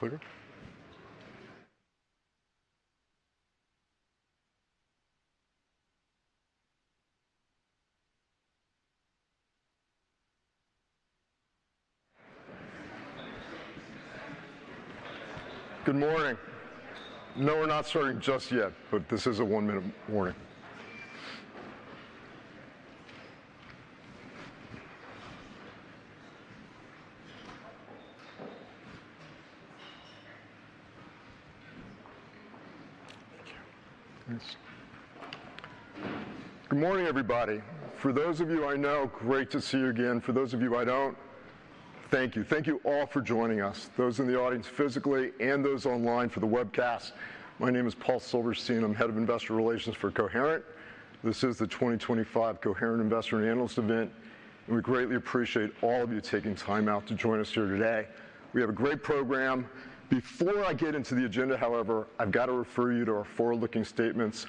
Good morning. No, we're not starting just yet, but this is a one-minute warning. Thank you. Good morning, everybody. For those of you I know, great to see you again. For those of you I don't, thank you. Thank you all for joining us, those in the audience physically and those online for the webcast. My name is Paul Silverstein. I'm Head of Investor Relations for Coherent. This is the 2025 Coherent Investor and Analyst Event, and we greatly appreciate all of you taking time out to join us here today. We have a great program. Before I get into the agenda, however, I've got to refer you to our forward-looking statements.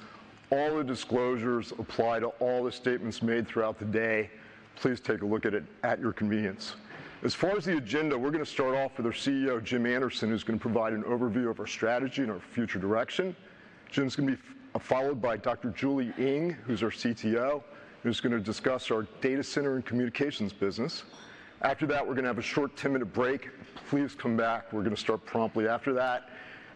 All the disclosures apply to all the statements made throughout the day. Please take a look at it at your convenience. As far as the agenda, we're going to start off with our CEO, Jim Anderson, who's going to provide an overview of our strategy and our future direction. Jim's going to be followed by Dr. Julie Eng, who's our CTO, who's going to discuss our data center and communications business. After that, we're going to have a short 10-minute break. Please come back. We're going to start promptly after that.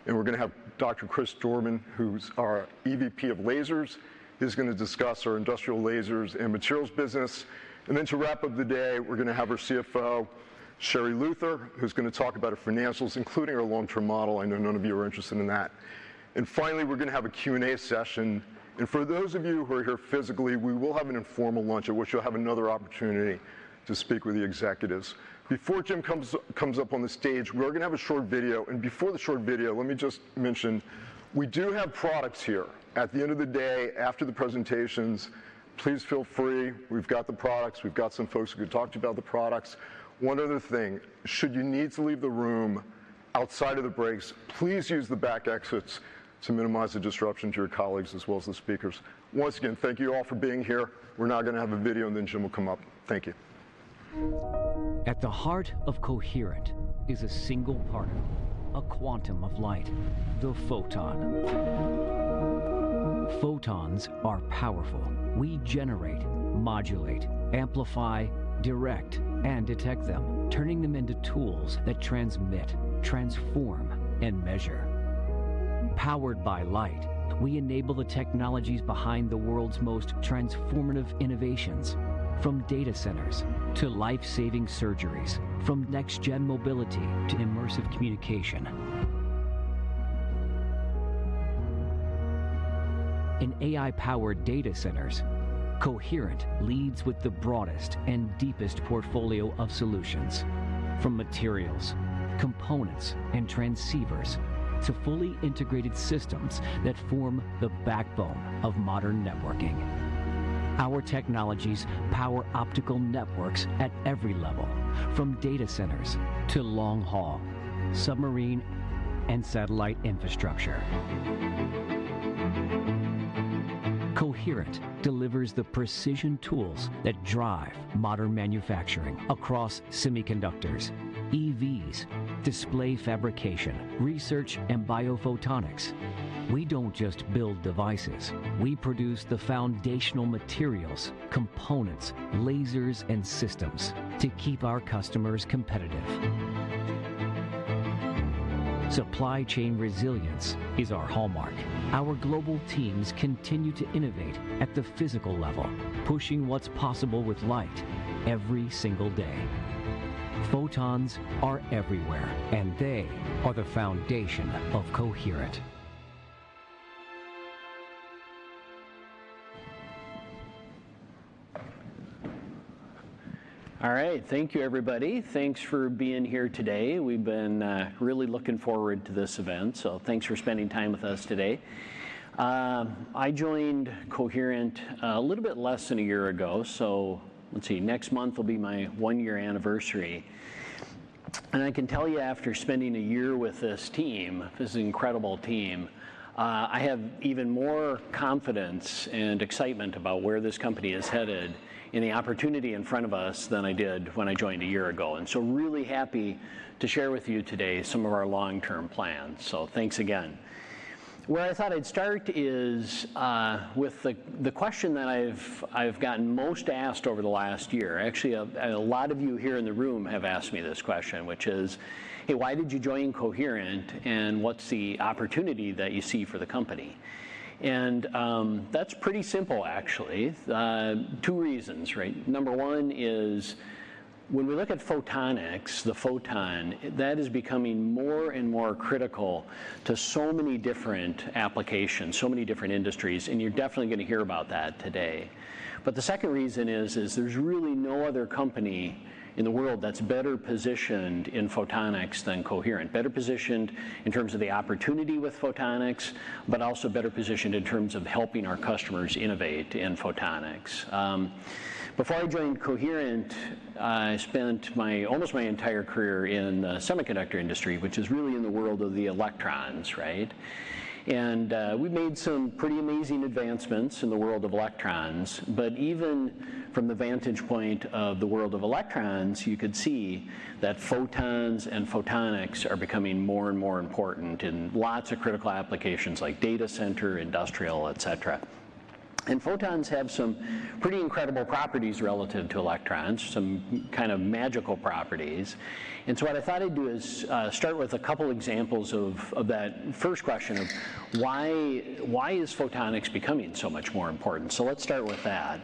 We're going to have Dr. Chris Dorman, who's our EVP of Lasers, who's going to discuss our industrial lasers and materials business. To wrap up the day, we're going to have our CFO, Sherri Luther, who's going to talk about our financials, including our long-term model. I know none of you are interested in that. Finally, we're going to have a Q&A session. For those of you who are here physically, we will have an informal lunch, at which you'll have another opportunity to speak with the executives. Before Jim comes up on the stage, we're going to have a short video. Before the short video, let me just mention, we do have products here. At the end of the day, after the presentations, please feel free. We've got the products. We've got some folks who could talk to you about the products. One other thing, should you need to leave the room outside of the breaks, please use the back exits to minimize the disruption to your colleagues as well as the speakers. Once again, thank you all for being here. We're now going to have a video, and then Jim will come up. Thank you. At the heart of Coherent is a single particle, a quantum of light, the photon. Photons are powerful. We generate, modulate, amplify, direct, and detect them, turning them into tools that transmit, transform, and measure. Powered by light, we enable the technologies behind the world's most transformative innovations, from data centers to life-saving surgeries, from next-gen mobility to immersive communication. In AI-powered data centers, Coherent leads with the broadest and deepest portfolio of solutions, from materials, components, and transceivers to fully integrated systems that form the backbone of modern networking. Our technologies power optical networks at every level, from data centers to long-haul, submarine, and satellite infrastructure. Coherent delivers the precision tools that drive modern manufacturing across semiconductors, EVs, display fabrication, research, and biophotonics. We don't just build devices. We produce the foundational materials, components, lasers, and systems to keep our customers competitive. Supply chain resilience is our hallmark. Our global teams continue to innovate at the physical level, pushing what's possible with light every single day. Photons are everywhere, and they are the foundation of Coherent. All right. Thank you, everybody. Thanks for being here today. We've been really looking forward to this event, so thanks for spending time with us today. I joined Coherent a little bit less than a year ago, so let's see. Next month will be my one-year anniversary. I can tell you, after spending a year with this team, this is an incredible team, I have even more confidence and excitement about where this company is headed and the opportunity in front of us than I did when I joined a year ago. I am really happy to share with you today some of our long-term plans. Thanks again. Where I thought I'd start is with the question that I've gotten most asked over the last year. Actually, a lot of you here in the room have asked me this question, which is, "Hey, why did you join Coherent, and what's the opportunity that you see for the company?" That's pretty simple, actually. Two reasons, right? Number one is when we look at photonics, the photon, that is becoming more and more critical to so many different applications, so many different industries, and you're definitely going to hear about that today. The second reason is there's really no other company in the world that's better positioned in photonics than Coherent, better positioned in terms of the opportunity with photonics, but also better positioned in terms of helping our customers innovate in photonics. Before I joined Coherent, I spent almost my entire career in the semiconductor industry, which is really in the world of the electrons, right? We made some pretty amazing advancements in the world of electrons. Even from the vantage point of the world of electrons, you could see that photons and photonics are becoming more and more important in lots of critical applications like data center, industrial, et cetera. Photons have some pretty incredible properties relative to electrons, some kind of magical properties. What I thought I'd do is start with a couple of examples of that first question of why is photonics becoming so much more important? Let's start with that.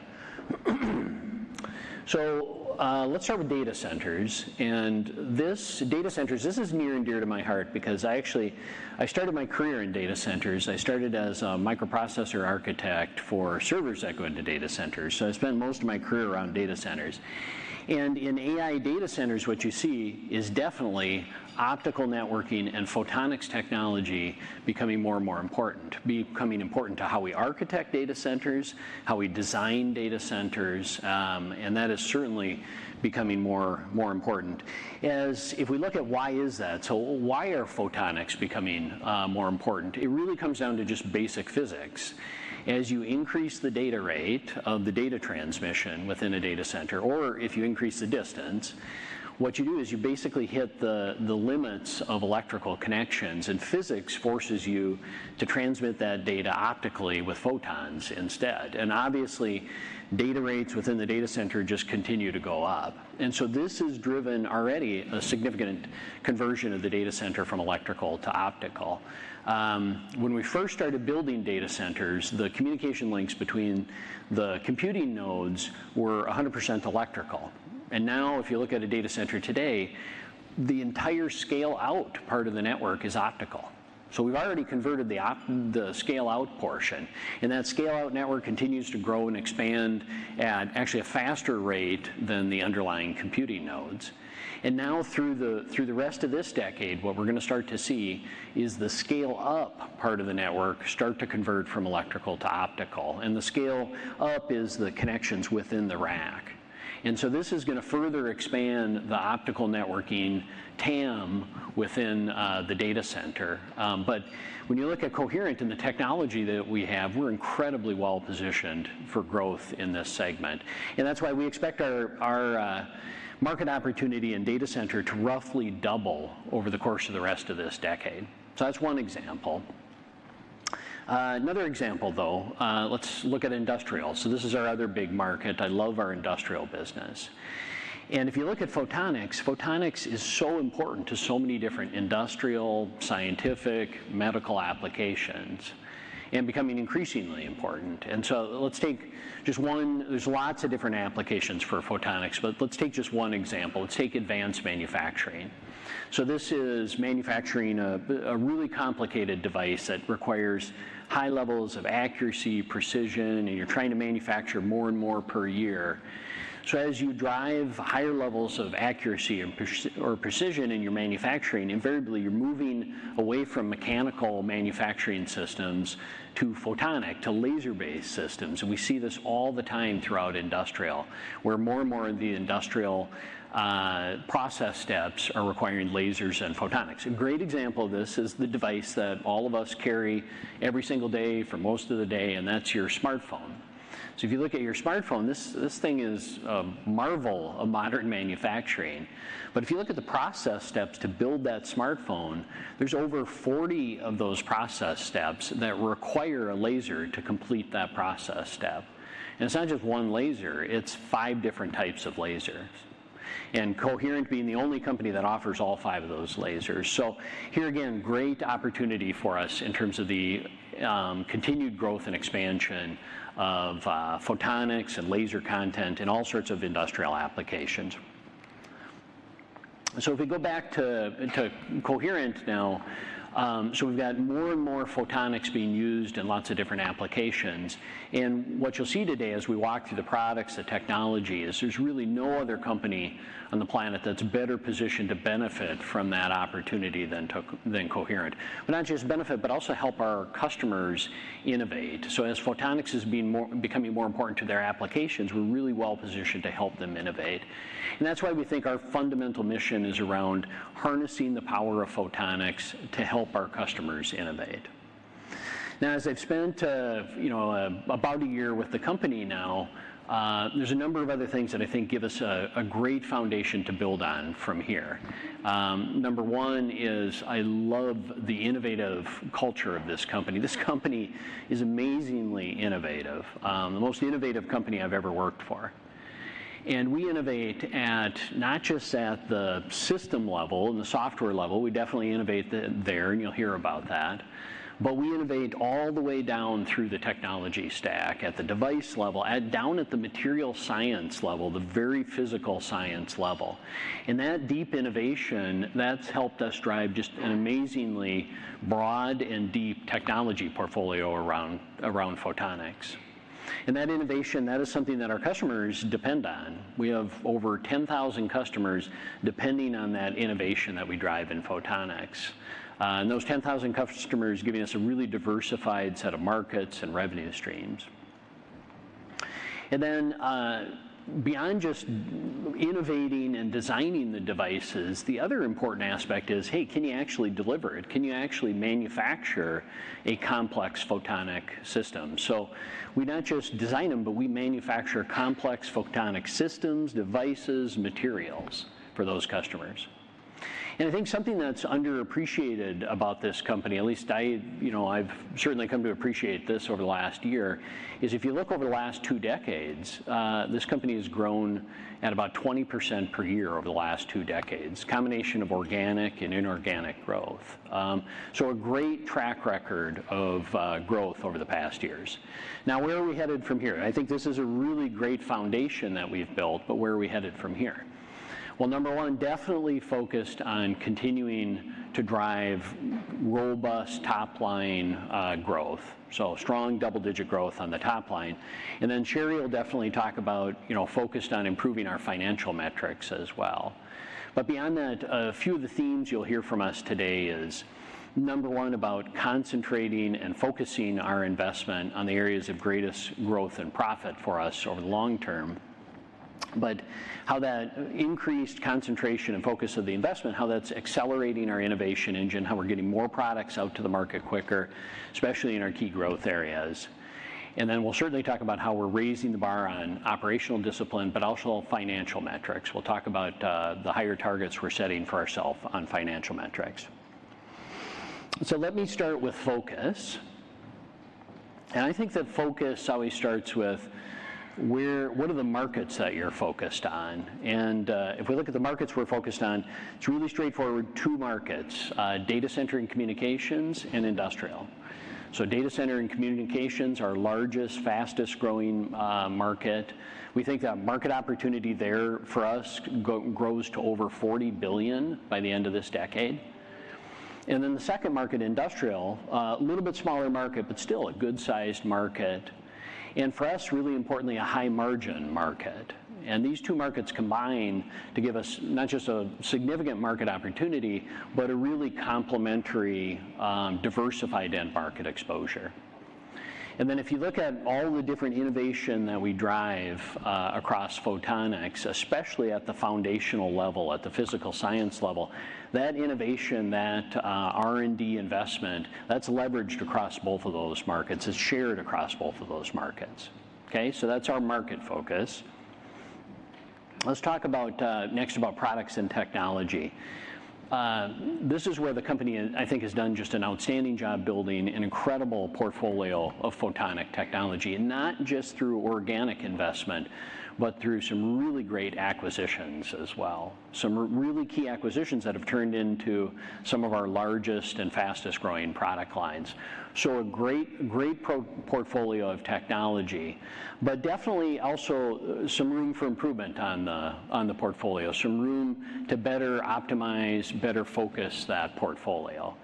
Let's start with data centers. This data centers, this is near and dear to my heart because I actually started my career in data centers. I started as a microprocessor architect for servers that go into data centers. I spent most of my career around data centers. In AI data centers, what you see is definitely optical networking and photonics technology becoming more and more important, becoming important to how we architect data centers, how we design data centers. That is certainly becoming more important. If we look at why is that, so why are photonics becoming more important? It really comes down to just basic physics. As you increase the data rate of the data transmission within a data center, or if you increase the distance, what you do is you basically hit the limits of electrical connections. Physics forces you to transmit that data optically with photons instead. Obviously, data rates within the data center just continue to go up. This has driven already a significant conversion of the data center from electrical to optical. When we first started building data centers, the communication links between the computing nodes were 100% electrical. Now, if you look at a data center today, the entire scale-out part of the network is optical. We have already converted the scale-out portion. That scale-out network continues to grow and expand at actually a faster rate than the underlying computing nodes. Now, through the rest of this decade, what we are going to start to see is the scale-up part of the network start to convert from electrical to optical. The scale-up is the connections within the rack. This is going to further expand the optical networking TAM within the data center. When you look at Coherent and the technology that we have, we are incredibly well positioned for growth in this segment. That is why we expect our market opportunity in data center to roughly double over the course of the rest of this decade. That is one example. Another example, though, let's look at industrial. This is our other big market. I love our industrial business. If you look at photonics, photonics is so important to so many different industrial, scientific, medical applications and becoming increasingly important. Let's take just one—there are lots of different applications for photonics, but let's take just one example. Let's take advanced manufacturing. This is manufacturing a really complicated device that requires high levels of accuracy, precision, and you are trying to manufacture more and more per year. As you drive higher levels of accuracy or precision in your manufacturing, invariably you are moving away from mechanical manufacturing systems to photonic, to laser-based systems. We see this all the time throughout industrial, where more and more of the industrial process steps are requiring lasers and photonics. A great example of this is the device that all of us carry every single day for most of the day, and that is your smartphone. If you look at your smartphone, this thing is a marvel of modern manufacturing. If you look at the process steps to build that smartphone, there are over 40 of those process steps that require a laser to complete that process step. It is not just one laser. It is five different types of lasers, and Coherent being the only company that offers all five of those lasers. Here again, great opportunity for us in terms of the continued growth and expansion of photonics and laser content in all sorts of industrial applications. If we go back to Coherent now, we've got more and more photonics being used in lots of different applications. What you'll see today as we walk through the products, the technology is there's really no other company on the planet that's better positioned to benefit from that opportunity than Coherent. Not just benefit, but also help our customers innovate. As photonics is becoming more important to their applications, we're really well positioned to help them innovate. That's why we think our fundamental mission is around harnessing the power of photonics to help our customers innovate. As I've spent about a year with the company now, there's a number of other things that I think give us a great foundation to build on from here. Number one is I love the innovative culture of this company. This company is amazingly innovative, the most innovative company I've ever worked for. We innovate not just at the system level and the software level. We definitely innovate there, and you'll hear about that. We innovate all the way down through the technology stack, at the device level, down at the material science level, the very physical science level. That deep innovation, that's helped us drive just an amazingly broad and deep technology portfolio around photonics. That innovation, that is something that our customers depend on. We have over 10,000 customers depending on that innovation that we drive in photonics. Those 10,000 customers are giving us a really diversified set of markets and revenue streams. Beyond just innovating and designing the devices, the other important aspect is, hey, can you actually deliver it? Can you actually manufacture a complex photonic system? We not just design them, but we manufacture complex photonic systems, devices, materials for those customers. I think something that's underappreciated about this company, at least I've certainly come to appreciate this over the last year, is if you look over the last two decades, this company has grown at about 20% per year over the last two decades, a combination of organic and inorganic growth. A great track record of growth over the past years. Now, where are we headed from here? I think this is a really great foundation that we've built, but where are we headed from here? Number one, definitely focused on continuing to drive robust top-line growth, so strong double-digit growth on the top line. Sherri will definitely talk about focused on improving our financial metrics as well. Beyond that, a few of the themes you'll hear from us today is, number one, about concentrating and focusing our investment on the areas of greatest growth and profit for us over the long term, but how that increased concentration and focus of the investment, how that's accelerating our innovation engine, how we're getting more products out to the market quicker, especially in our key growth areas. We'll certainly talk about how we're raising the bar on operational discipline, but also financial metrics. We'll talk about the higher targets we're setting for ourselves on financial metrics. Let me start with focus. I think that focus always starts with what are the markets that you're focused on. If we look at the markets we're focused on, it's really straightforward: two markets, data center and communications and industrial. Data center and communications are our largest, fastest-growing market. We think that market opportunity there for us grows to over $40 billion by the end of this decade. The second market, industrial, a little bit smaller market, but still a good-sized market. For us, really importantly, a high-margin market. These two markets combine to give us not just a significant market opportunity, but a really complementary, diversified end market exposure. If you look at all the different innovation that we drive across photonics, especially at the foundational level, at the physical science level, that innovation, that R&D investment, that's leveraged across both of those markets, is shared across both of those markets. Okay? That's our market focus. Let's talk next about products and technology. This is where the company, I think, has done just an outstanding job building an incredible portfolio of photonic technology, not just through organic investment, but through some really great acquisitions as well, some really key acquisitions that have turned into some of our largest and fastest-growing product lines. A great portfolio of technology, but definitely also some room for improvement on the portfolio, some room to better optimize, better focus that portfolio.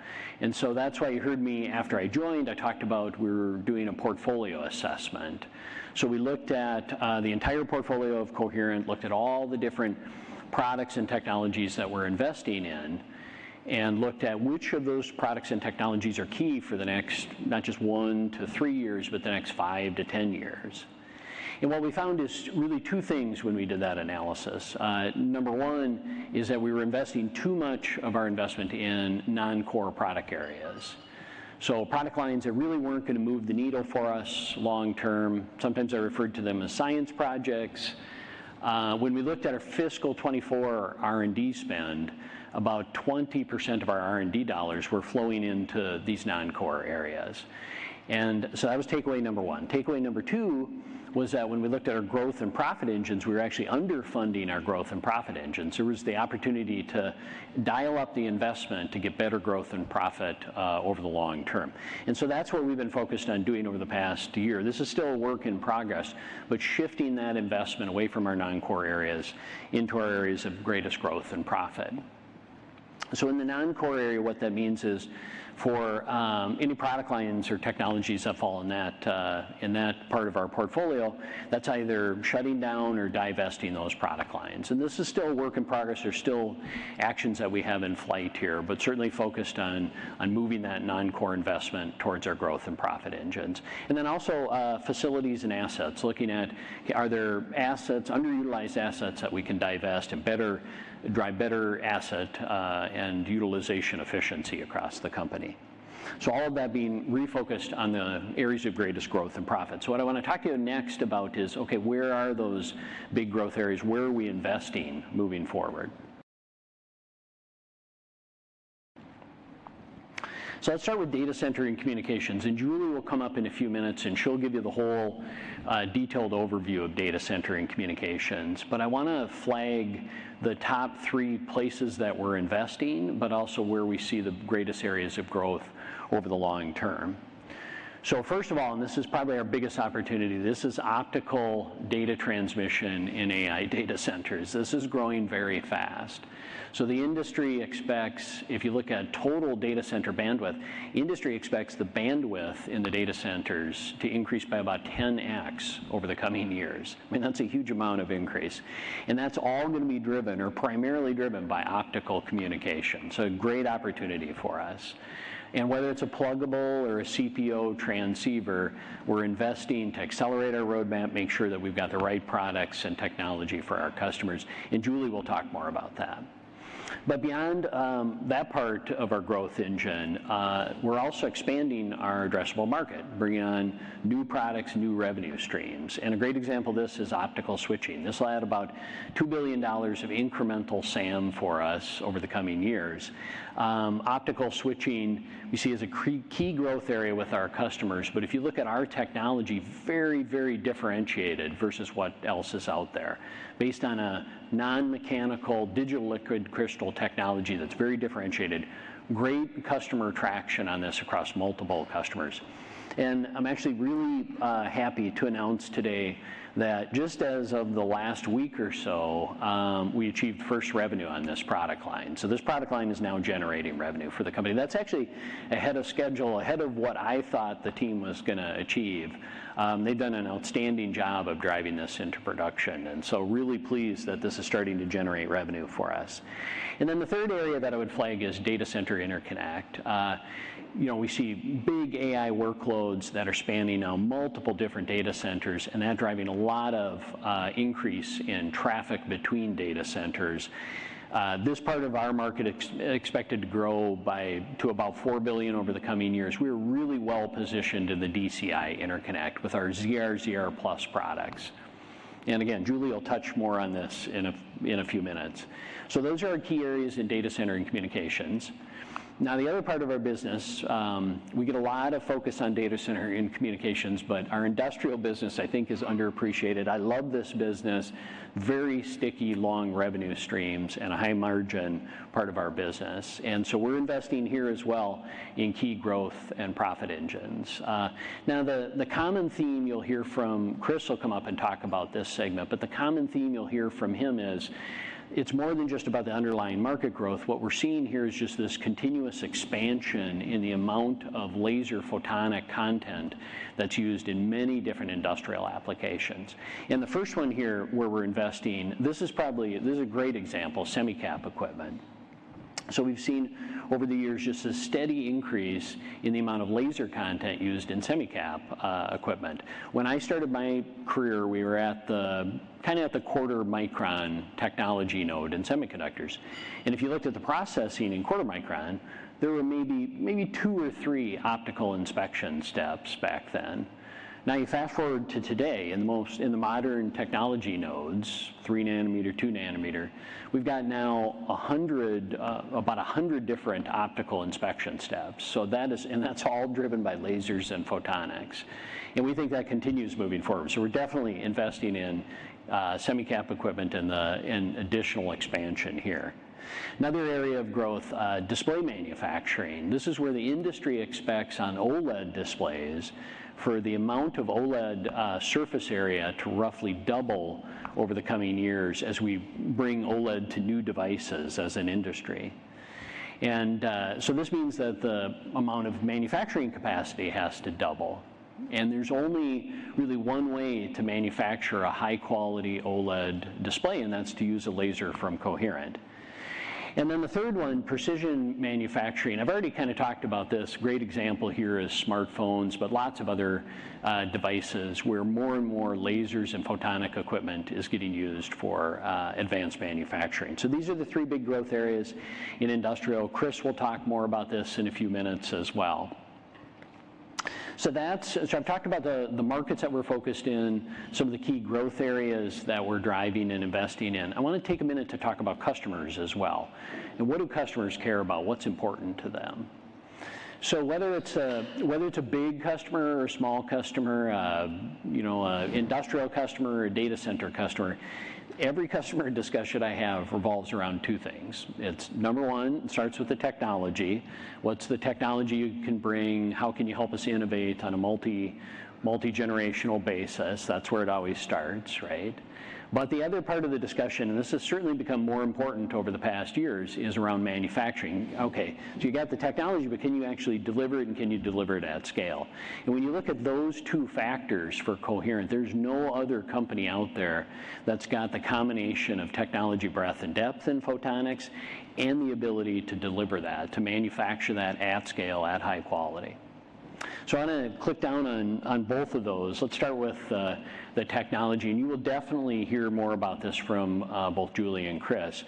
That is why you heard me after I joined, I talked about we were doing a portfolio assessment. We looked at the entire portfolio of Coherent, looked at all the different products and technologies that we're investing in, and looked at which of those products and technologies are key for the next not just one to three years, but the next five to ten years. What we found is really two things when we did that analysis. Number one is that we were investing too much of our investment in non-core product areas. Product lines that really were not going to move the needle for us long-term. Sometimes I referred to them as science projects. When we looked at our fiscal 2024 R&D spend, about 20% of our R&D dollars were flowing into these non-core areas. That was takeaway number one. Takeaway number two was that when we looked at our growth and profit engines, we were actually underfunding our growth and profit engines. There was the opportunity to dial up the investment to get better growth and profit over the long term. That is what we have been focused on doing over the past year. This is still a work in progress, but shifting that investment away from our non-core areas into our areas of greatest growth and profit. In the non-core area, what that means is for any product lines or technologies that fall in that part of our portfolio, that's either shutting down or divesting those product lines. This is still a work in progress. There are still actions that we have in flight here, but certainly focused on moving that non-core investment towards our growth and profit engines. Also, facilities and assets, looking at are there underutilized assets that we can divest and drive better asset and utilization efficiency across the company. All of that being refocused on the areas of greatest growth and profit. What I want to talk to you next about is, okay, where are those big growth areas? Where are we investing moving forward? Let's start with data center and communications. Julie will come up in a few minutes, and she'll give you the whole detailed overview of data center and communications. I want to flag the top three places that we're investing, but also where we see the greatest areas of growth over the long term. First of all, and this is probably our biggest opportunity, this is optical data transmission in AI data centers. This is growing very fast. The industry expects, if you look at total data center bandwidth, the industry expects the bandwidth in the data centers to increase by about 10x over the coming years. I mean, that's a huge amount of increase. That's all going to be driven or primarily driven by optical communication. A great opportunity for us. Whether it is a pluggable or a CPO transceiver, we are investing to accelerate our roadmap, make sure that we have got the right products and technology for our customers. Julie will talk more about that. Beyond that part of our growth engine, we are also expanding our addressable market, bringing on new products and new revenue streams. A great example of this is optical switching. This will add about $2 billion of incremental SAM for us over the coming years. Optical switching we see as a key growth area with our customers. If you look at our technology, it is very, very differentiated versus what else is out there, based on a non-mechanical digital liquid crystal technology that is very differentiated, great customer traction on this across multiple customers. I'm actually really happy to announce today that just as of the last week or so, we achieved first revenue on this product line. This product line is now generating revenue for the company. That's actually ahead of schedule, ahead of what I thought the team was going to achieve. They've done an outstanding job of driving this into production. I'm really pleased that this is starting to generate revenue for us. The third area that I would flag is data center interconnect. We see big AI workloads that are spanning now multiple different data centers, and that's driving a lot of increase in traffic between data centers. This part of our market is expected to grow to about $4 billion over the coming years. We're really well positioned in the DCI interconnect with our ZR, ZR Plus products. Again, Julie will touch more on this in a few minutes. Those are our key areas in data center and communications. Now, the other part of our business, we get a lot of focus on data center and communications, but our industrial business, I think, is underappreciated. I love this business, very sticky, long revenue streams and a high-margin part of our business. We are investing here as well in key growth and profit engines. The common theme you will hear from Chris will come up and talk about this segment, but the common theme you will hear from him is it is more than just about the underlying market growth. What we are seeing here is just this continuous expansion in the amount of laser photonic content that is used in many different industrial applications. The first one here where we are investing, this is a great example, semicap equipment. We have seen over the years just a steady increase in the amount of laser content used in semicap equipment. When I started my career, we were kind of at the quarter-micron technology node in semiconductors. If you looked at the processing in quarter-micron, there were maybe two or three optical inspection steps back then. Now, you fast forward to today in the modern technology nodes, 3 nanometer, 2 nanometer, we have now about 100 different optical inspection steps. That is all driven by lasers and photonics. We think that continues moving forward. We are definitely investing in semicap equipment and additional expansion here. Another area of growth is display manufacturing. This is where the industry expects on OLED displays for the amount of OLED surface area to roughly double over the coming years as we bring OLED to new devices as an industry. This means that the amount of manufacturing capacity has to double. There is only really one way to manufacture a high-quality OLED display, and that is to use a laser from Coherent. The third one, precision manufacturing. I have already kind of talked about this. A great example here is smartphones, but there are lots of other devices where more and more lasers and photonic equipment are getting used for advanced manufacturing. These are the three big growth areas in industrial. Chris will talk more about this in a few minutes as well. I have talked about the markets that we are focused in, some of the key growth areas that we are driving and investing in. I want to take a minute to talk about customers as well. What do customers care about? What is important to them? Whether it's a big customer or a small customer, an industrial customer or a data center customer, every customer discussion I have revolves around two things. Number one, it starts with the technology. What's the technology you can bring? How can you help us innovate on a multi-generational basis? That's where it always starts, right? The other part of the discussion, and this has certainly become more important over the past years, is around manufacturing. Okay, you got the technology, but can you actually deliver it, and can you deliver it at scale? When you look at those two factors for Coherent, there's no other company out there that's got the combination of technology, breadth, and depth in photonics, and the ability to deliver that, to manufacture that at scale, at high quality. I want to click down on both of those. Let's start with the technology. You will definitely hear more about this from both Julie and Chris.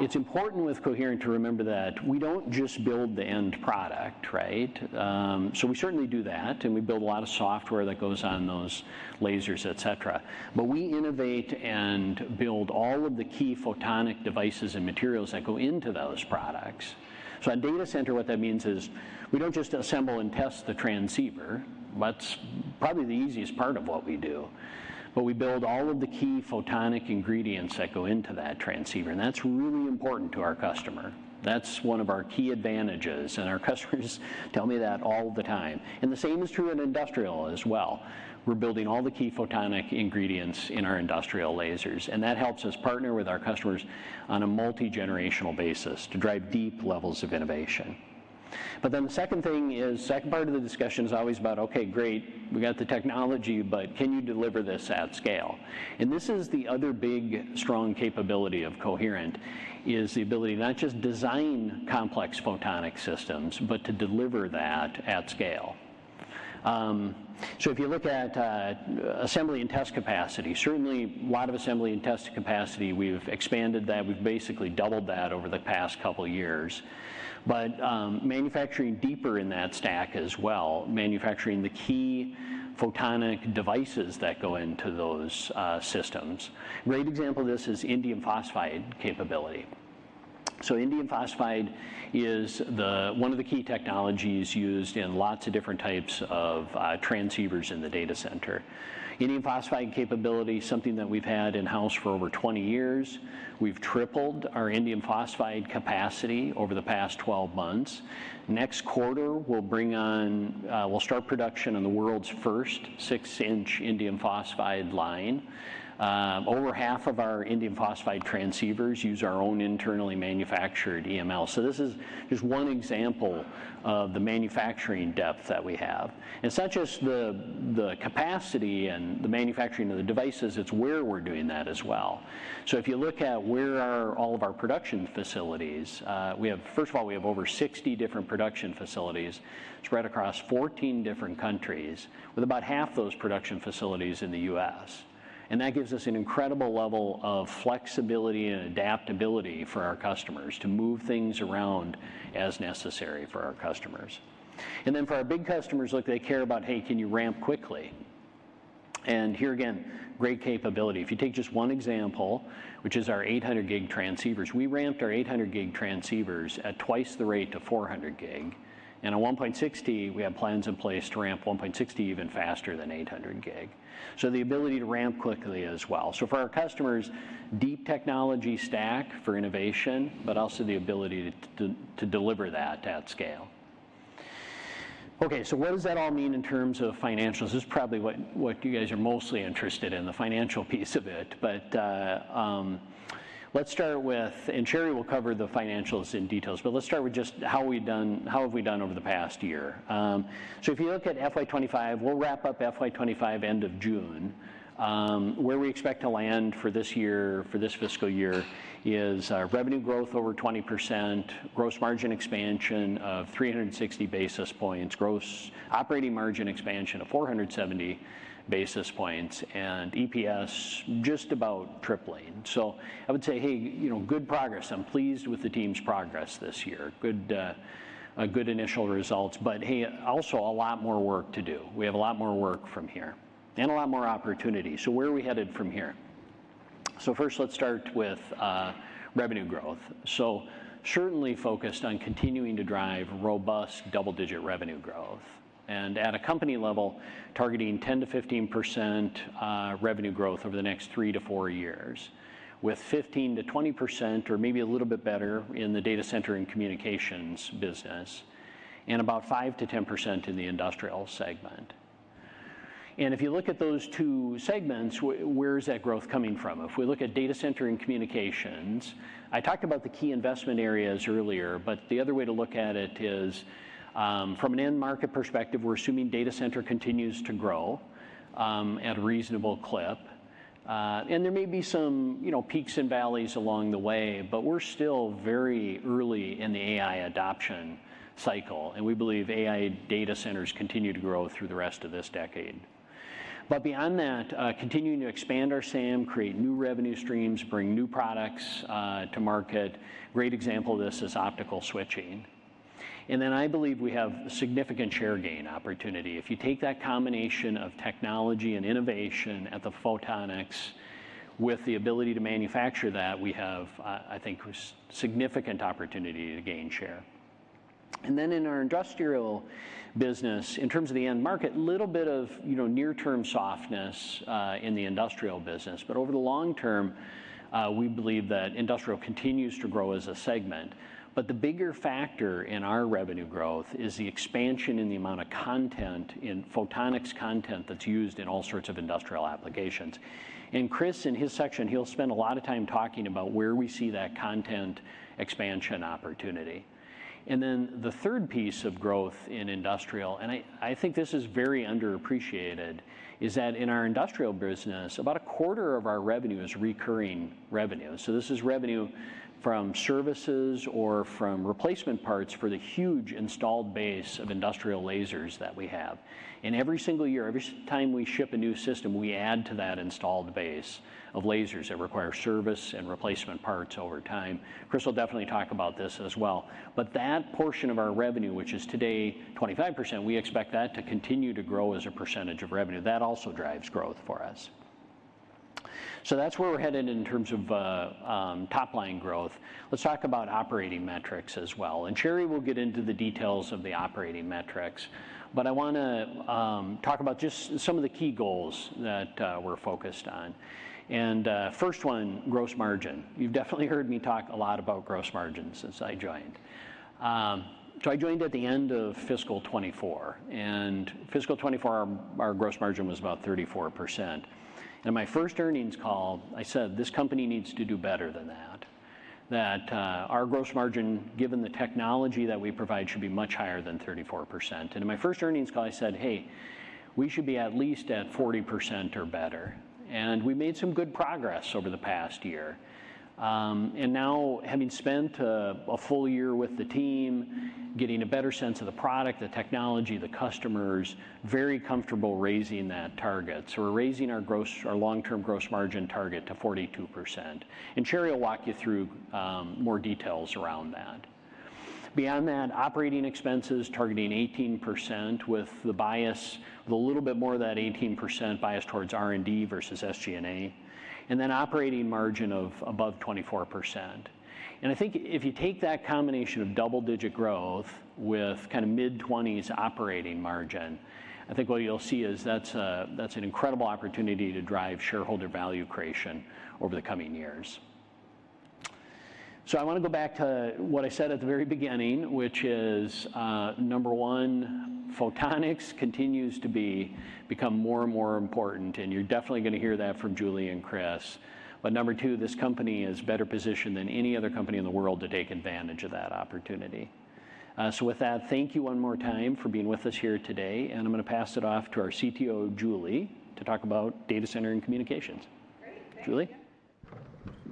It's important with Coherent to remember that we don't just build the end product, right? We certainly do that, and we build a lot of software that goes on those lasers, etc. We innovate and build all of the key photonic devices and materials that go into those products. In data center, what that means is we don't just assemble and test the transceiver. That's probably the easiest part of what we do. We build all of the key photonic ingredients that go into that transceiver. That's really important to our customer. That's one of our key advantages. Our customers tell me that all the time. The same is true in industrial as well. We're building all the key photonic ingredients in our industrial lasers. That helps us partner with our customers on a multi-generational basis to drive deep levels of innovation. The second part of the discussion is always about, okay, great, we got the technology, but can you deliver this at scale? This is the other big strong capability of Coherent, the ability to not just design complex photonic systems, but to deliver that at scale. If you look at assembly and test capacity, certainly a lot of assembly and test capacity, we've expanded that. We've basically doubled that over the past couple of years. Manufacturing deeper in that stack as well, manufacturing the key photonic devices that go into those systems. A great example of this is indium phosphide capability. Indium phosphide is one of the key technologies used in lots of different types of transceivers in the data center. Indium phosphide capability, something that we've had in-house for over 20 years. We've tripled our indium phosphide capacity over the past 12 months. Next quarter, we'll start production on the world's first 6-inch indium phosphide line. Over half of our indium phosphide transceivers use our own internally manufactured EML. This is just one example of the manufacturing depth that we have. It's not just the capacity and the manufacturing of the devices. It's where we're doing that as well. If you look at where all of our production facilities are, first of all, we have over 60 different production facilities spread across 14 different countries, with about half those production facilities in the U.S. That gives us an incredible level of flexibility and adaptability for our customers to move things around as necessary for our customers. For our big customers, they care about, hey, can you ramp quickly? Here again, great capability. If you take just one example, which is our 800G transceivers, we ramped our 800G transceivers at twice the rate to 400G. On 1.6T, we have plans in place to ramp 1.6T even faster than 800G. The ability to ramp quickly as well. For our customers, deep technology stack for innovation, but also the ability to deliver that at scale. What does that all mean in terms of financials? This is probably what you guys are mostly interested in, the financial piece of it. Let's start with, and Sherri will cover the financials in detail, but let's start with just how we've done over the past year. If you look at FY2025, we'll wrap up FY2025 end of June. Where we expect to land for this year, for this fiscal year, is revenue growth over 20%, Gross margin expansion of 360 basis points, gross Operating margin expansion of 470 basis points, and EPS just about tripling. I would say, hey, good progress. I'm pleased with the team's progress this year. Good initial results. Hey, also a lot more work to do. We have a lot more work from here and a lot more opportunity. Where are we headed from here? First, let's start with revenue growth. Certainly focused on continuing to drive robust double-digit revenue growth. At a company level, targeting 10% to 15% revenue growth over the next three to four years, with 15% to 20% or maybe a little bit better in the data center and communications business, and about 5-10% in the industrial segment. If you look at those two segments, where is that growth coming from? If we look at data center and communications, I talked about the key investment areas earlier, but the other way to look at it is from an end market perspective, we're assuming data center continues to grow at a reasonable clip. There may be some peaks and valleys along the way, but we're still very early in the AI adoption cycle. We believe AI data centers continue to grow through the rest of this decade. Beyond that, continuing to expand our SAM, create new revenue streams, bring new products to market. A great example of this is optical switching. I believe we have significant share gain opportunity. If you take that combination of technology and innovation at the photonics with the ability to manufacture that, we have, I think, significant opportunity to gain share. In our industrial business, in terms of the end market, a little bit of near-term softness in the industrial business. Over the long term, we believe that industrial continues to grow as a segment. The bigger factor in our revenue growth is the expansion in the amount of content, in photonics content that's used in all sorts of industrial applications. Chris, in his section, he'll spend a lot of time talking about where we see that content expansion opportunity. The third piece of growth in industrial, and I think this is very underappreciated, is that in our industrial business, about a quarter of our revenue is recurring revenue. This is revenue from services or from replacement parts for the huge installed base of industrial lasers that we have. Every single year, every time we ship a new system, we add to that installed base of lasers that require service and replacement parts over time. Chris will definitely talk about this as well. That portion of our revenue, which is today 25%, we expect that to continue to grow as a percentage of revenue. That also drives growth for us. That is where we are headed in terms of top-line growth. Let's talk about operating metrics as well. Sherri will get into the details of the operating metrics. I want to talk about just some of the key goals that we are focused on. First one, gross margin. You have definitely heard me talk a lot about gross margin since I joined. I joined at the end of fiscal 2024. Fiscal 2024, our gross margin was about 34%. In my first earnings call, I said, "This company needs to do better than that." Our Gross margin, given the technology that we provide, should be much higher than 34%. In my first earnings call, I said, "Hey, we should be at least at 40% or better." We made some good progress over the past year. Now, having spent a full year with the team, getting a better sense of the product, the technology, the customers, very comfortable raising that target. We are raising our long-term Gross margin target to 42%. Sherri will walk you through more details around that. Beyond that, Operating expenses targeting 18% with the bias, the little bit more of that 18% bias towards R&D versus SG&A. Operating margin of above 24%. I think if you take that combination of double-digit growth with kind of mid-20s Operating margin, I think what you'll see is that's an incredible opportunity to drive shareholder value creation over the coming years. I want to go back to what I said at the very beginning, which is number one, photonics continues to become more and more important. You're definitely going to hear that from Julie and Chris. Number two, this company is better positioned than any other company in the world to take advantage of that opportunity. With that, thank you one more time for being with us here today. I'm going to pass it off to our CTO, Julie, to talk about data center and communications. Great. Thank you. Julie?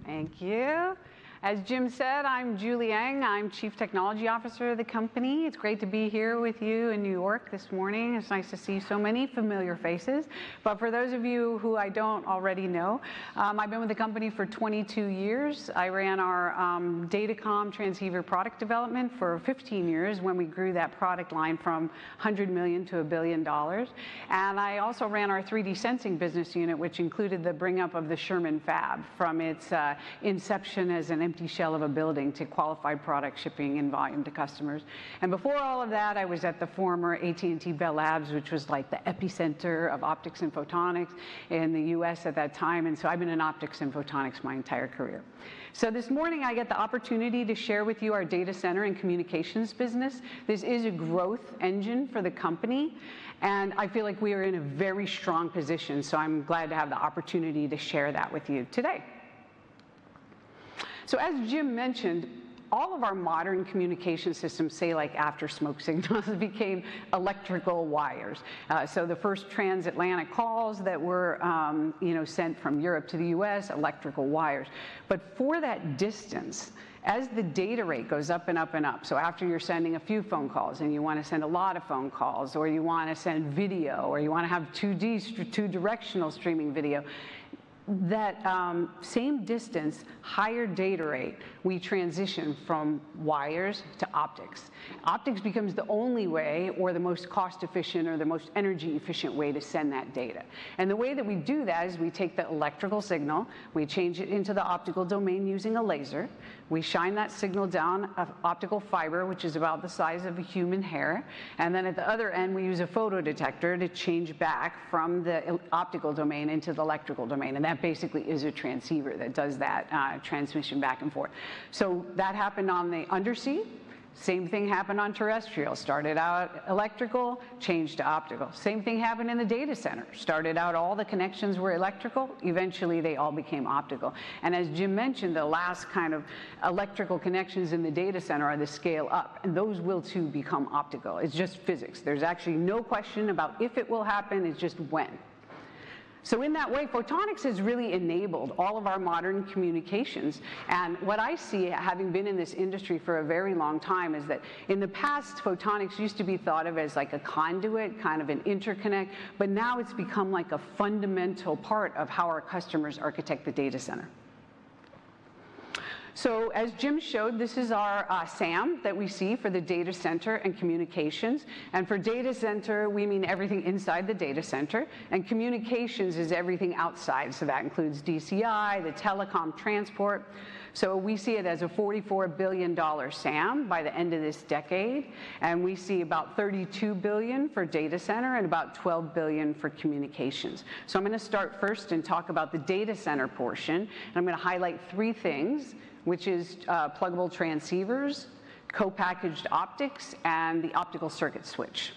Thank you. As Jim said, I'm Julie Eng .I'm Chief Technology Officer of the company. It's great to be here with you in New York this morning. It's nice to see so many familiar faces. For those of you who I don't already know, I've been with the company for 22 years. I ran our data comm transceiver product development for 15 years when we grew that product line from $100 million to $1 billion. I also ran our 3D sensing business unit, which included the bring-up of the Sherman Fab from its inception as an empty shell of a building to qualified product shipping in volume to customers. Before all of that, I was at the former AT&T Bell Labs, which was like the epicenter of optics and photonics in the U.S. at that time. I've been in optics and photonics my entire career. This morning, I get the opportunity to share with you our data center and communications business. This is a growth engine for the company. I feel like we are in a very strong position. I am glad to have the opportunity to share that with you today. As Jim mentioned, all of our modern communication systems, say like after smoke signals, became electrical wires. The first transatlantic calls that were sent from Europe to the U.S., electrical wires. For that distance, as the data rate goes up and up and up, after you are sending a few phone calls and you want to send a lot of phone calls, or you want to send video, or you want to have two-directional streaming video, that same distance, higher data rate, we transition from wires to optics. Optics becomes the only way, or the most cost-efficient, or the most energy-efficient way to send that data. The way that we do that is we take the electrical signal, we change it into the optical domain using a laser, we shine that signal down an optical fiber, which is about the size of a human hair. At the other end, we use a photodetector to change back from the optical domain into the electrical domain. That basically is a transceiver that does that transmission back and forth. That happened on the undersea; same thing happened on terrestrial. Started out electrical, changed to optical. Same thing happened in the data center. Started out all the connections were electrical; eventually, they all became optical. As Jim mentioned, the last kind of electrical connections in the data center are the scale-up. Those will too become optical. It's just physics. There's actually no question about if it will happen; it's just when. In that way, photonics has really enabled all of our modern communications. What I see, having been in this industry for a very long time, is that in the past, photonics used to be thought of as like a conduit, kind of an interconnect. Now it's become like a fundamental part of how our customers architect the data center. As Jim showed, this is our SAM that we see for the data center and communications. For data center, we mean everything inside the data center. Communications is everything outside. That includes DCI, the telecom, transport. We see it as a $44 billion SAM by the end of this decade. We see about $32 billion for data center and about $12 billion for communications. I'm going to start first and talk about the data center portion. I'm going to highlight three things, which are pluggable transceivers, co-packaged optics, and the optical circuit switch.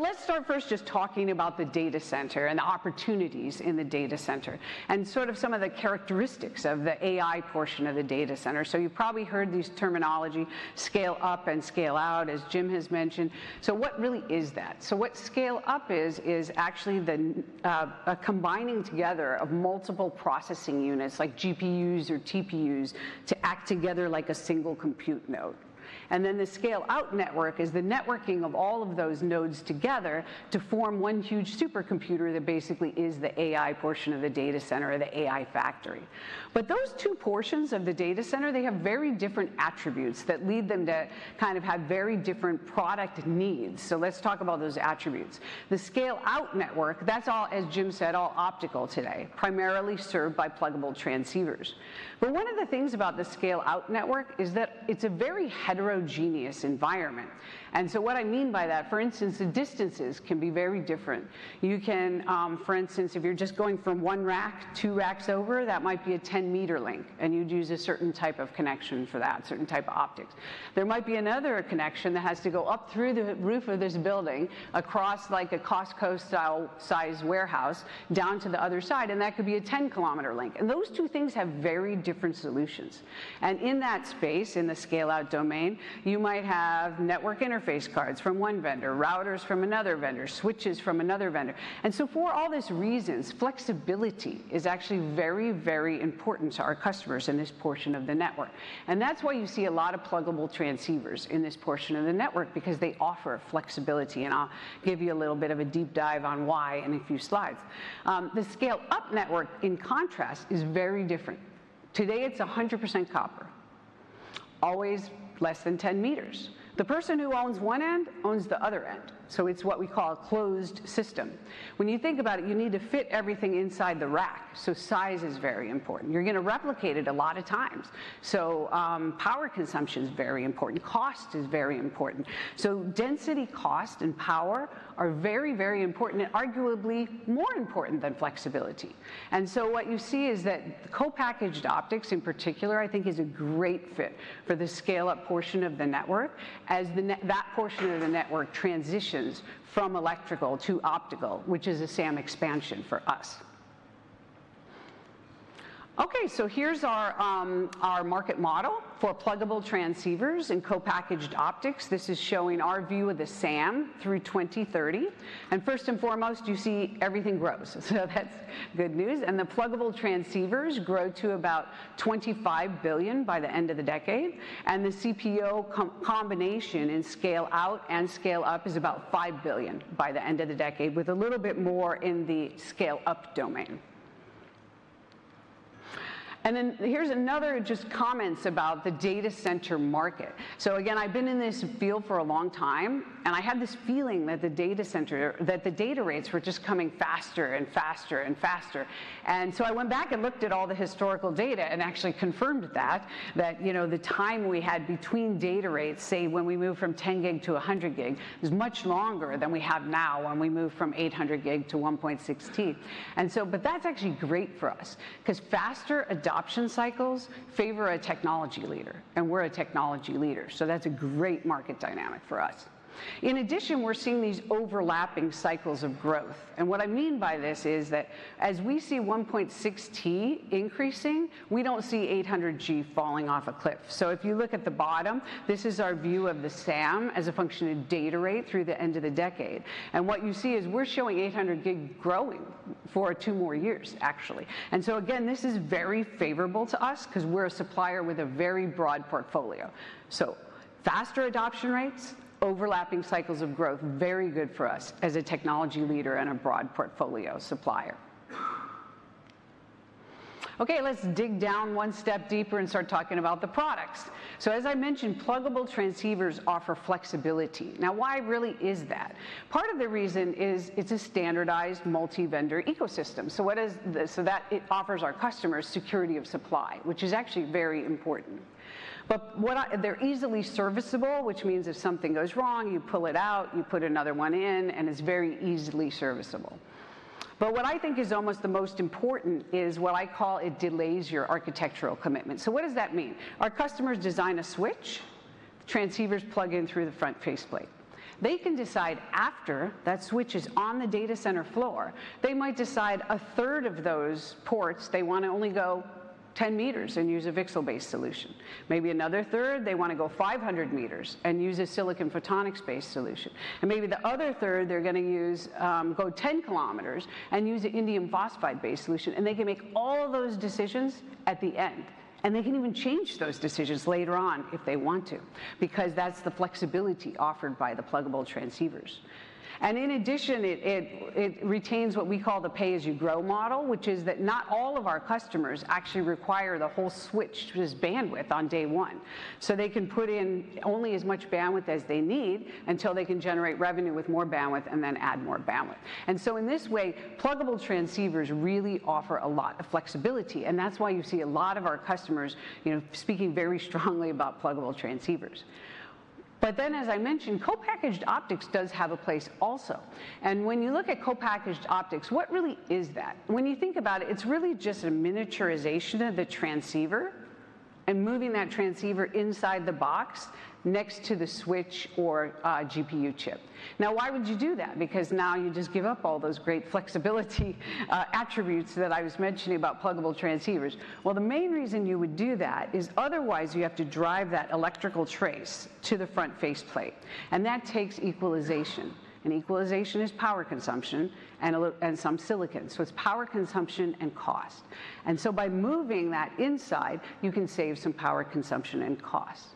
Let's start first just talking about the data center and the opportunities in the data center and sort of some of the characteristics of the AI portion of the data center. You've probably heard this terminology, scale-up and scale-out, as Jim has mentioned. What really is that? What scale-up is, is actually a combining together of multiple processing units like GPUs or TPUs to act together like a single compute node. The scale-out network is the networking of all of those nodes together to form one huge supercomputer that basically is the AI portion of the data center or the AI factory. Those two portions of the data center have very different attributes that lead them to kind of have very different product needs. Let's talk about those attributes. The scale-out network, as Jim said, is all optical today, primarily served by pluggable transceivers. One of the things about the scale-out network is that it's a very heterogeneous environment. What I mean by that, for instance, is the distances can be very different. For instance, if you're just going from one rack two racks over, that might be a 10-meter link. You'd use a certain type of connection for that, a certain type of optics. There might be another connection that has to go up through the roof of this building across like a Costco-style size warehouse down to the other side. That could be a 10 km link. Those two things have very different solutions. In that space, in the scale-out domain, you might have network interface cards from one vendor, routers from another vendor, switches from another vendor. For all these reasons, flexibility is actually very, very important to our customers in this portion of the network. That is why you see a lot of pluggable transceivers in this portion of the network because they offer flexibility. I'll give you a little bit of a deep dive on why in a few slides. The scale-up network, in contrast, is very different. Today, it's 100% copper, always less than 10 m The person who owns one end owns the other end. It is what we call a closed system. When you think about it, you need to fit everything inside the rack. Size is very important. You're going to replicate it a lot of times. Power consumption is very important. Cost is very important. Density, cost, and power are very, very important and arguably more important than flexibility. What you see is that co-packaged optics, in particular, I think is a great fit for the scale-up portion of the network as that portion of the network transitions from electrical to optical, which is a SAM expansion for us. Here is our market model for pluggable transceivers and co-packaged optics. This is showing our view of the SAM through 2030. First and foremost, you see everything grows. That is good news. The pluggable transceivers grow to about $25 billion by the end of the decade. The CPO combination in scale-out and scale-up is about $5 billion by the end of the decade, with a little bit more in the scale-up domain. Here is another just comments about the data center market. Again, I've been in this field for a long time. I had this feeling that the data center, that the data rates were just coming faster and faster and faster. I went back and looked at all the historical data and actually confirmed that, that the time we had between data rates, say when we moved from 10 gig to 100 gig, was much longer than we have now when we move from 800 gig to 1.6T. That is actually great for us because faster adoption cycles favor a technology leader. We're a technology leader. That's a great market dynamic for us. In addition, we're seeing these overlapping cycles of growth. What I mean by this is that as we see 1.6T increasing, we don't see 800G falling off a cliff. If you look at the bottom, this is our view of the SAM as a function of data rate through the end of the decade. What you see is we're showing 800 gig growing for two more years, actually. This is very favorable to us because we're a supplier with a very broad portfolio. Faster adoption rates, overlapping cycles of growth, very good for us as a technology leader and a broad portfolio supplier. Let's dig down one step deeper and start talking about the products. As I mentioned, pluggable transceivers offer flexibility. Now, why really is that? Part of the reason is it's a standardized multi-vendor ecosystem. What is this? It offers our customers security of supply, which is actually very important. They're easily serviceable, which means if something goes wrong, you pull it out, you put another one in, and it's very easily serviceable. What I think is almost the most important is what I call it delays your architectural commitment. What does that mean? Our customers design a switch, transceivers plug in through the front faceplate. They can decide after that switch is on the data center floor, they might decide a third of those ports, they want to only go 10 m and use a VCSEL-based solution. Maybe another third, they want to go 500 m and use a silicon photonics-based solution. Maybe the other third, they're going to go 10 km and use an indium phosphide-based solution. They can make all of those decisions at the end. They can even change those decisions later on if they want to because that's the flexibility offered by the pluggable transceivers. In addition, it retains what we call the pay-as-you-grow model, which is that not all of our customers actually require the whole switch to this bandwidth on day one. They can put in only as much bandwidth as they need until they can generate revenue with more bandwidth and then add more bandwidth. In this way, pluggable transceivers really offer a lot of flexibility. That is why you see a lot of our customers speaking very strongly about pluggable transceivers. As I mentioned, co-packaged optics does have a place also. When you look at co-packaged optics, what really is that? When you think about it, it's really just a miniaturization of the transceiver and moving that transceiver inside the box next to the switch or GPU chip. Now, why would you do that? Because now you just give up all those great flexibility attributes that I was mentioning about pluggable transceivers. The main reason you would do that is otherwise you have to drive that electrical trace to the front faceplate. That takes equalization. Equalization is power consumption and some silicon. It is power consumption and cost. By moving that inside, you can save some power consumption and cost.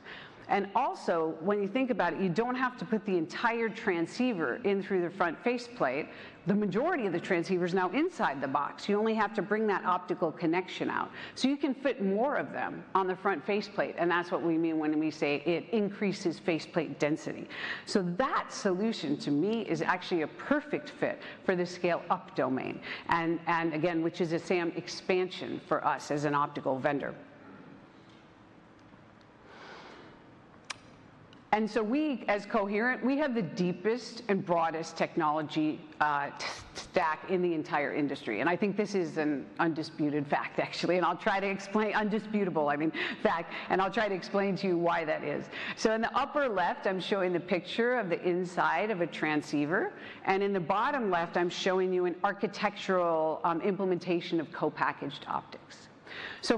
Also, when you think about it, you do not have to put the entire transceiver in through the front faceplate. The majority of the transceiver is now inside the box. You only have to bring that optical connection out. You can fit more of them on the front faceplate. That is what we mean when we say it increases faceplate density. That solution to me is actually a perfect fit for the scale-up domain. Again, which is a SAM expansion for us as an optical vendor. We, as Coherent, have the deepest and broadest technology stack in the entire industry. I think this is an undisputed fact, actually. I will try to explain undisputable, I mean, fact. I will try to explain to you why that is. In the upper left, I am showing the picture of the inside of a transceiver. In the bottom left, I am showing you an architectural implementation of co-packaged optics.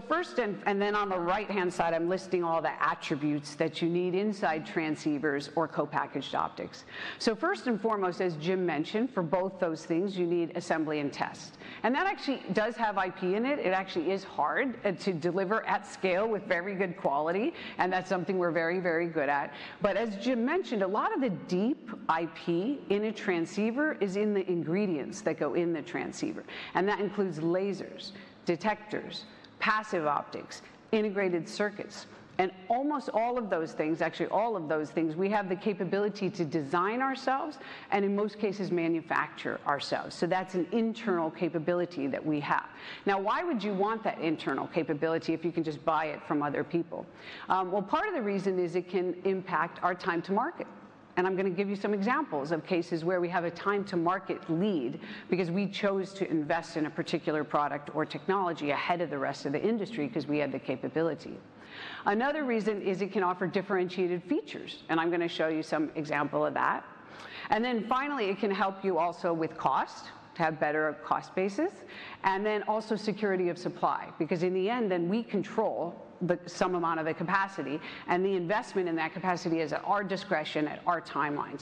First, and then on the right-hand side, I'm listing all the attributes that you need inside transceivers or co-packaged optics. First and foremost, as Jim mentioned, for both those things, you need assembly and test. That actually does have IP in it. It actually is hard to deliver at scale with very good quality. That's something we're very, very good at. As Jim mentioned, a lot of the deep IP in a transceiver is in the ingredients that go in the transceiver. That includes lasers, detectors, passive optics, integrated circuits. Almost all of those things, actually all of those things, we have the capability to design ourselves and, in most cases, manufacture ourselves. That's an internal capability that we have. Now, why would you want that internal capability if you can just buy it from other people? Part of the reason is it can impact our time to market. I'm going to give you some examples of cases where we have a time-to-market lead because we chose to invest in a particular product or technology ahead of the rest of the industry because we had the capability. Another reason is it can offer differentiated features. I'm going to show you some example of that. Finally, it can help you also with cost to have better cost basis. Also, security of supply because in the end, we control some amount of the capacity. The investment in that capacity is at our discretion, at our timeline.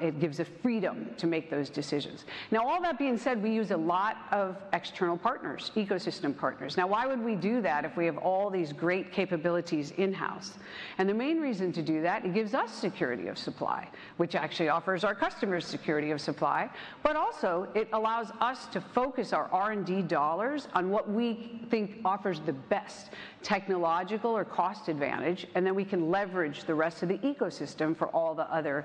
It gives us freedom to make those decisions. All that being said, we use a lot of external partners, ecosystem partners. Now, why would we do that if we have all these great capabilities in-house? The main reason to do that, it gives us security of supply, which actually offers our customers security of supply. It also allows us to focus our R&D dollars on what we think offers the best technological or cost advantage. Then we can leverage the rest of the ecosystem for all the other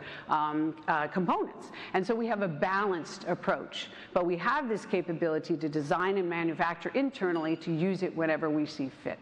components. We have a balanced approach. We have this capability to design and manufacture internally to use it whenever we see fit.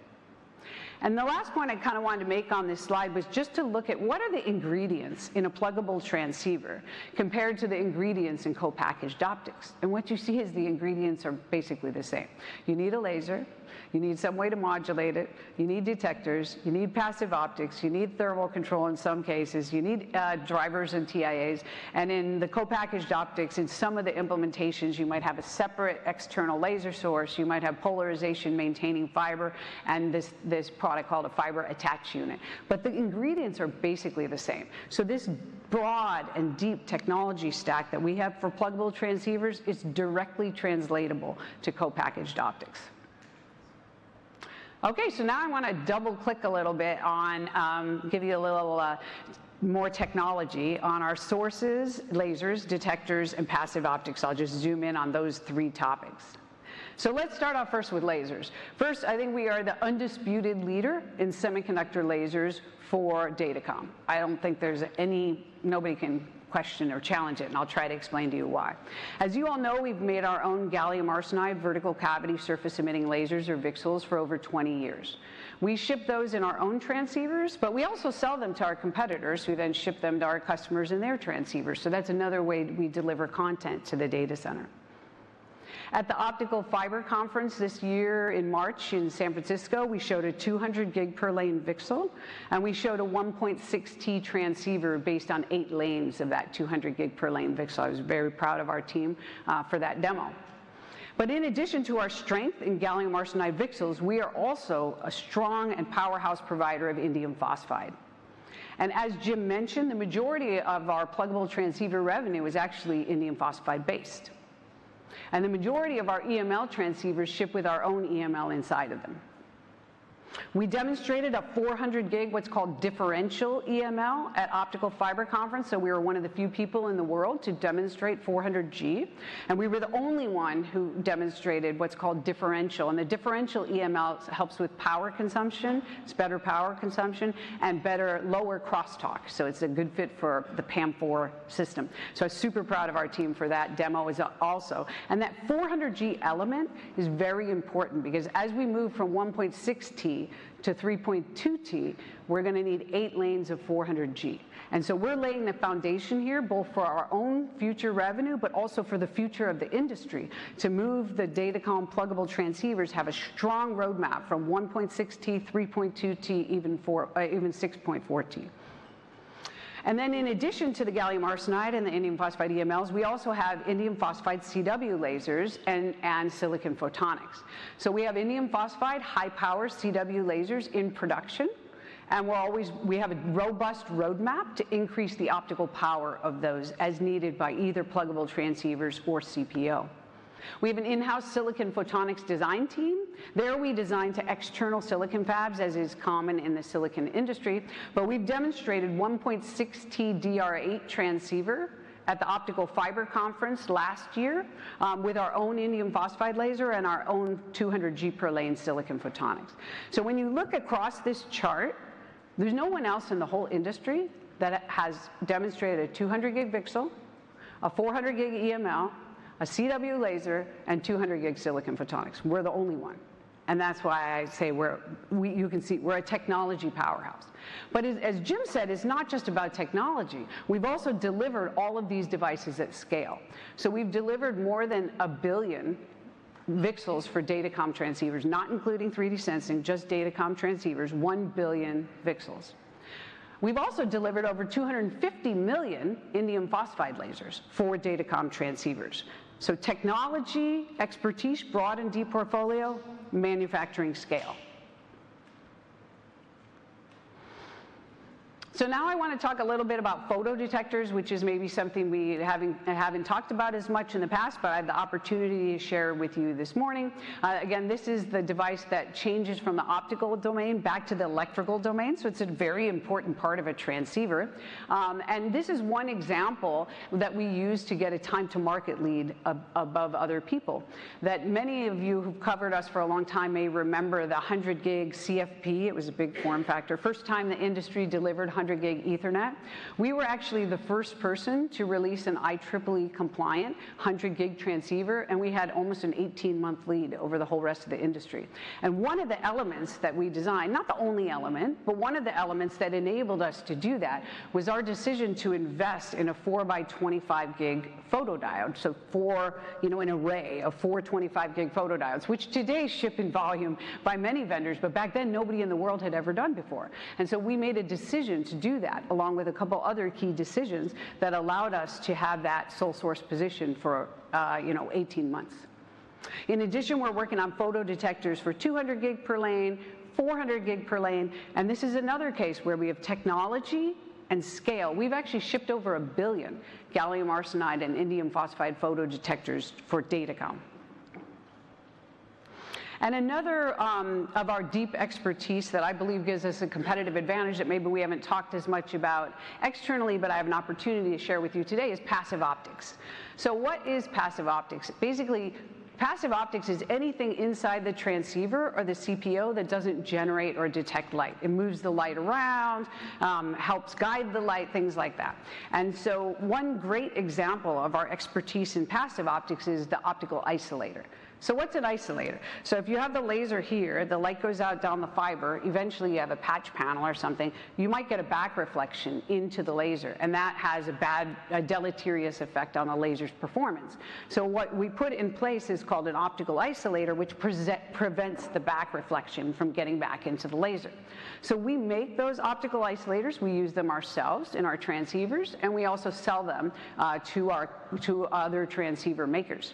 The last point I kind of wanted to make on this slide was just to look at what are the ingredients in a pluggable transceiver compared to the ingredients in co-packaged optics. What you see is the ingredients are basically the same. You need a laser. You need some way to modulate it. You need detectors. You need passive optics. You need thermal control in some cases. You need drivers and TIAs. In the co-packaged optics, in some of the implementations, you might have a separate external laser source. You might have polarization maintaining fiber and this product called a fiber attach unit. The ingredients are basically the same. This broad and deep technology stack that we have for pluggable transceivers is directly translatable to co-packaged optics. Okay, now I want to double-click a little bit on give you a little more technology on our sources, lasers, detectors, and passive optics. I'll just zoom in on those three topics. Let's start off first with lasers. First, I think we are the undisputed leader in semiconductor lasers for data com. I don't think there's any nobody can question or challenge it. I'll try to explain to you why. As you all know, we've made our own gallium arsenide vertical cavity surface emitting lasers or VCSELs for over 20 years. We ship those in our own transceivers, but we also sell them to our competitors who then ship them to our customers in their transceivers. That's another way we deliver content to the data center. At the Optical Fiber Conference this year in March in San Francisco, we showed a 200 gig per lane VCSEL. We showed a 1.6T transceiver based on eight lanes of that 200 gig per lane VCSEL. I was very proud of our team for that demo. In addition to our strength in gallium arsenide VCSELs, we are also a strong and powerhouse provider of indium phosphide. As Jim mentioned, the majority of our pluggable transceiver revenue is actually indium phosphide-based. The majority of our EML transceivers ship with our own EML inside of them. We demonstrated a 400 gig, what's called differential EML at Optical Fiber Conference. We were one of the few people in the world to demonstrate 400G. We were the only one who demonstrated what's called differential. The differential EML helps with power consumption. It is better power consumption and better lower crosstalk. It is a good fit for the PAM4 system. I'm super proud of our team for that demo also. That 400G element is very important because as we move from 1.6T to 3.2T, we are going to need eight lanes of 400G. We are laying the foundation here both for our own future revenue, but also for the future of the industry to move the datacom pluggable transceivers to have a strong roadmap from 1.6T, 3.2T, even 6.4T. In addition to the gallium arsenide and the indium phosphide EMLs, we also have indium phosphide CW lasers and silicon photonics. We have indium phosphide high-power CW lasers in production. We have a robust roadmap to increase the optical power of those as needed by either pluggable transceivers or CPO. We have an in-house silicon photonics design team. There we design to external silicon fabs, as is common in the silicon industry. We demonstrated a 1.6T DR8 transceiver at the Optical Fiber Conference last year with our own indium phosphide laser and our own 200G per lane silicon photonics. When you look across this chart, there is no one else in the whole industry that has demonstrated a 200 gig VCSEL, a 400 gig EML, a CW laser, and 200 gig silicon photonics. We are the only one. That is why I say you can see we are a technology powerhouse. As Jim said, it is not just about technology. We have also delivered all of these devices at scale. We have delivered more than 1 billion VCSELs for datacom transceivers, not including 3D sensing, just datacom transceivers, 1 billion VCSELs. We have also delivered over 250 million indium phosphide lasers for datacom transceivers. Technology, expertise, broad and deep portfolio, manufacturing scale. Now I want to talk a little bit about photodetectors, which is maybe something we have not talked about as much in the past, but I had the opportunity to share with you this morning. This is the device that changes from the optical domain back to the electrical domain. It is a very important part of a transceiver. This is one example that we use to get a time-to-market lead above other people. Many of you who have covered us for a long time may remember the 100 gig CFP. It was a big form factor. The first time the industry delivered 100 gig Ethernet. We were actually the first person to release an IEEE compliant 100 gig transceiver. We had almost an 18-month lead over the whole rest of the industry. One of the elements that we designed, not the only element, but one of the elements that enabled us to do that was our decision to invest in a 4x25 gig photodiode. An array of 4x25 gig photodiodes, which today ship in volume by many vendors, but back then nobody in the world had ever done before. We made a decision to do that along with a couple of other key decisions that allowed us to have that sole source position for 18 months. In addition, we're working on photodetectors for 200 gig per lane, 400 gig per lane. This is another case where we have technology and scale. We've actually shipped over a billion gallium arsenide and indium phosphide photodetectors for data com. Another of our deep expertise that I believe gives us a competitive advantage that maybe we haven't talked as much about externally, but I have an opportunity to share with you today, is passive optics. What is passive optics? Basically, passive optics is anything inside the transceiver or the CPO that doesn't generate or detect light. It moves the light around, helps guide the light, things like that. One great example of our expertise in passive optics is the optical isolator. What's an isolator? If you have the laser here, the light goes out down the fiber. Eventually, you have a patch panel or something. You might get a back reflection into the laser. That has a bad deleterious effect on the laser's performance. What we put in place is called an optical isolator, which prevents the back reflection from getting back into the laser. We make those optical isolators. We use them ourselves in our transceivers. We also sell them to other transceiver makers.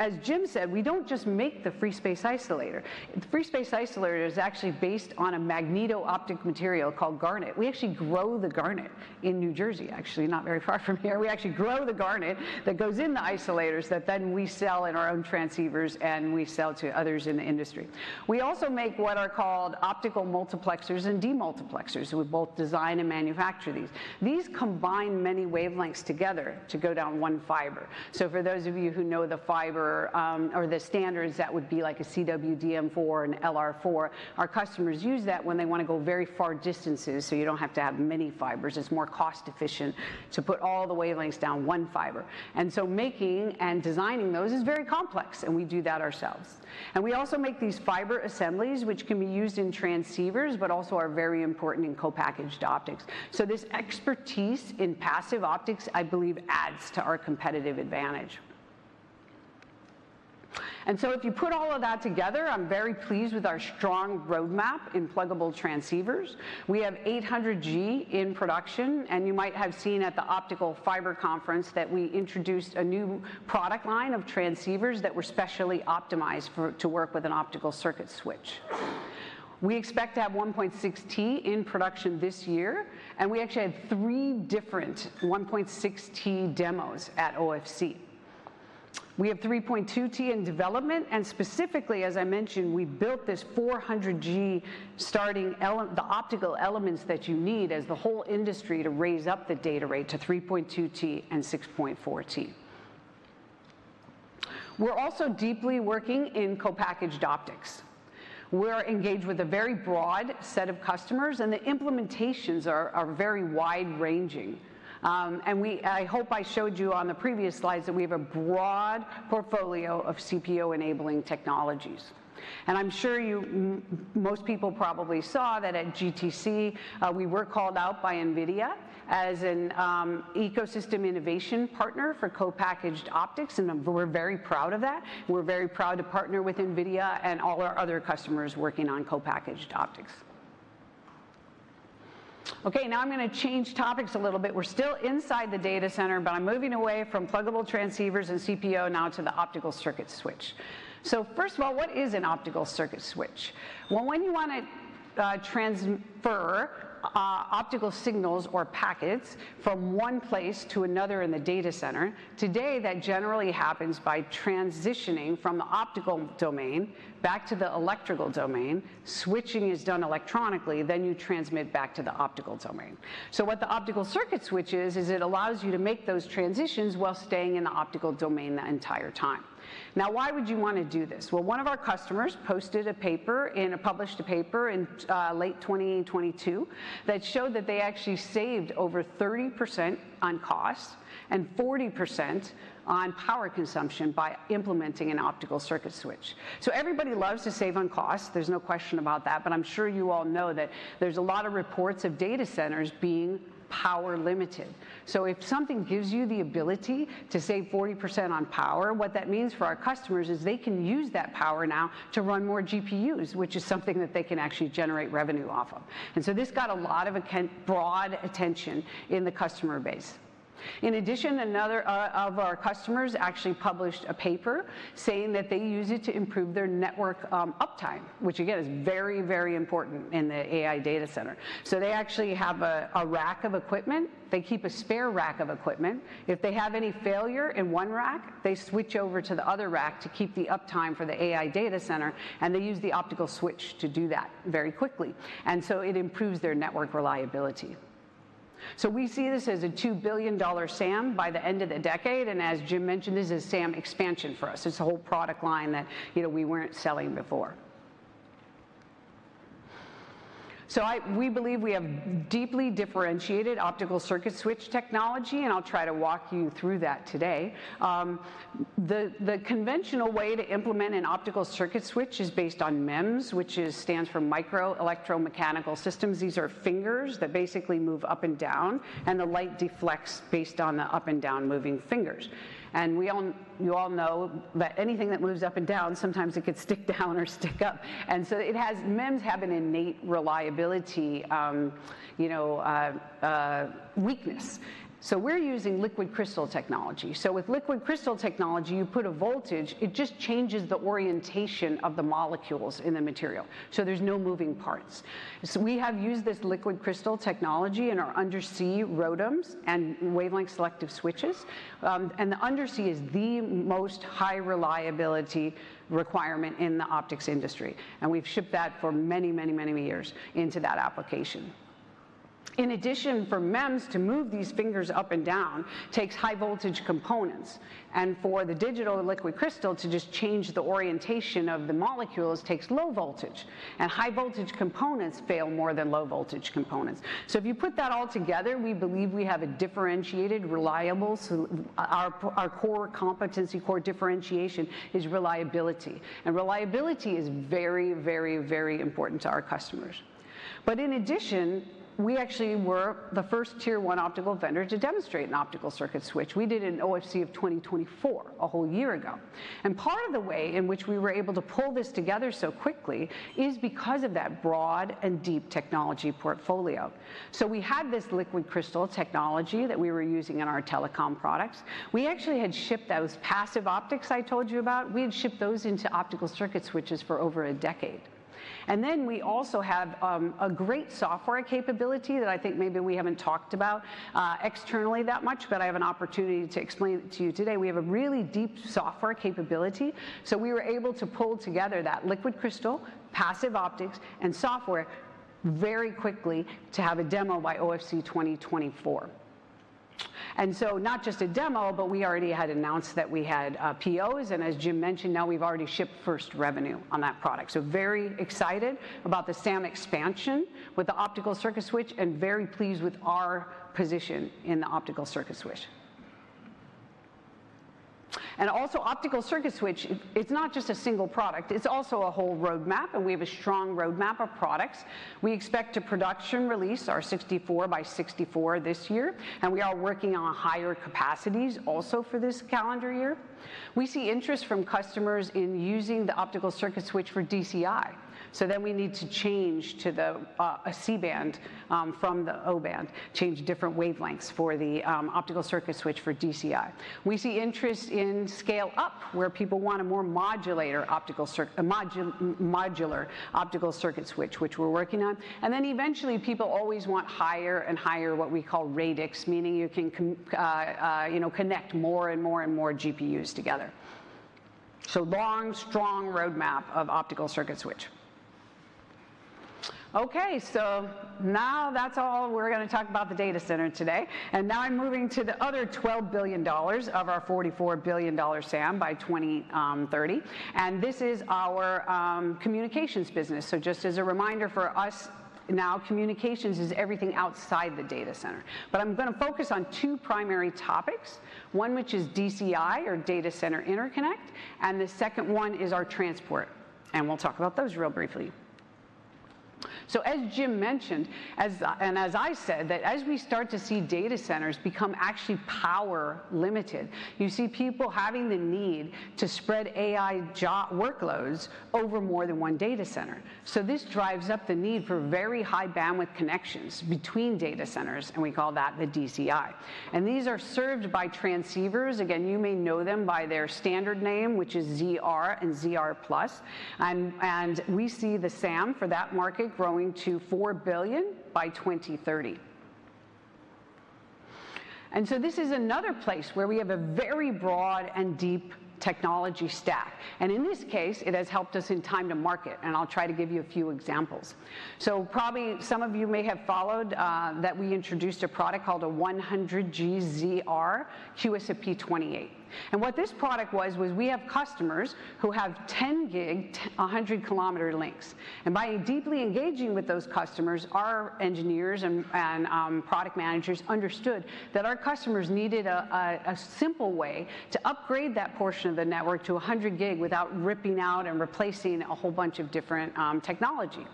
As Jim said, we do not just make the free space isolator. The free space isolator is actually based on a magneto optic material called garnet. We actually grow the garnet in New Jersey, actually, not very far from here. We actually grow the garnet that goes in the isolators that then we sell in our own transceivers and we sell to others in the industry. We also make what are called optical multiplexers and demultiplexers. We both design and manufacture these. These combine many wavelengths together to go down one fiber. For those of you who know the fiber or the standards, that would be like a CWDM4 and LR4. Our customers use that when they want to go very far distances so you do not have to have many fibers. It is more cost-efficient to put all the wavelengths down one fiber. Making and designing those is very complex. We do that ourselves. We also make these fiber assemblies, which can be used in transceivers, but also are very important in co-packaged optics. This expertise in passive optics, I believe, adds to our competitive advantage. If you put all of that together, I'm very pleased with our strong roadmap in pluggable transceivers. We have 800G in production. You might have seen at the Optical Fiber Conference that we introduced a new product line of transceivers that were specially optimized to work with an optical circuit switch. We expect to have 1.6T in production this year. We actually had three different 1.6T demos at OFC. We have 3.2T in development. Specifically, as I mentioned, we built this 400G starting the optical elements that you need as the whole industry to raise up the data rate to 3.2T and 6.4T. We're also deeply working in co-packaged optics. We're engaged with a very broad set of customers. The implementations are very wide-ranging. I hope I showed you on the previous slides that we have a broad portfolio of CPO-enabling technologies. I'm sure most people probably saw that at GTC, we were called out by NVIDIA as an ecosystem innovation partner for co-packaged optics. We're very proud of that. We're very proud to partner with NVIDIA and all our other customers working on co-packaged optics. Now I'm going to change topics a little bit. We're still inside the data center, but I'm moving away from pluggable transceivers and CPO now to the optical circuit switch. First of all, what is an optical circuit switch? When you want to transfer optical signals or packets from one place to another in the data center, today that generally happens by transitioning from the optical domain back to the electrical domain. Switching is done electronically. You transmit back to the optical domain. What the optical circuit switch is, is it allows you to make those transitions while staying in the optical domain the entire time. Now, why would you want to do this? One of our customers posted a paper in a published paper in late 2022 that showed that they actually saved over 30% on cost and 40% on power consumption by implementing an optical circuit switch. Everybody loves to save on cost. There's no question about that. I'm sure you all know that there's a lot of reports of data centers being power limited. If something gives you the ability to save 40% on power, what that means for our customers is they can use that power now to run more GPUs, which is something that they can actually generate revenue off of. This got a lot of broad attention in the customer base. In addition, another of our customers actually published a paper saying that they use it to improve their network uptime, which again is very, very important in the AI data center. They actually have a rack of equipment. They keep a spare rack of equipment. If they have any failure in one rack, they switch over to the other rack to keep the uptime for the AI data center. They use the optical switch to do that very quickly. It improves their network reliability. We see this as a $2 billion SAM by the end of the decade. As Jim mentioned, this is a SAM expansion for us. It is a whole product line that we were not selling before. We believe we have deeply differentiated optical circuit switch technology. I'll try to walk you through that today. The conventional way to implement an optical circuit switch is based on MEMS, which stands for microelectromechanical systems. These are fingers that basically move up and down. The light deflects based on the up and down moving fingers. You all know that anything that moves up and down, sometimes it could stick down or stick up. MEMS have an innate reliability weakness. We are using liquid crystal technology. With liquid crystal technology, you put a voltage, it just changes the orientation of the molecules in the material. There are no moving parts. We have used this liquid crystal technology in our undersea ROTAMs and wavelength selective switches. The undersea is the most high reliability requirement in the optics industry. We have shipped that for many, many, many years into that application. In addition, for MEMS to move these fingers up and down, it takes high voltage components. For the digital liquid crystal to just change the orientation of the molecules, it takes low voltage. High voltage components fail more than low voltage components. If you put that all together, we believe we have a differentiated, reliable—our core competency, core differentiation is reliability. Reliability is very, very, very important to our customers. In addition, we actually were the first tier one optical vendor to demonstrate an optical circuit switch. We did an OFC of 2024 a whole year ago. Part of the way in which we were able to pull this together so quickly is because of that broad and deep technology portfolio. We had this liquid crystal technology that we were using in our telecom products. We actually had shipped those passive optics I told you about. We had shipped those into optical circuit switches for over a decade. We also have a great software capability that I think maybe we have not talked about externally that much, but I have an opportunity to explain it to you today. We have a really deep software capability. We were able to pull together that liquid crystal, passive optics, and software very quickly to have a demo by OFC 2024. Not just a demo, but we already had announced that we had POs. As Jim mentioned, now we have already shipped first revenue on that product. Very excited about the SAM expansion with the optical circuit switch and very pleased with our position in the optical circuit switch. Also, optical circuit switch, it is not just a single product. It's also a whole roadmap. We have a strong roadmap of products. We expect to production release our 64x64 this year. We are working on higher capacities also for this calendar year. We see interest from customers in using the optical circuit switch for DCI. We need to change to the C-band from the O-band, change different wavelengths for the optical circuit switch for DCI. We see interest in scale up where people want a more modular optical circuit switch, which we're working on. Eventually, people always want higher and higher, what we call RADIX, meaning you can connect more and more and more GPUs together. Long, strong roadmap of optical circuit switch. Okay, now that's all we're going to talk about the data center today. Now I'm moving to the other $12 billion of our $44 billion SAM by 2030. This is our communications business. Just as a reminder for us, now communications is everything outside the data center. I'm going to focus on two primary topics. One, which is DCI or data center interconnect. The second one is our transport. We'll talk about those real briefly. As Jim mentioned, and as I said, as we start to see data centers become actually power limited, you see people having the need to spread AI workloads over more than one data center. This drives up the need for very high bandwidth connections between data centers. We call that the DCI. These are served by transceivers. Again, you may know them by their standard name, which is ZR and ZR Plus. We see the SAM for that market growing to $4 billion by 2030. This is another place where we have a very broad and deep technology stack. In this case, it has helped us in time to market. I'll try to give you a few examples. Probably some of you may have followed that we introduced a product called a 100G ZR QSFP28. What this product was, was we have customers who have 10 gig, 100 kilometer links. By deeply engaging with those customers, our engineers and product managers understood that our customers needed a simple way to upgrade that portion of the network to 100 gig without ripping out and replacing a whole bunch of different technology.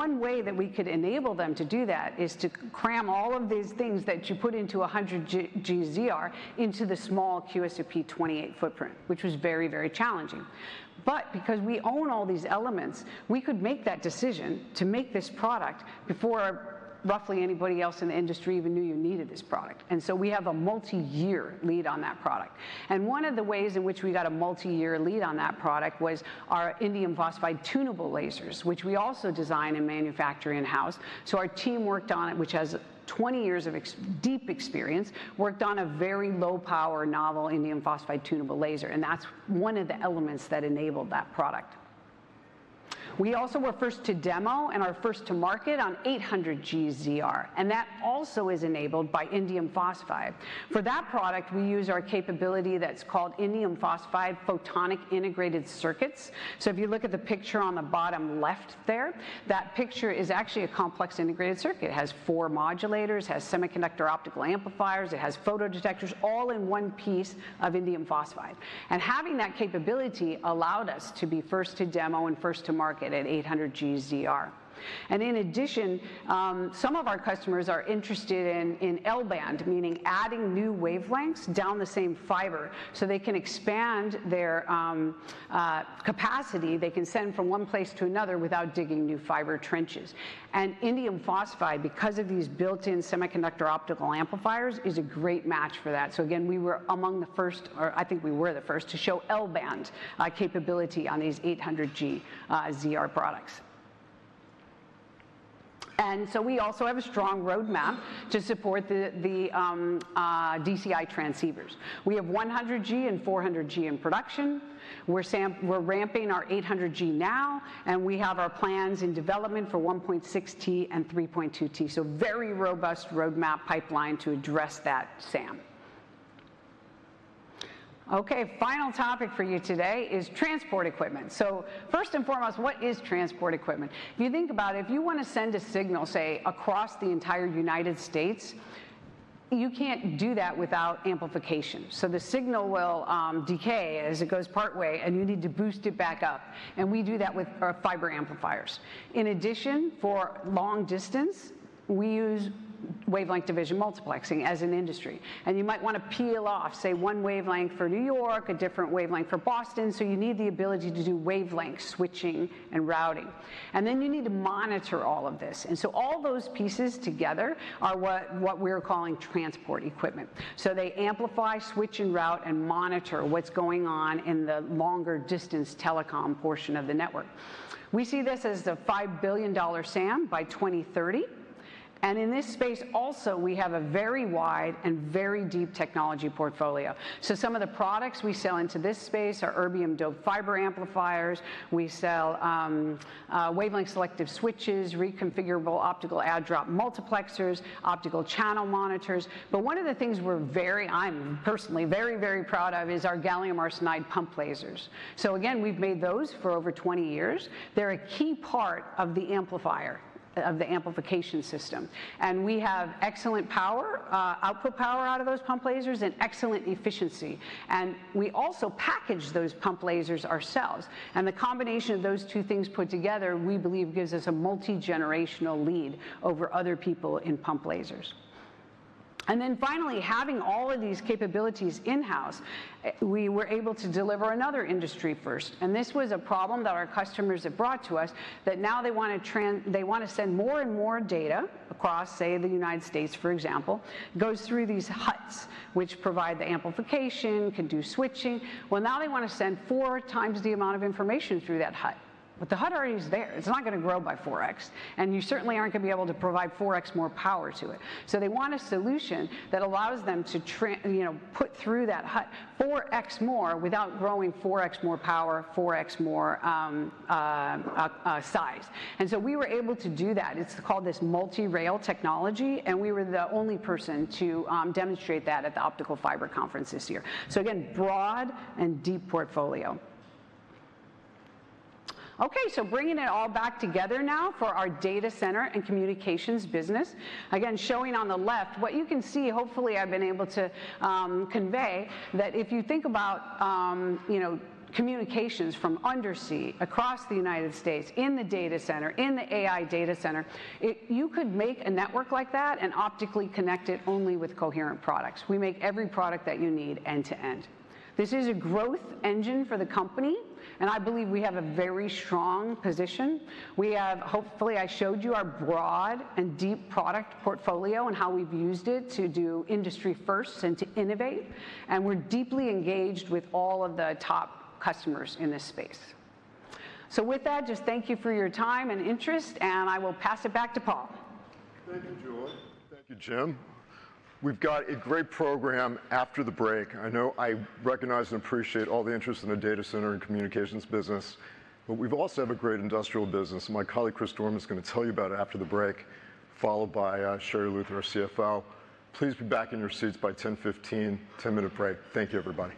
One way that we could enable them to do that is to cram all of these things that you put into 100G ZR into the small QSFP28 footprint, which was very, very challenging. Because we own all these elements, we could make that decision to make this product before roughly anybody else in the industry even knew you needed this product. We have a multi-year lead on that product. One of the ways in which we got a multi-year lead on that product was our indium phosphide tunable lasers, which we also design and manufacture in-house. Our team, which has 20 years of deep experience, worked on a very low power novel indium phosphide tunable laser. That is one of the elements that enabled that product. We also were first to demo and are first to market on 800G ZR. That also is enabled by indium phosphide. For that product, we use our capability that is called indium phosphide photonic integrated circuits. If you look at the picture on the bottom left there, that picture is actually a complex integrated circuit. It has four modulators, has semiconductor optical amplifiers, it has photodetectors, all in one piece of indium phosphide. Having that capability allowed us to be first to demo and first to market at 800G ZR. In addition, some of our customers are interested in L-band, meaning adding new wavelengths down the same fiber so they can expand their capacity. They can send from one place to another without digging new fiber trenches. Indium phosphide, because of these built-in semiconductor optical amplifiers, is a great match for that. Again, we were among the first, or I think we were the first to show L-band capability on these 800G ZR products. We also have a strong roadmap to support the DCI transceivers. We have 100G and 400G in production. We're ramping our 800G now. We have our plans in development for 1.6T and 3.2T. Very robust roadmap pipeline to address that SAM. Okay, final topic for you today is transport equipment. First and foremost, what is transport equipment? If you think about it, if you want to send a signal, say, across the entire United States, you can't do that without amplification. The signal will decay as it goes partway, and you need to boost it back up. We do that with our fiber amplifiers. In addition, for long distance, we use wavelength division multiplexing as an industry. You might want to peel off, say, one wavelength for New York, a different wavelength for Boston. You need the ability to do wavelength switching and routing. You need to monitor all of this. All those pieces together are what we're calling transport equipment. They amplify, switch, route, and monitor what's going on in the longer distance telecom portion of the network. We see this as the $5 billion SAM by 2030. In this space also, we have a very wide and very deep technology portfolio. Some of the products we sell into this space are erbium-doped fiber amplifiers. We sell wavelength selective switches, reconfigurable optical add/drop multiplexers, optical channel monitors. One of the things I'm personally very, very proud of is our gallium arsenide pump lasers. We've made those for over 20 years. They're a key part of the amplifier, of the amplification system. We have excellent output power out of those pump lasers and excellent efficiency. We also package those pump lasers ourselves. The combination of those two things put together, we believe, gives us a multi-generational lead over other people in pump lasers. Finally, having all of these capabilities in-house, we were able to deliver another industry first. This was a problem that our customers have brought to us that now they want to send more and more data across, say, the United States, for example, goes through these huts, which provide the amplification, can do switching. Now they want to send four times the amount of information through that hut. The hut already is there. It is not going to grow by 4x. You certainly are not going to be able to provide 4x more power to it. They want a solution that allows them to put through that hut 4x more without growing 4x more power, 4x more size. We were able to do that. It's called this multi-rail technology. We were the only person to demonstrate that at the Optical Fiber Conference this year. Again, broad and deep portfolio. Bringing it all back together now for our data center and communications business. Again, showing on the left what you can see, hopefully I've been able to convey, that if you think about communications from undersea across the United States in the data center, in the AI data center, you could make a network like that and optically connect it only with Coherent products. We make every product that you need end to end. This is a growth engine for the company. I believe we have a very strong position. We have, hopefully, I showed you our broad and deep product portfolio and how we've used it to do industry first and to innovate. We're deeply engaged with all of the top customers in this space. With that, just thank you for your time and interest. I will pass it back to Paul. Thank you, Julie. Thank you, Jim. We've got a great program after the break. I know I recognize and appreciate all the interest in the data center and communications business. But we've also have a great industrial business. My colleague, Chris Dorman, is going to tell you about it after the break, followed by Sherri Luther, our CFO. Please be back in your seats by 10:15, 10-minute break. Thank you, everybody.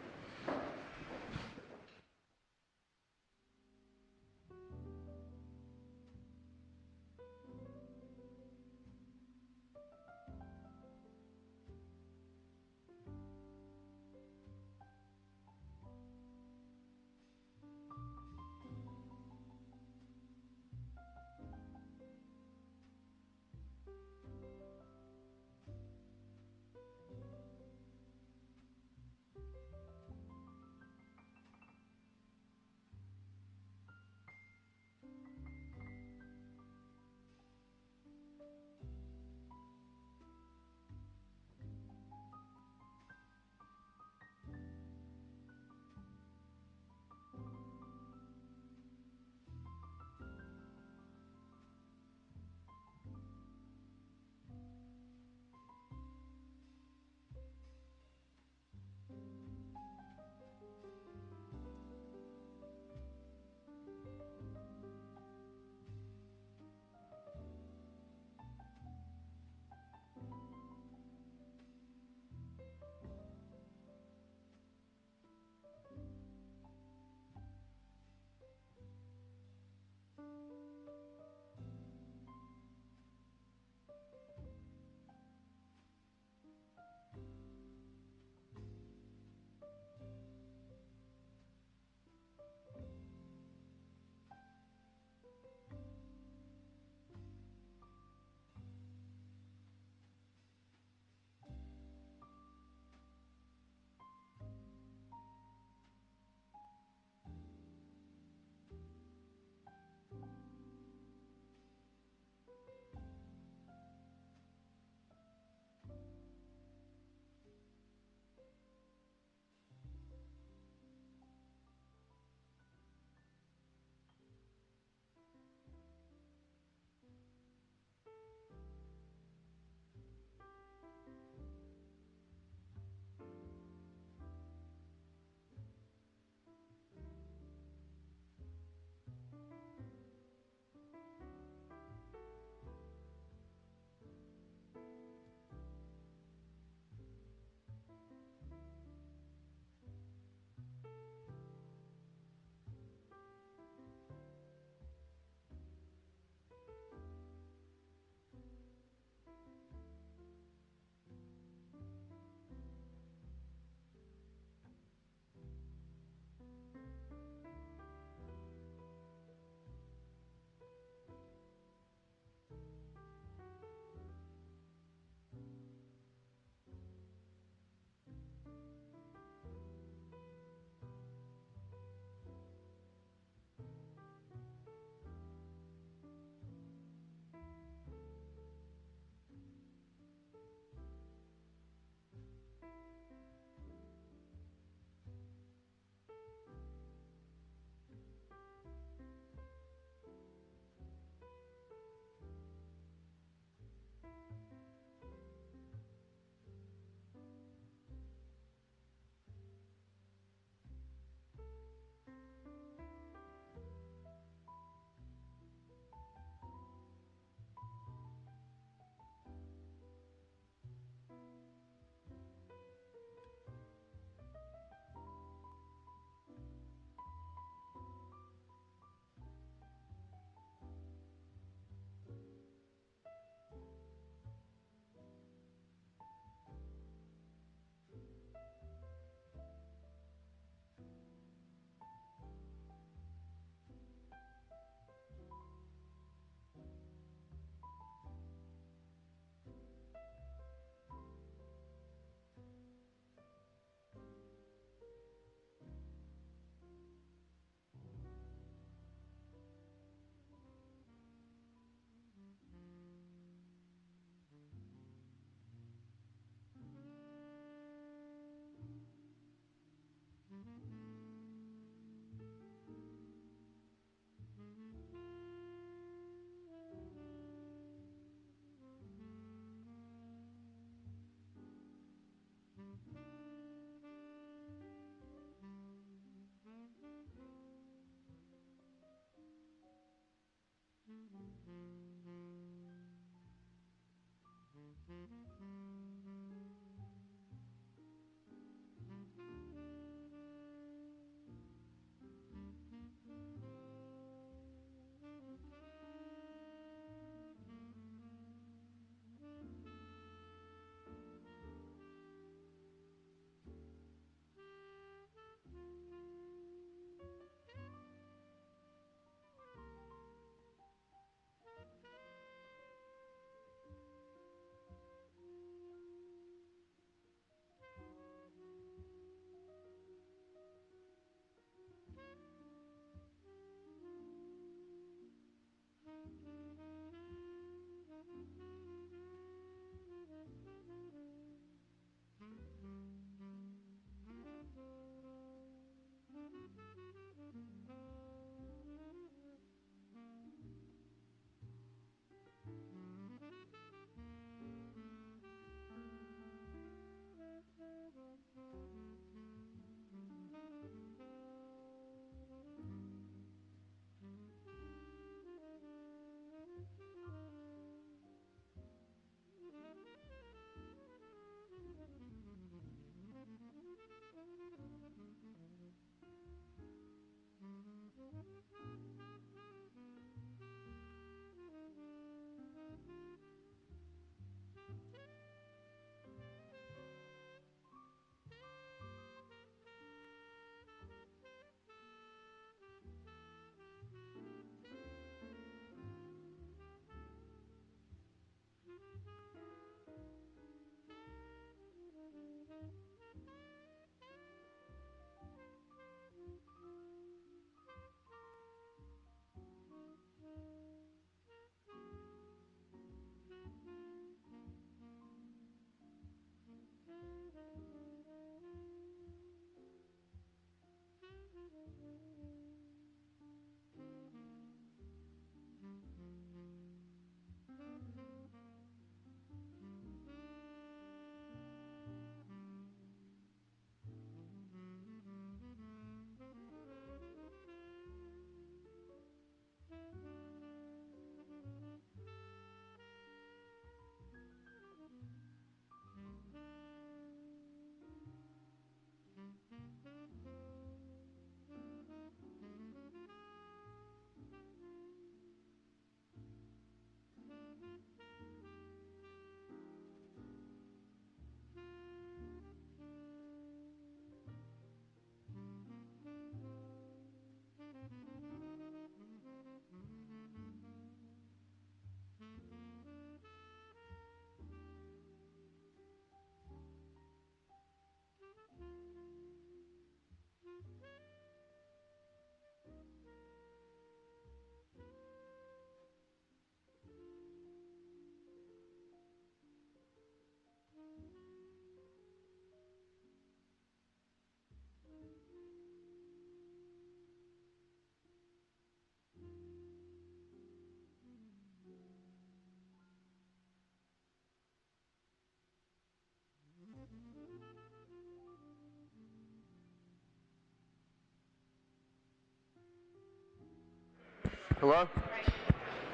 Hello?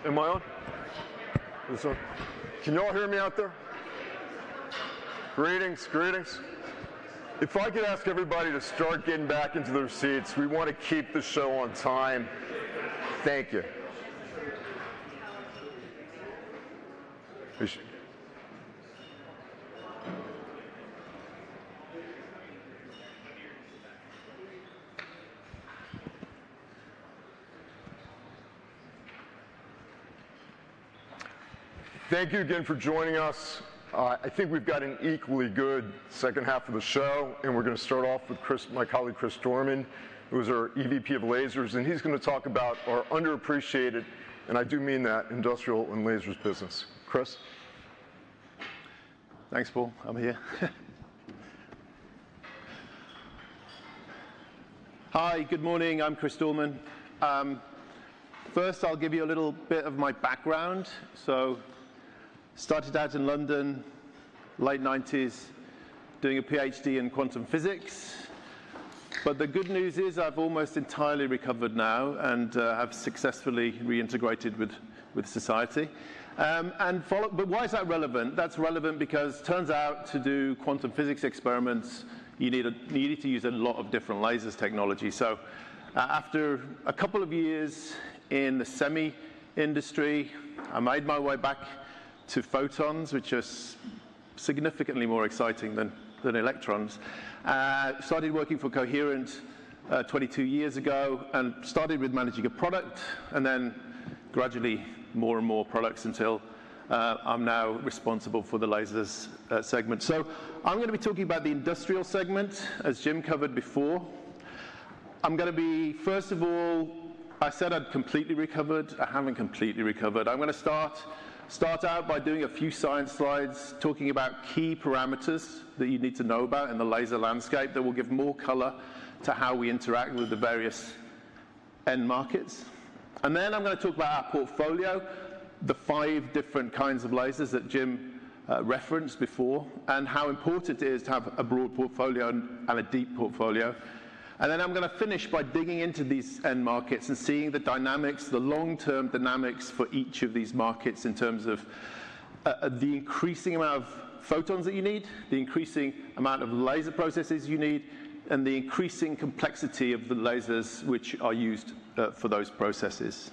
Am I on? Can you all hear me out there? Greetings, greetings. If I could ask everybody to start getting back into their seats, we want to keep the show on time. Thank you. Thank you again for joining us. I think we've got an equally good second half of the show. We're going to start off with my colleague, Christopher Dorman, who's our EVP of Lasers. He's going to talk about our underappreciated, and I do mean that, industrial and lasers business. Chris? Thanks, Paul. I'm here. Hi, good morning. I'm Christopher Dorman. First, I'll give you a little bit of my background. I started out in London, late 1990s, doing a PhD in quantum physics. The good news is I've almost entirely recovered now and have successfully reintegrated with society. Why is that relevant? That's relevant because it turns out to do quantum physics experiments, you need to use a lot of different lasers technology. After a couple of years in the semi-industry, I made my way back to photons, which is significantly more exciting than electrons. I started working for Coherent 22 years ago and started with managing a product and then gradually more and more products until I'm now responsible for the lasers segment. I'm going to be talking about the industrial segment, as Jim covered before. I'm going to be, first of all, I said I'd completely recovered. I haven't completely recovered. I'm going to start out by doing a few science slides, talking about key parameters that you need to know about in the laser landscape that will give more color to how we interact with the various end markets. I'm going to talk about our portfolio, the five different kinds of lasers that Jim referenced before and how important it is to have a broad portfolio and a deep portfolio. I'm going to finish by digging into these end markets and seeing the dynamics, the long-term dynamics for each of these markets in terms of the increasing amount of photons that you need, the increasing amount of laser processes you need, and the increasing complexity of the lasers which are used for those processes.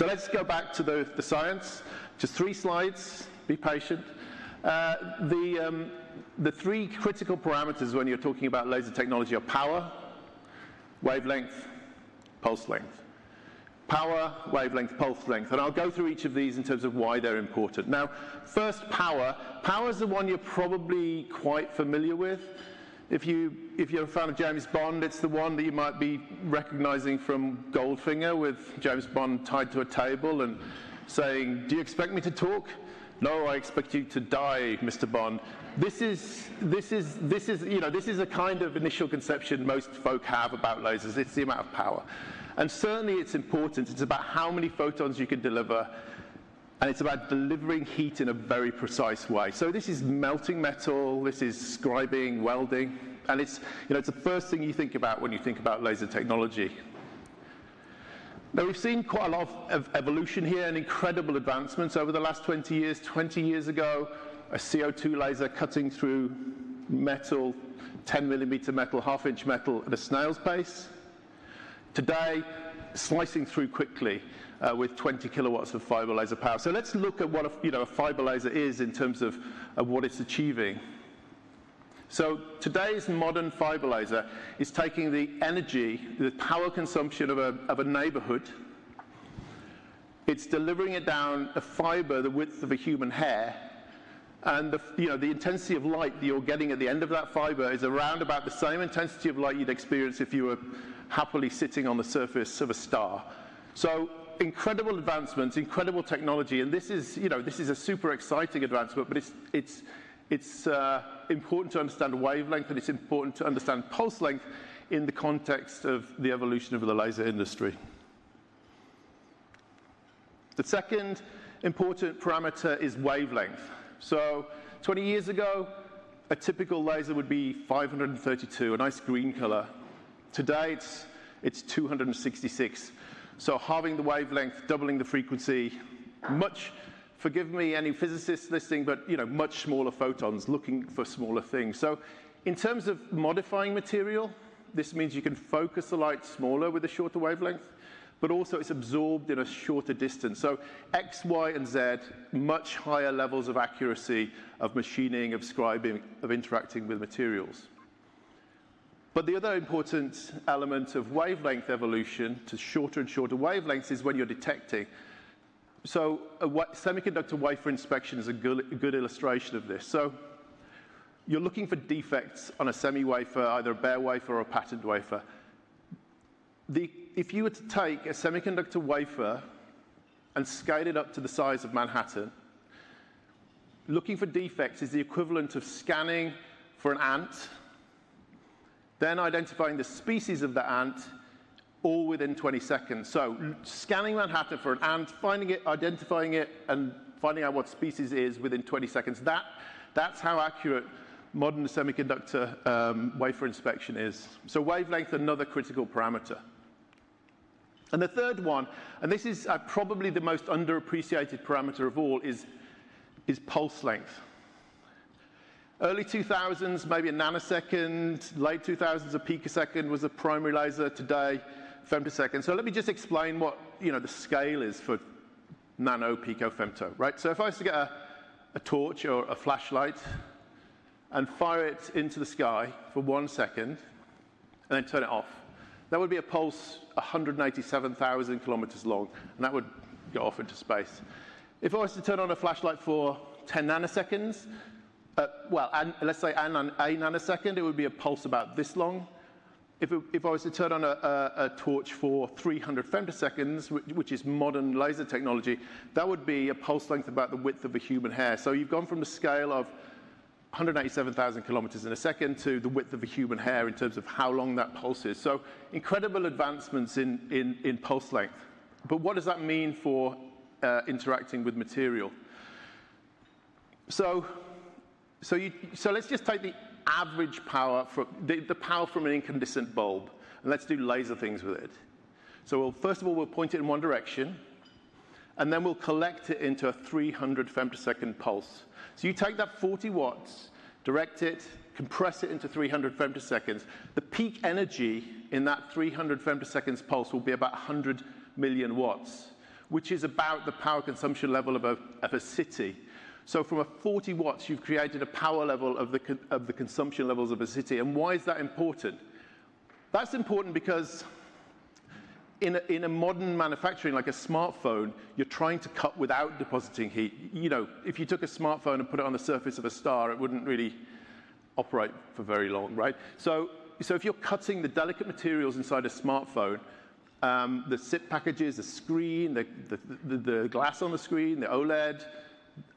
Let's go back to the science. Just three slides. Be patient. The three critical parameters when you're talking about laser technology are power, wavelength, pulse length. Power, wavelength, pulse length. I'll go through each of these in terms of why they're important. Now, first, power. Power is the one you're probably quite familiar with. If you're a fan of James Bond, it's the one that you might be recognizing from Goldfinger with James Bond tied to a table and saying, "Do you expect me to talk?" "No, I expect you to die, Mr. Bond." This is a kind of initial conception most folk have about lasers. It's the amount of power. Certainly, it's important. It's about how many photons you can deliver. It's about delivering heat in a very precise way. This is melting metal. This is scribing, welding. It's the first thing you think about when you think about laser technology. We've seen quite a lot of evolution here and incredible advancements over the last 20 years. Twenty years ago, a CO2 laser cutting through metal, 10-millimeter metal, half-inch metal at a snail's pace. Today, slicing through quickly with 20 kW of fiber laser power. Let's look at what a fiber laser is in terms of what it's achieving. Today's modern fiber laser is taking the energy, the power consumption of a neighborhood. It's delivering it down a fiber the width of a human hair. The intensity of light that you're getting at the end of that fiber is around about the same intensity of light you'd experience if you were happily sitting on the surface of a star. Incredible advancements, incredible technology. This is a super exciting advancement. But it's important to understand wavelength, and it's important to understand pulse length in the context of the evolution of the laser industry. The second important parameter is wavelength. Twenty years ago, a typical laser would be 532, a nice green color. Today, it's 266. Halving the wavelength, doubling the frequency, much, forgive me any physicists listening, but much smaller photons looking for smaller things. In terms of modifying material, this means you can focus the light smaller with a shorter wavelength, but also it's absorbed in a shorter distance. X, Y, and Z, much higher levels of accuracy of machining, of scribing, of interacting with materials. The other important element of wavelength evolution to shorter and shorter wavelengths is when you're detecting. A semiconductor wafer inspection is a good illustration of this. You're looking for defects on a semi-wafer, either a bare wafer or a patterned wafer. If you were to take a semiconductor wafer and scale it up to the size of Manhattan, looking for defects is the equivalent of scanning for an ant, then identifying the species of the ant all within 20 seconds. Scanning Manhattan for an ant, finding it, identifying it, and finding out what species it is within 20 seconds. That's how accurate modern semiconductor wafer inspection is. Wavelength, another critical parameter. The third one, and this is probably the most underappreciated parameter of all, is pulse length. Early 2000s, maybe a nanosecond. Late 2000s, a picosecond was a primary laser. Today, femtosecond. Let me just explain what the scale is for nano, pico, femto. If I was to get a torch or a flashlight and fire it into the sky for one second and then turn it off, that would be a pulse 187,000 km long. That would go off into space. If I was to turn on a flashlight for 10 nanoseconds, let's say 8 nanoseconds, it would be a pulse about this long. If I was to turn on a torch for 300 femtoseconds, which is modern laser technology, that would be a pulse length about the width of a human hair. You have gone from the scale of 187,000 km in a second to the width of a human hair in terms of how long that pulse is. Incredible advancements in pulse length. What does that mean for interacting with material? Let's just take the average power from the power from an incandescent bulb, and let's do laser things with it. First of all, we'll point it in one direction, and then we'll collect it into a 300 femtosecond pulse. You take that 40 watts, direct it, compress it into 300 femtoseconds. The peak energy in that 300 femtosecond pulse will be about 100 million watts, which is about the power consumption level of a city. From 40 W, you've created a power level of the consumption levels of a city. Why is that important? That's important because in a modern manufacturing, like a smartphone, you're trying to cut without depositing heat. If you took a smartphone and put it on the surface of a star, it wouldn't really operate for very long. If you're cutting the delicate materials inside a smartphone, the SIP packages, the screen, the glass on the screen, the OLED,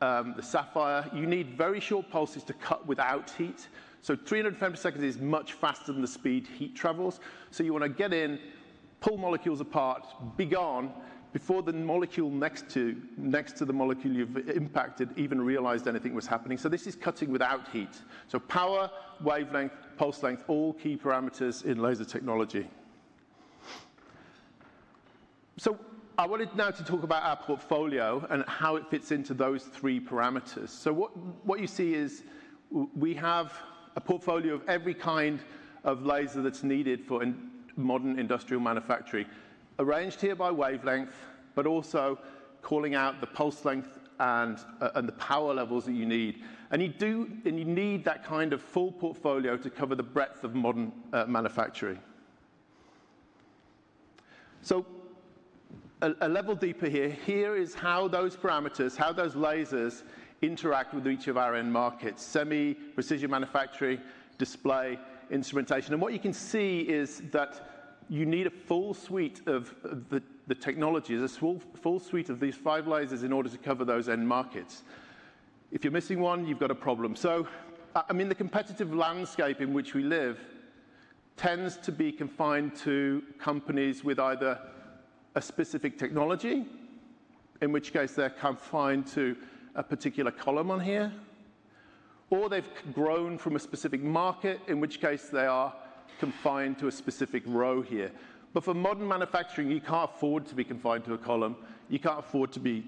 the sapphire, you need very short pulses to cut without heat. Three hundred femtoseconds is much faster than the speed heat travels. You want to get in, pull molecules apart, be gone before the molecule next to the molecule you've impacted even realized anything was happening. This is cutting without heat. Power, wavelength, pulse length, all key parameters in laser technology. I wanted now to talk about our portfolio and how it fits into those three parameters. What you see is we have a portfolio of every kind of laser that's needed for modern industrial manufacturing, arranged here by wavelength, but also calling out the pulse length and the power levels that you need. You need that kind of full portfolio to cover the breadth of modern manufacturing. A level deeper here, here is how those parameters, how those lasers interact with each of our end markets, semi-precision manufacturing, display, instrumentation. What you can see is that you need a full suite of the technologies, a full suite of these five lasers in order to cover those end markets. If you're missing one, you've got a problem. I mean, the competitive landscape in which we live tends to be confined to companies with either a specific technology, in which case they're confined to a particular column on here, or they've grown from a specific market, in which case they are confined to a specific row here. For modern manufacturing, you can't afford to be confined to a column. You can't afford to be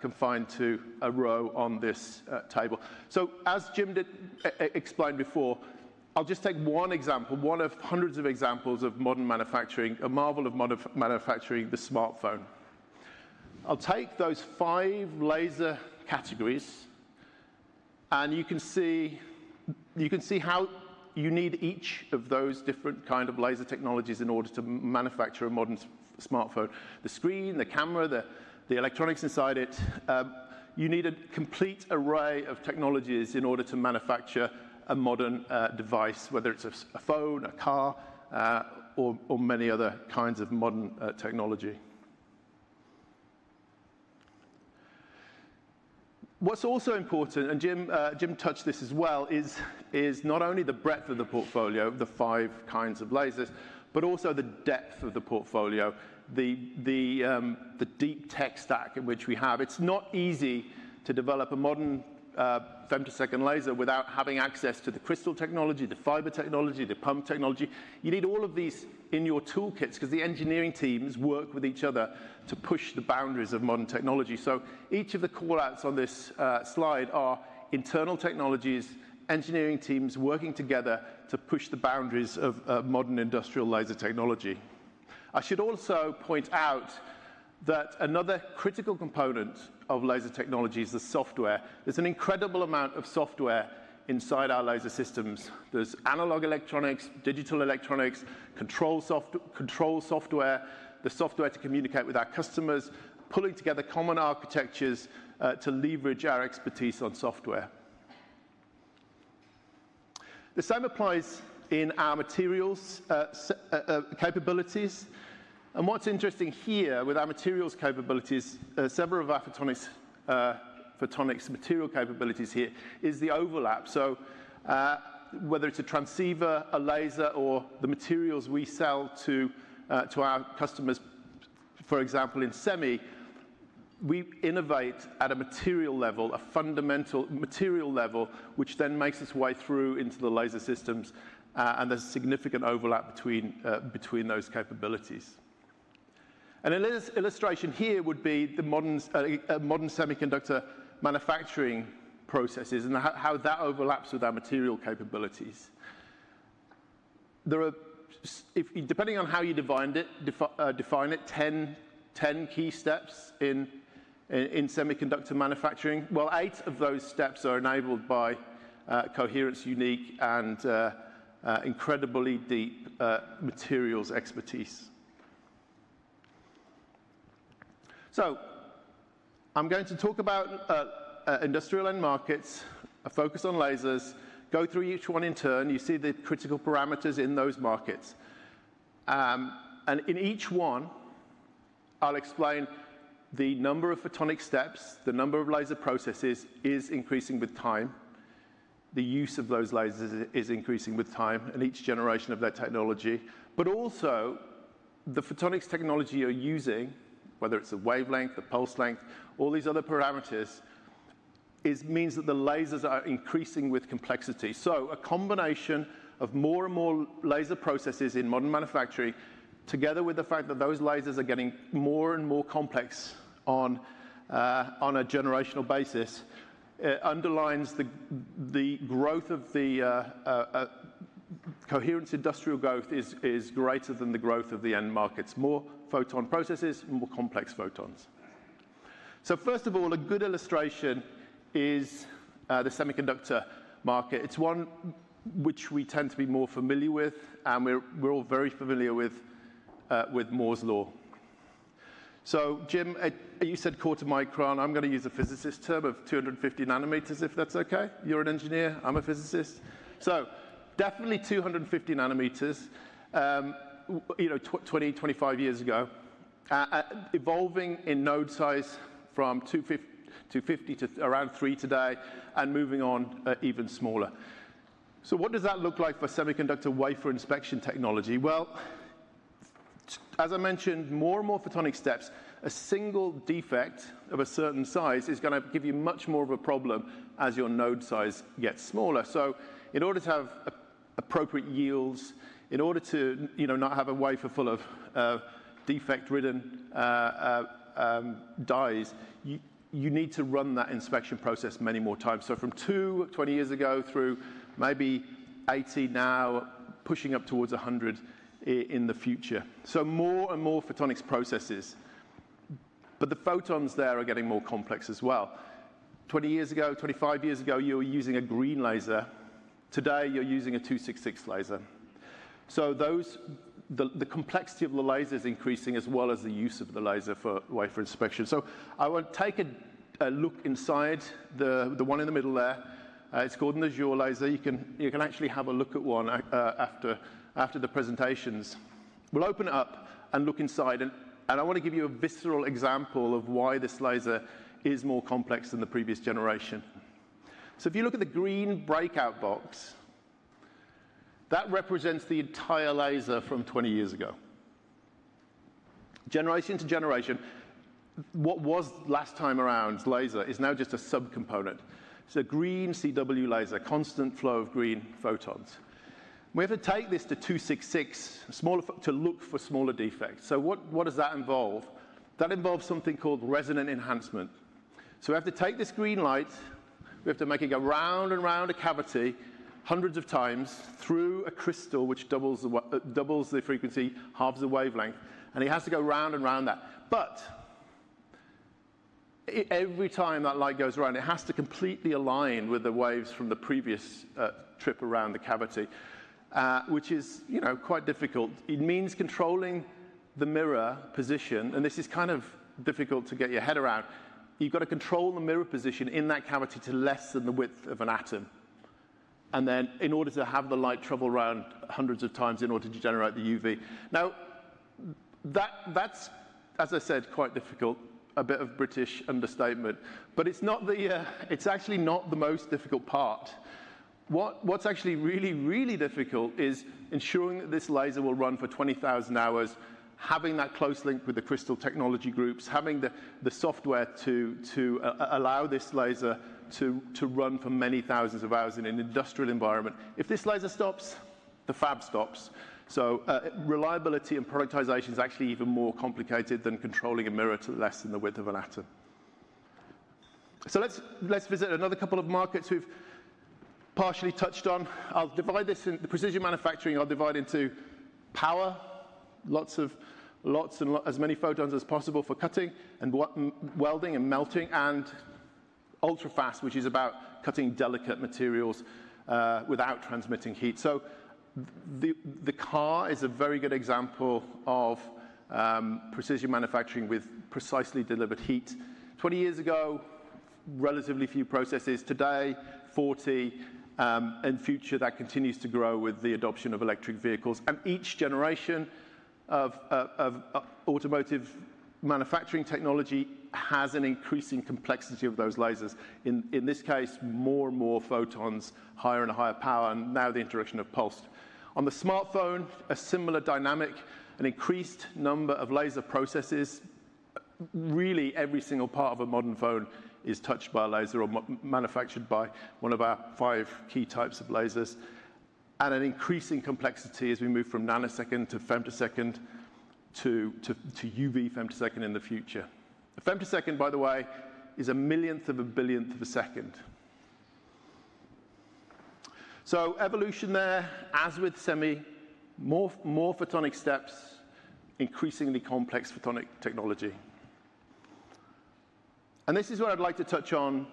confined to a row on this table. As Jim explained before, I'll just take one example, one of hundreds of examples of modern manufacturing, a marvel of modern manufacturing, the smartphone. I'll take those five laser categories, and you can see how you need each of those different kinds of laser technologies in order to manufacture a modern smartphone: the screen, the camera, the electronics inside it. You need a complete array of technologies in order to manufacture a modern device, whether it's a phone, a car, or many other kinds of modern technology. What's also important, and Jim touched this as well, is not only the breadth of the portfolio, the five kinds of lasers, but also the depth of the portfolio, the deep tech stack in which we have. It's not easy to develop a modern femtosecond laser without having access to the crystal technology, the fiber technology, the pump technology. You need all of these in your toolkits because the engineering teams work with each other to push the boundaries of modern technology. Each of the callouts on this slide are internal technologies, engineering teams working together to push the boundaries of modern industrial laser technology. I should also point out that another critical component of laser technology is the software. There's an incredible amount of software inside our laser systems. There's analog electronics, digital electronics, control software, the software to communicate with our customers, pulling together common architectures to leverage our expertise on software. The same applies in our materials capabilities. What's interesting here with our materials capabilities, several of our photonics material capabilities here, is the overlap. Whether it's a transceiver, a laser, or the materials we sell to our customers, for example, in semi, we innovate at a material level, a fundamental material level, which then makes its way through into the laser systems. There's a significant overlap between those capabilities. An illustration here would be the modern semiconductor manufacturing processes and how that overlaps with our material capabilities. Depending on how you define it, 10 key steps in semiconductor manufacturing. Eight of those steps are enabled by Coherent's unique and incredibly deep materials expertise. I'm going to talk about industrial end markets, a focus on lasers, go through each one in turn. You see the critical parameters in those markets. In each one, I'll explain the number of photonic steps. The number of laser processes is increasing with time. The use of those lasers is increasing with time and each generation of that technology. Also, the photonics technology you're using, whether it's a wavelength, a pulse length, all these other parameters, means that the lasers are increasing with complexity. A combination of more and more laser processes in modern manufacturing, together with the fact that those lasers are getting more and more complex on a generational basis, underlines the growth of the Coherent industrial growth is greater than the growth of the end markets. More photon processes, more complex photons. First of all, a good illustration is the semiconductor market. It's one which we tend to be more familiar with, and we're all very familiar with Moore's Law. Jim, you said quarter micron. I'm going to use a physicist term of 250 nanometers if that's okay. You're an engineer. I'm a physicist. Definitely 250 nanometers, 20, 25 years ago, evolving in node size from 250 to around 3 today and moving on even smaller. What does that look like for semiconductor wafer inspection technology? As I mentioned, more and more photonic steps, a single defect of a certain size is going to give you much more of a problem as your node size gets smaller. In order to have appropriate yields, in order to not have a wafer full of defect-ridden dies, you need to run that inspection process many more times. From 2, 20 years ago through maybe 80 now, pushing up towards 100 in the future. More and more photonics processes. The photons there are getting more complex as well. Twenty years ago, 25 years ago, you were using a green laser. Today, you're using a 266 laser. The complexity of the laser is increasing as well as the use of the laser for wafer inspection. I want to take a look inside the one in the middle there. It's called an Azure laser. You can actually have a look at one after the presentations. We'll open it up and look inside. I want to give you a visceral example of why this laser is more complex than the previous generation. If you look at the green breakout box, that represents the entire laser from 20 years ago. Generation to generation, what was last time around laser is now just a subcomponent. It's a green CW laser, constant flow of green photons. We have to take this to 266 to look for smaller defects. What does that involve? That involves something called resonant enhancement. We have to take this green light. We have to make it go round and round a cavity hundreds of times through a crystal, which doubles the frequency, halves the wavelength. It has to go round and round that. Every time that light goes around, it has to completely align with the waves from the previous trip around the cavity, which is quite difficult. It means controlling the mirror position. This is kind of difficult to get your head around. You've got to control the mirror position in that cavity to less than the width of an atom. In order to have the light travel around hundreds of times in order to generate the UV. That's, as I said, quite difficult, a bit of British understatement. It's actually not the most difficult part. What's actually really, really difficult is ensuring that this laser will run for 20,000 hours, having that close link with the crystal technology groups, having the software to allow this laser to run for many thousands of hours in an industrial environment. If this laser stops, the fab stops. So reliability and productization is actually even more complicated than controlling a mirror to less than the width of an atom. Let's visit another couple of markets we've partially touched on. I'll divide this in the precision manufacturing. I'll divide into power, lots and as many photons as possible for cutting and welding and melting, and ultra-fast, which is about cutting delicate materials without transmitting heat. The car is a very good example of precision manufacturing with precisely delivered heat. Twenty years ago, relatively few processes. Today, 40. In the future, that continues to grow with the adoption of electric vehicles. Each generation of automotive manufacturing technology has an increasing complexity of those lasers. In this case, more and more photons, higher and higher power, and now the interaction of pulse. On the smartphone, a similar dynamic, an increased number of laser processes. Really, every single part of a modern phone is touched by a laser or manufactured by one of our five key types of lasers. An increasing complexity as we move from nanosecond to femtosecond to UV femtosecond in the future. A femtosecond, by the way, is a millionth of a billionth of a second. Evolution there, as with semi, more photonic steps, increasingly complex photonic technology. This is what I'd like to touch on,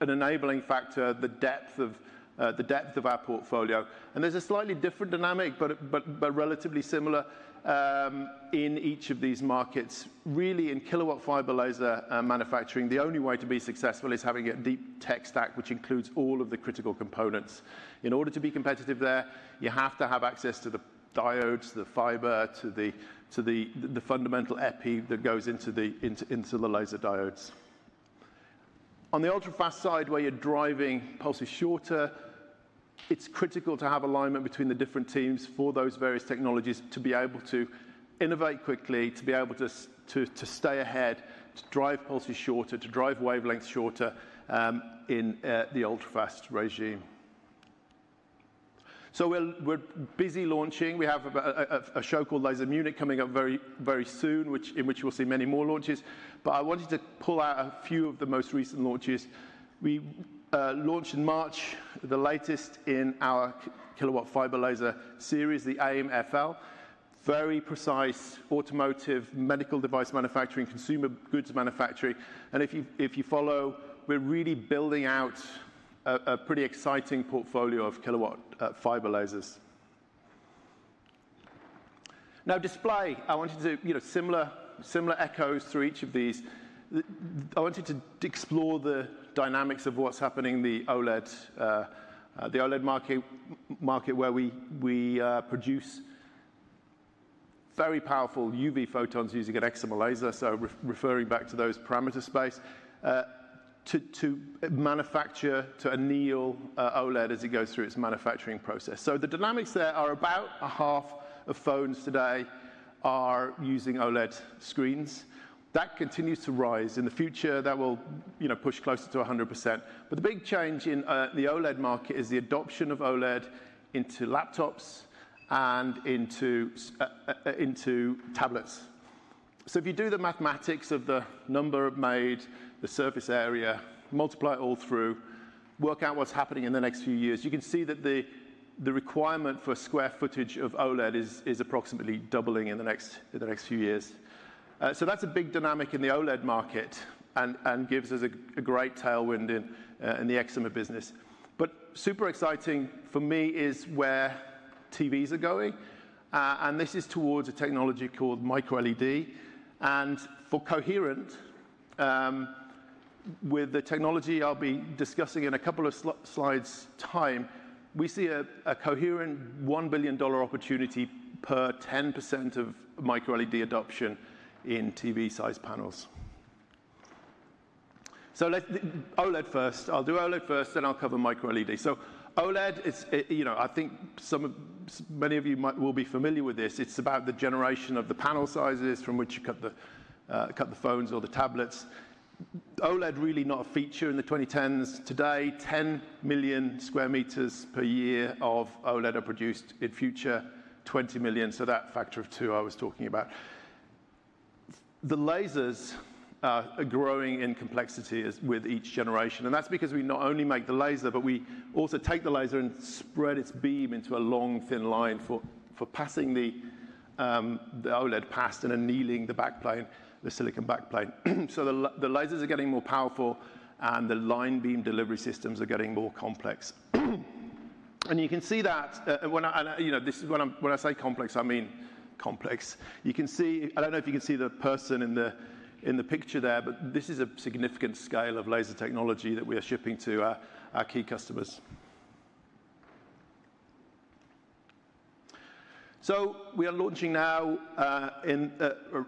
an enabling factor, the depth of our portfolio. There's a slightly different dynamic, but relatively similar in each of these markets. Really, in kilowatt fiber laser manufacturing, the only way to be successful is having a deep tech stack, which includes all of the critical components. In order to be competitive there, you have to have access to the diodes, the fiber, to the fundamental EPI that goes into the laser diodes. On the ultra-fast side, where you're driving pulses shorter, it's critical to have alignment between the different teams for those various technologies to be able to innovate quickly, to be able to stay ahead, to drive pulses shorter, to drive wavelengths shorter in the ultra-fast regime. We're busy launching. We have a show called Laser Munich coming up very soon, in which we'll see many more launches. I wanted to pull out a few of the most recent launches. We launched in March, the latest in our kilowatt fiber laser series, the AMFL, very precise automotive, medical device manufacturing, consumer goods manufacturing. If you follow, we're really building out a pretty exciting portfolio of kilowatt fiber lasers. Now, display, I wanted to do similar echoes through each of these. I wanted to explore the dynamics of what's happening in the OLED market, where we produce very powerful UV photons using an excimer laser, so referring back to those parameter space, to manufacture to anneal OLED as it goes through its manufacturing process. The dynamics there are about half of phones today are using OLED screens. That continues to rise. In the future, that will push closer to 100%. The big change in the OLED market is the adoption of OLED into laptops and into tablets. If you do the mathematics of the number made, the surface area, multiply it all through, work out what's happening in the next few years, you can see that the requirement for square footage of OLED is approximately doubling in the next few years. That's a big dynamic in the OLED market and gives us a great tailwind in the OLED business. Super exciting for me is where TVs are going. This is towards a technology called microLED. For Coherent, with the technology I'll be discussing in a couple of slides' time, we see a $1 billion opportunity per 10% of microLED adoption in TV-sized panels. OLED first. I'll do OLED first, then I'll cover microLED. OLED, I think many of you will be familiar with this. It's about the generation of the panel sizes from which you cut the phones or the tablets. OLED, really not a feature in the 2010s. Today, 10 million square meters per year of OLED are produced. In future, 20 million. That factor of two I was talking about. The lasers are growing in complexity with each generation. That's because we not only make the laser, but we also take the laser and spread its beam into a long, thin line for passing the OLED past and annealing the silicon backplane. The lasers are getting more powerful, and the line beam delivery systems are getting more complex. You can see that when I say complex, I mean complex. I don't know if you can see the person in the picture there, but this is a significant scale of laser technology that we are shipping to our key customers. We are launching now,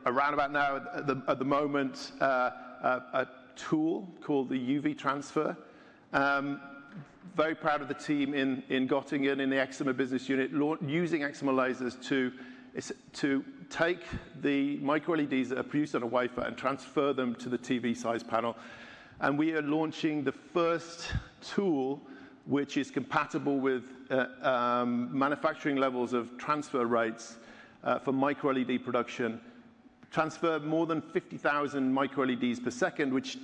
around about now, at the moment, a tool called the UV Transfer. Very proud of the team in Gottingen in the excimer laser business unit, using excimer lasers to take the microLEDs that are produced on a wafer and transfer them to the TV-sized panel. We are launching the first tool, which is compatible with manufacturing levels of transfer rates for microLED production, transfer more than 50,000 microLEDs per second, which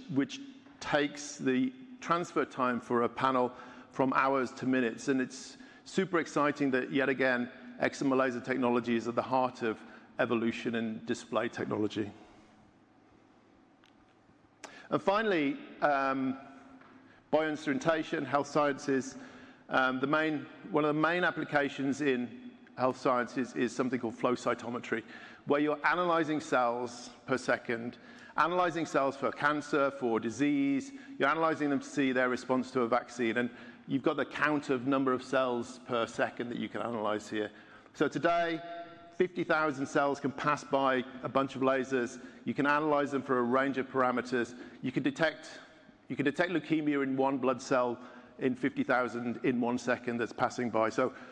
takes the transfer time for a panel from hours to minutes. It is super exciting that yet again, excimer laser technology is at the heart of evolution in display technology. Finally, bioinstrumentation, health sciences, one of the main applications in health sciences is something called flow cytometry, where you're analyzing cells per second, analyzing cells for cancer, for disease. You're analyzing them to see their response to a vaccine. You have the count of number of cells per second that you can analyze here. Today, 50,000 cells can pass by a bunch of lasers. You can analyze them for a range of parameters. You can detect leukemia in one blood cell in 50,000 in one second that's passing by.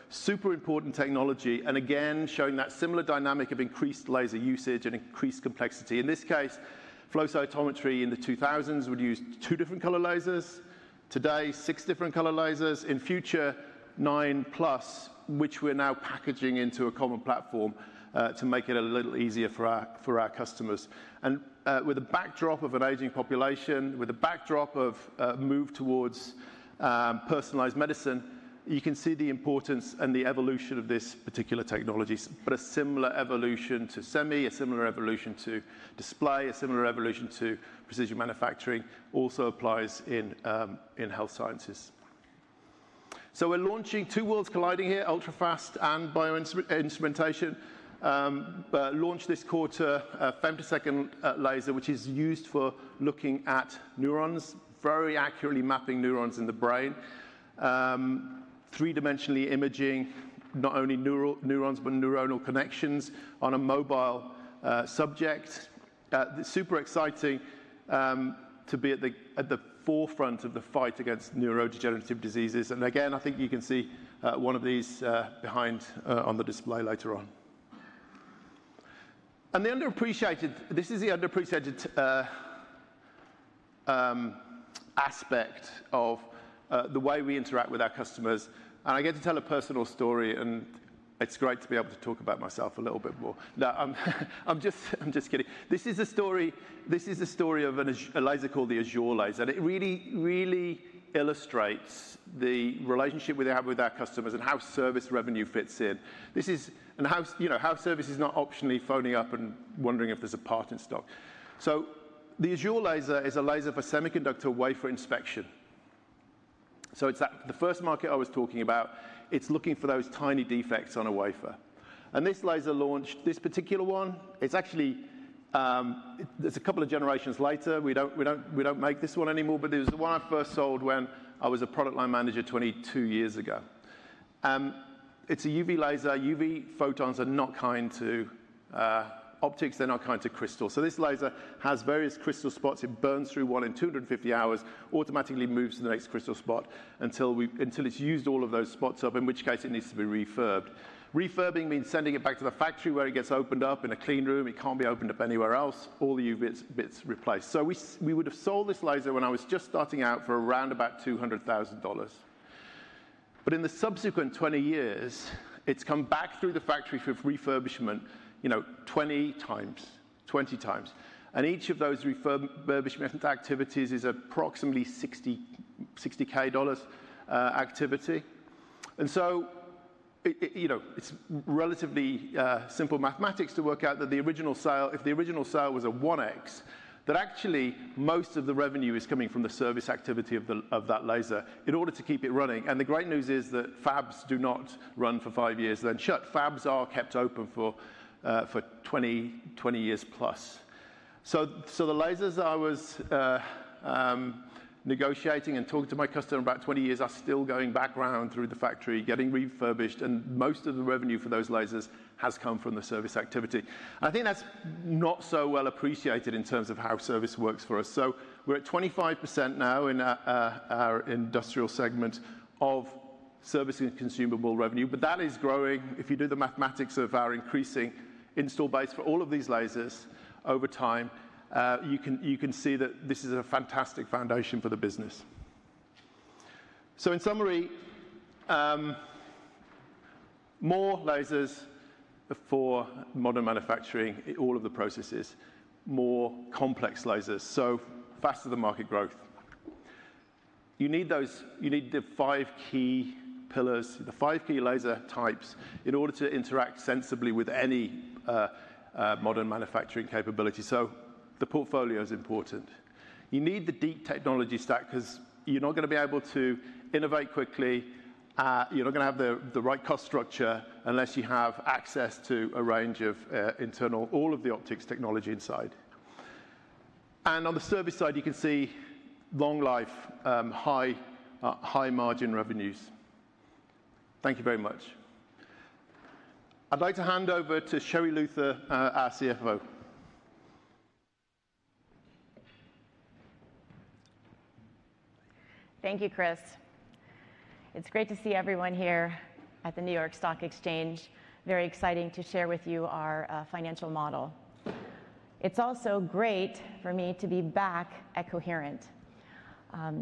Super important technology. Again, showing that similar dynamic of increased laser usage and increased complexity. In this case, flow cytometry in the 2000s would use two different color lasers. Today, six different color lasers. In future, nine plus, which we're now packaging into a common platform to make it a little easier for our customers. With the backdrop of an aging population, with the backdrop of a move towards personalized medicine, you can see the importance and the evolution of this particular technology. A similar evolution to semi, a similar evolution to display, a similar evolution to precision manufacturing also applies in health sciences. We are launching two worlds colliding here, ultra-fast and bioinstrumentation. Launched this quarter, femtosecond laser, which is used for looking at neurons, very accurately mapping neurons in the brain, three-dimensionally imaging not only neurons but neuronal connections on a mobile subject. Super exciting to be at the forefront of the fight against neurodegenerative diseases. I think you can see one of these behind on the display later on. This is the underappreciated aspect of the way we interact with our customers. I get to tell a personal story, and it's great to be able to talk about myself a little bit more. No, I'm just kidding. This is a story of a laser called the Azure Laser. It really, really illustrates the relationship we have with our customers and how service revenue fits in. House service is not optionally phoning up and wondering if there's a part in stock. The Azure Laser is a laser for semiconductor wafer inspection. It's the first market I was talking about. It's looking for those tiny defects on a wafer. This laser launched, this particular one, it's actually a couple of generations later. We don't make this one anymore, but it was the one I first sold when I was a product line manager 22 years ago. It's a UV laser. UV photons are not kind to optics. They're not kind to crystal. So this laser has various crystal spots. It burns through one in 250 hours, automatically moves to the next crystal spot until it's used all of those spots up, in which case it needs to be refurbed. Refurbing means sending it back to the factory where it gets opened up in a clean room. It can't be opened up anywhere else. All the UV bits replaced. We would have sold this laser when I was just starting out for around about $200,000. In the subsequent 20 years, it's come back through the factory for refurbishment 20 times, 20 times. Each of those refurbishment activities is approximately a $60,000 activity. It is relatively simple mathematics to work out that if the original sale was a 1X, that actually most of the revenue is coming from the service activity of that laser in order to keep it running. The great news is that fabs do not run for five years, then shut. Fabs are kept open for 20 years plus. The lasers I was negotiating and talking to my customer about 20 years ago are still going back round through the factory, getting refurbished. Most of the revenue for those lasers has come from the service activity. I think that is not so well appreciated in terms of how service works for us. We are at 25% now in our industrial segment of service and consumable revenue. That is growing. If you do the mathematics of our increasing install base for all of these lasers over time, you can see that this is a fantastic foundation for the business. In summary, more lasers for modern manufacturing, all of the processes, more complex lasers, so faster than market growth. You need the five key pillars, the five key laser types in order to interact sensibly with any modern manufacturing capability. The portfolio is important. You need the deep technology stack because you're not going to be able to innovate quickly. You're not going to have the right cost structure unless you have access to a range of internal all of the optics technology inside. On the service side, you can see long life, high margin revenues. Thank you very much. I'd like to hand over to Sherri Luther, our CFO. Thank you, Chris. It's great to see everyone here at the New York Stock Exchange. Very exciting to share with you our financial model. It's also great for me to be back at Coherent.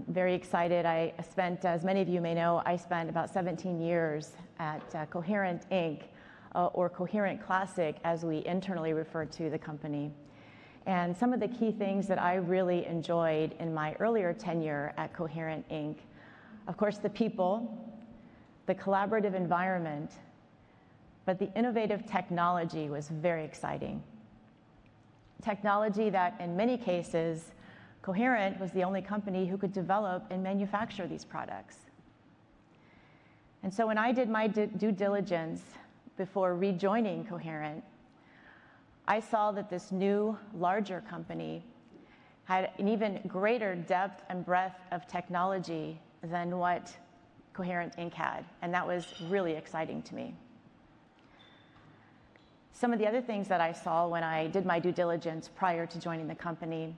Very excited. As many of you may know, I spent about 17 years at Coherent, or Coherent Classic, as we internally refer to the company. Some of the key things that I really enjoyed in my earlier tenure at Coherent, of course, the people, the collaborative environment, but the innovative technology was very exciting. Technology that, in many cases, Coherent was the only company who could develop and manufacture these products. When I did my due diligence before rejoining Coherent, I saw that this new, larger company had an even greater depth and breadth of technology than what Coherent had. That was really exciting to me. Some of the other things that I saw when I did my due diligence prior to joining the company,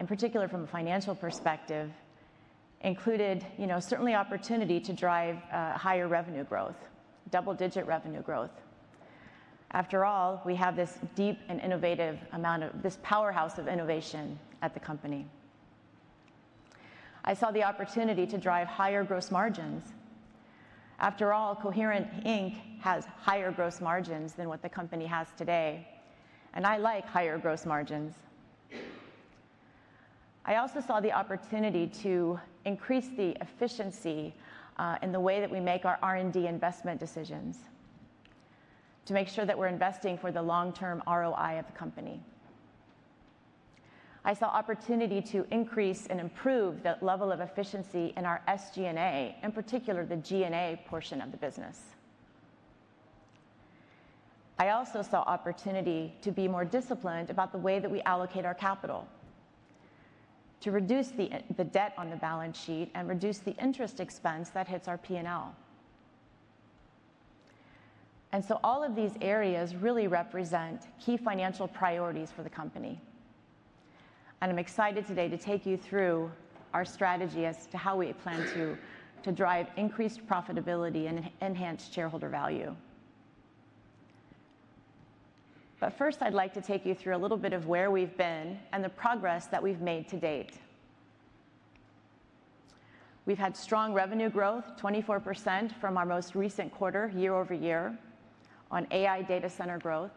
in particular from a financial perspective, included certainly opportunity to drive higher revenue growth, double-digit revenue growth. After all, we have this deep and innovative amount of this powerhouse of innovation at the company. I saw the opportunity to drive higher gross margins. After all, Coherent has higher gross margins than what the company has today. I like higher gross margins. I also saw the opportunity to increase the efficiency in the way that we make our R&D investment decisions to make sure that we're investing for the long-term ROI of the company. I saw opportunity to increase and improve the level of efficiency in our SG&A, in particular the G&A portion of the business. I also saw opportunity to be more disciplined about the way that we allocate our capital to reduce the debt on the balance sheet and reduce the interest expense that hits our P&L. All of these areas really represent key financial priorities for the company. I'm excited today to take you through our strategy as to how we plan to drive increased profitability and enhanced shareholder value. First, I'd like to take you through a little bit of where we've been and the progress that we've made to date. We've had strong revenue growth, 24% from our most recent quarter, year over year, on AI data center growth.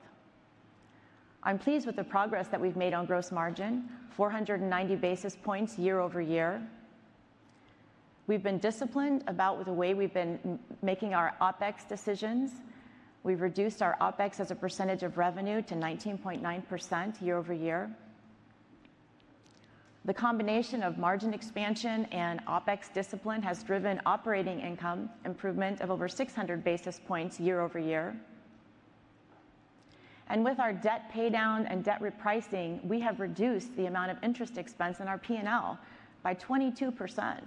I'm pleased with the progress that we've made on gross margin, 490 basis points year over year. We've been disciplined about the way we've been making our OpEx decisions. have reduced our OpEx as a percentage of revenue to 19.9% year- over- year. The combination of margin expansion and OpEx discipline has driven operating income improvement of over 600 basis points year over year. With our debt paydown and debt repricing, we have reduced the amount of interest expense in our P&L by 22%.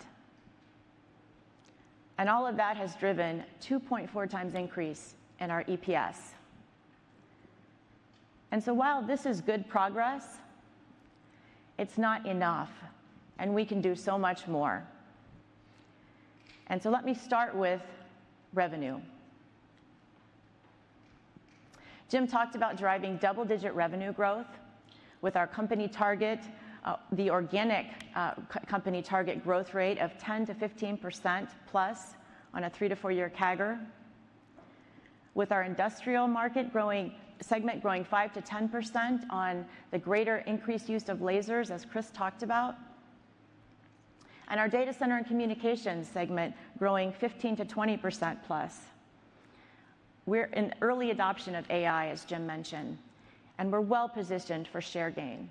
All of that has driven 2.4 times increase in our EPS. While this is good progress, it is not enough. We can do so much more. Let me start with revenue. Jim talked about driving double-digit revenue growth with our company target, the organic company target growth rate of 10% to 15% plus on a three to four-year CAGR, with our industrial market segment growing 5% to 10% on the greater increased use of lasers, as Chris talked about, and our data center and communications segment growing 15% to 20% plus. We're in early adoption of AI, as Jim mentioned. We're well positioned for share gain.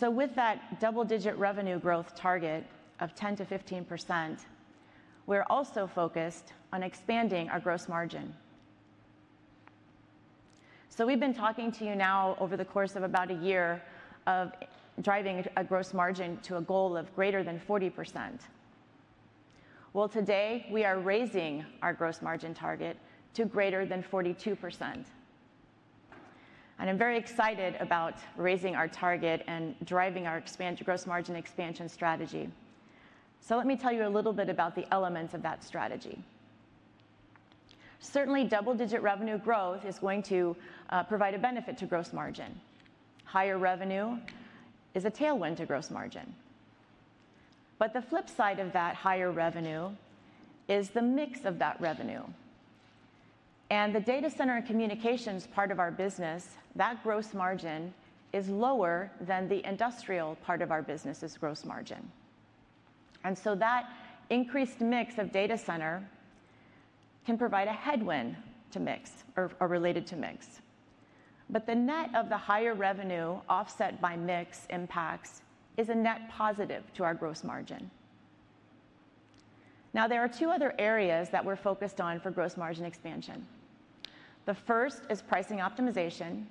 With that double-digit revenue growth target of 10% to 15%, we're also focused on expanding our gross margin. We've been talking to you now over the course of about a year of driving a gross margin to a goal of greater than 40%. Today, we are raising our Gross margin target to greater than 42%. I'm very excited about raising our target and driving our gross margin expansion strategy. Let me tell you a little bit about the elements of that strategy. Certainly, double-digit revenue growth is going to provide a benefit to Gross margin. Higher revenue is a tailwind to gross margin. The flip side of that higher revenue is the mix of that revenue. The data center and communications part of our business, that Gross margin is lower than the industrial part of our business's Gross margin. That increased mix of data center can provide a headwind to mix or related to mix. The net of the higher revenue offset by mix impacts is a net positive to our gross margin. There are two other areas that we're focused on for Gross margin expansion. The first is pricing optimization.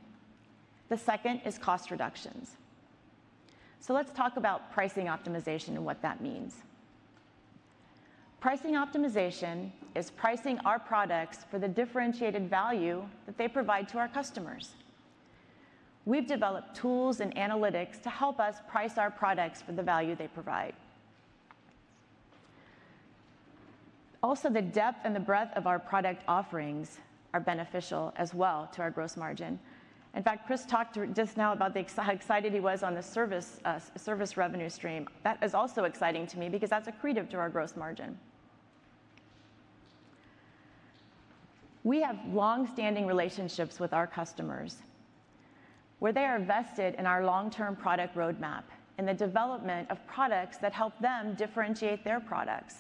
The second is cost reductions. Let's talk about pricing optimization and what that means. Pricing optimization is pricing our products for the differentiated value that they provide to our customers. We've developed tools and analytics to help us price our products for the value they provide. Also, the depth and the breadth of our product offerings are beneficial as well to our gross margin. In fact, Chris talked just now about how excited he was on the service revenue stream. That is also exciting to me because that's a credo to our gross margin. We have long-standing relationships with our customers where they are vested in our long-term product roadmap and the development of products that help them differentiate their products.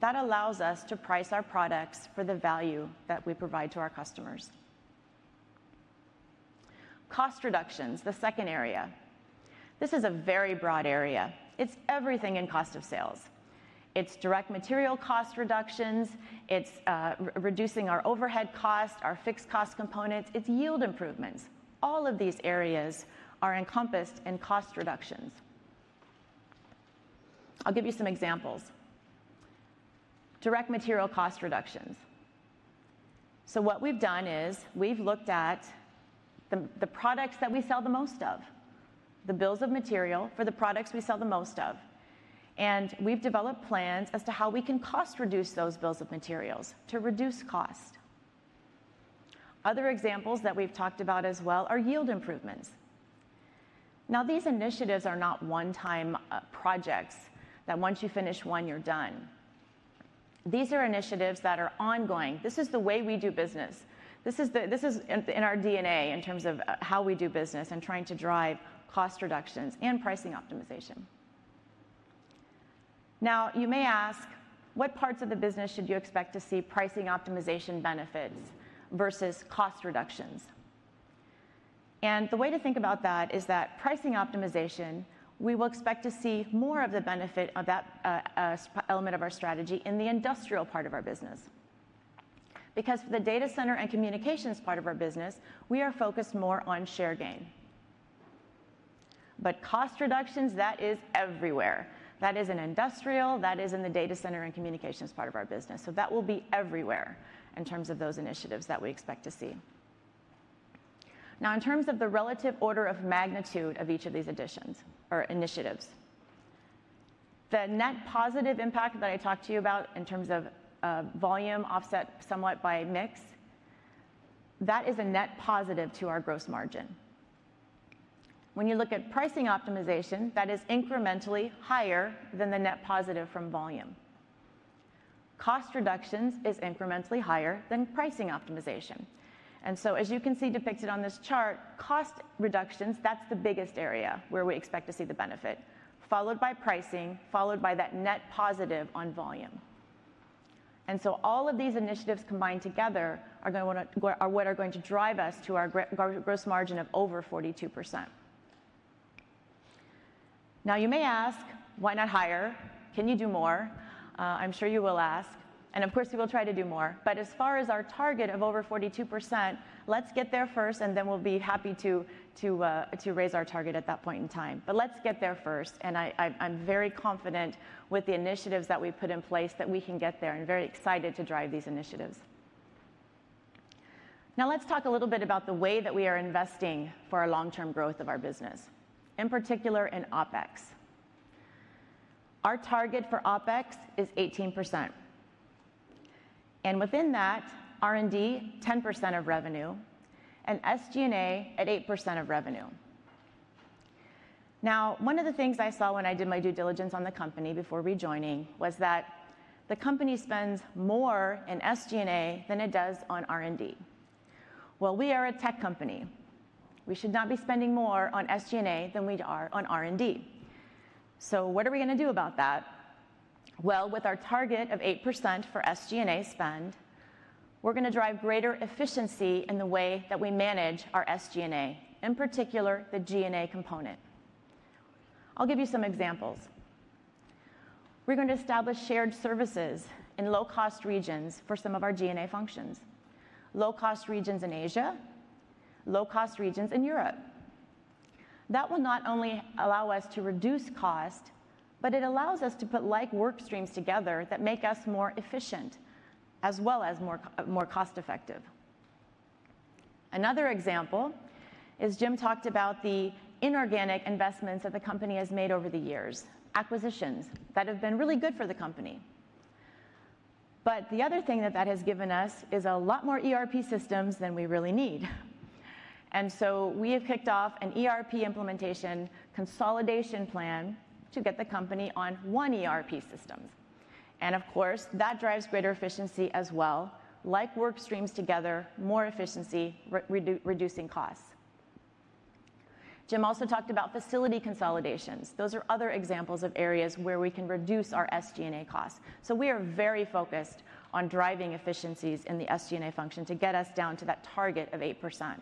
That allows us to price our products for the value that we provide to our customers. Cost reductions, the second area. This is a very broad area. It's everything in cost of sales. It's direct material cost reductions. It's reducing our overhead cost, our fixed cost components. It's yield improvements. All of these areas are encompassed in cost reductions. I'll give you some examples. Direct material cost reductions. What we've done is we've looked at the products that we sell the most of, the bills of material for the products we sell the most of. We've developed plans as to how we can cost reduce those bills of materials to reduce cost. Other examples that we've talked about as well are yield improvements. These initiatives are not one-time projects that once you finish one, you're done. These are initiatives that are ongoing. This is the way we do business. This is in our DNA in terms of how we do business and trying to drive cost reductions and pricing optimization. Now, you may ask, what parts of the business should you expect to see pricing optimization benefits versus cost reductions? The way to think about that is that pricing optimization, we will expect to see more of the benefit of that element of our strategy in the industrial part of our business. For the data center and communications part of our business, we are focused more on share gain. Cost reductions, that is everywhere. That is in industrial. That is in the data center and communications part of our business. That will be everywhere in terms of those initiatives that we expect to see. In terms of the relative order of magnitude of each of these initiatives, the net positive impact that I talked to you about in terms of volume offset somewhat by mix, that is a net positive to our Gross margin. When you look at pricing optimization, that is incrementally higher than the net positive from volume. Cost reductions is incrementally higher than pricing optimization. As you can see depicted on this chart, cost reductions, that's the biggest area where we expect to see the benefit, followed by pricing, followed by that net positive on volume. All of these initiatives combined together are what are going to drive us to our Gross margin of over 42%. You may ask, why not higher? Can you do more? I'm sure you will ask. Of course, we will try to do more. As far as our target of over 42%, let's get there first, and then we'll be happy to raise our target at that point in time. Let's get there first. I'm very confident with the initiatives that we put in place that we can get there and very excited to drive these initiatives. Now, let's talk a little bit about the way that we are investing for our long-term growth of our business, in particular in OpEx. Our target for OpEx is 18%. And within that, R&D, 10% of revenue, and SG&A at 8% of revenue. One of the things I saw when I did my due diligence on the company before rejoining was that the company spends more in SG&A than it does on R&D. We are a tech company. We should not be spending more on SG&A than we are on R&D. So what are we going to do about that? With our target of 8% for SG&A spend, we're going to drive greater efficiency in the way that we manage our SG&A, in particular the G&A component. I'll give you some examples. We're going to establish shared services in low-cost regions for some of our G&A functions, low-cost regions in Asia, low-cost regions in Europe. That will not only allow us to reduce cost, but it allows us to put like work streams together that make us more efficient as well as more cost-effective. Another example is Jim talked about the inorganic investments that the company has made over the years, acquisitions that have been really good for the company. The other thing that that has given us is a lot more ERP systems than we really need. We have kicked off an ERP implementation consolidation plan to get the company on one ERP system. Of course, that drives greater efficiency as well, like work streams together, more efficiency, reducing costs. Jim also talked about facility consolidations. Those are other examples of areas where we can reduce our SG&A costs. We are very focused on driving efficiencies in the SG&A function to get us down to that target of 8%.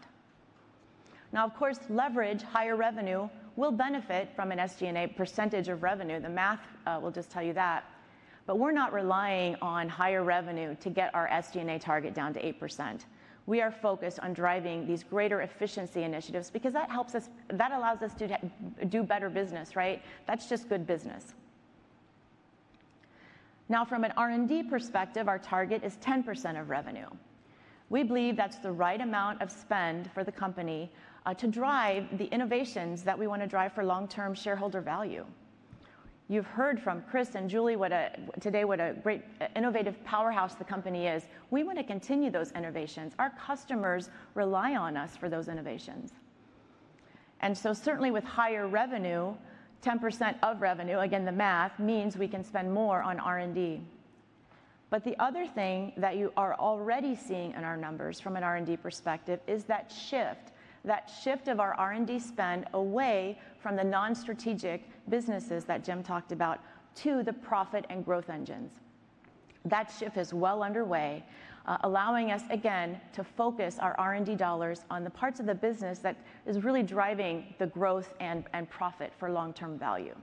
Now, of course, leverage higher revenue will benefit from an SG&A percentage of revenue. The math will just tell you that. We are not relying on higher revenue to get our SG&A target down to 8%. We are focused on driving these greater efficiency initiatives because that allows us to do better business, right? That is just good business. Now, from an R&D perspective, our target is 10% of revenue. We believe that is the right amount of spend for the company to drive the innovations that we want to drive for long-term shareholder value. You've heard from Chris and Julie today what a great innovative powerhouse the company is. We want to continue those innovations. Our customers rely on us for those innovations. Certainly with higher revenue, 10% of revenue, again, the math means we can spend more on R&D. The other thing that you are already seeing in our numbers from an R&D perspective is that shift, that shift of our R&D spend away from the non-strategic businesses that Jim talked about to the profit and growth engines. That shift is well underway, allowing us, again, to focus our R&D dollars on the parts of the business that is really driving the growth and profit for long-term value.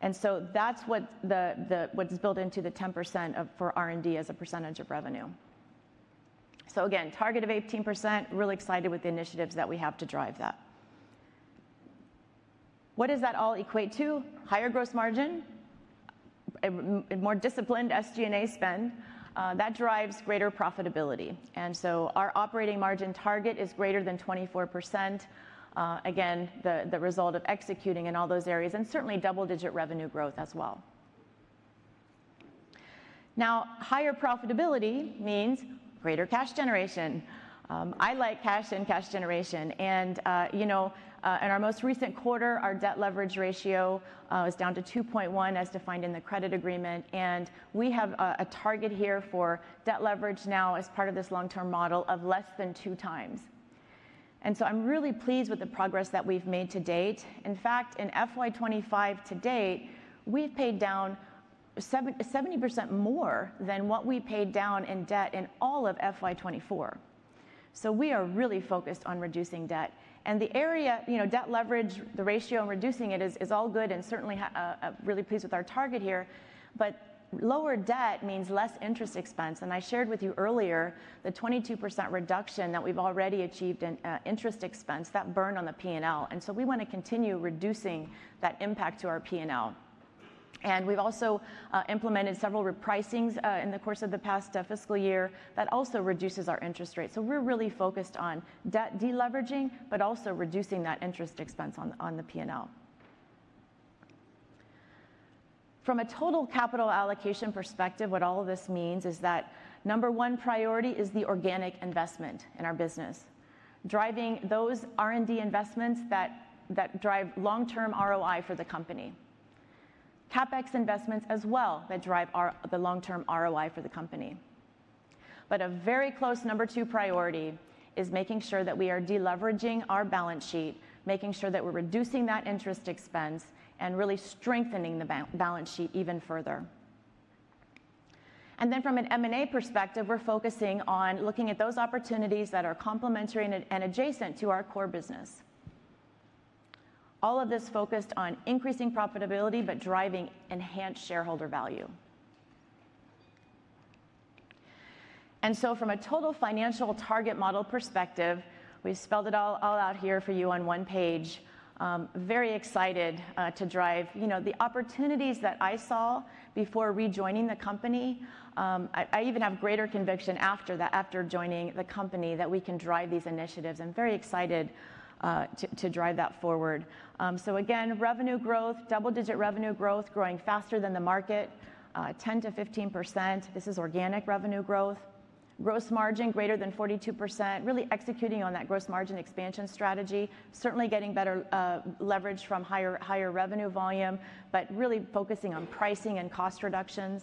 That's what's built into the 10% for R&D as a percentage of revenue. Again, target of 18%, really excited with the initiatives that we have to drive that. What does that all equate to? Higher Gross margin, more disciplined SG&A spend. That drives greater profitability. Our operating margin target is greater than 24%, again, the result of executing in all those areas and certainly double-digit revenue growth as well. Now, higher profitability means greater cash generation. I like cash and cash generation. In our most recent quarter, our debt leverage ratio is down to 2.1 as defined in the credit agreement. We have a target here for debt leverage now as part of this long-term model of less than two times. I'm really pleased with the progress that we've made to date. In fact, in FY2025 to date, we've paid down 70% more than what we paid down in debt in all of FY2024. We are really focused on reducing debt. The debt leverage, the ratio in reducing it is all good and certainly really pleased with our target here. Lower debt means less interest expense. I shared with you earlier the 22% reduction that we've already achieved in interest expense, that burn on the P&L. We want to continue reducing that impact to our P&L. We've also implemented several repricings in the course of the past fiscal year that also reduces our interest rate. We're really focused on debt deleveraging, but also reducing that interest expense on the P&L. From a total capital allocation perspective, what all of this means is that number one priority is the organic investment in our business, driving those R&D investments that drive long-term ROI for the company, CapEx investments as well that drive the long-term ROI for the company. A very close number two priority is making sure that we are deleveraging our balance sheet, making sure that we're reducing that interest expense and really strengthening the Balance sheet even further. From an M&A perspective, we're focusing on looking at those opportunities that are complementary and adjacent to our core business. All of this focused on increasing profitability but driving enhanced shareholder value. From a total financial target model perspective, we spelled it all out here for you on one page. Very excited to drive the opportunities that I saw before rejoining the company. I even have greater conviction after joining the company that we can drive these initiatives. I'm very excited to drive that forward. Again, revenue growth, double-digit revenue growth, growing faster than the market, 10% to 15%. This is organic revenue growth. Gross margin greater than 42%, really executing on that gross margin expansion strategy, certainly getting better leverage from higher revenue volume, but really focusing on pricing and cost reductions.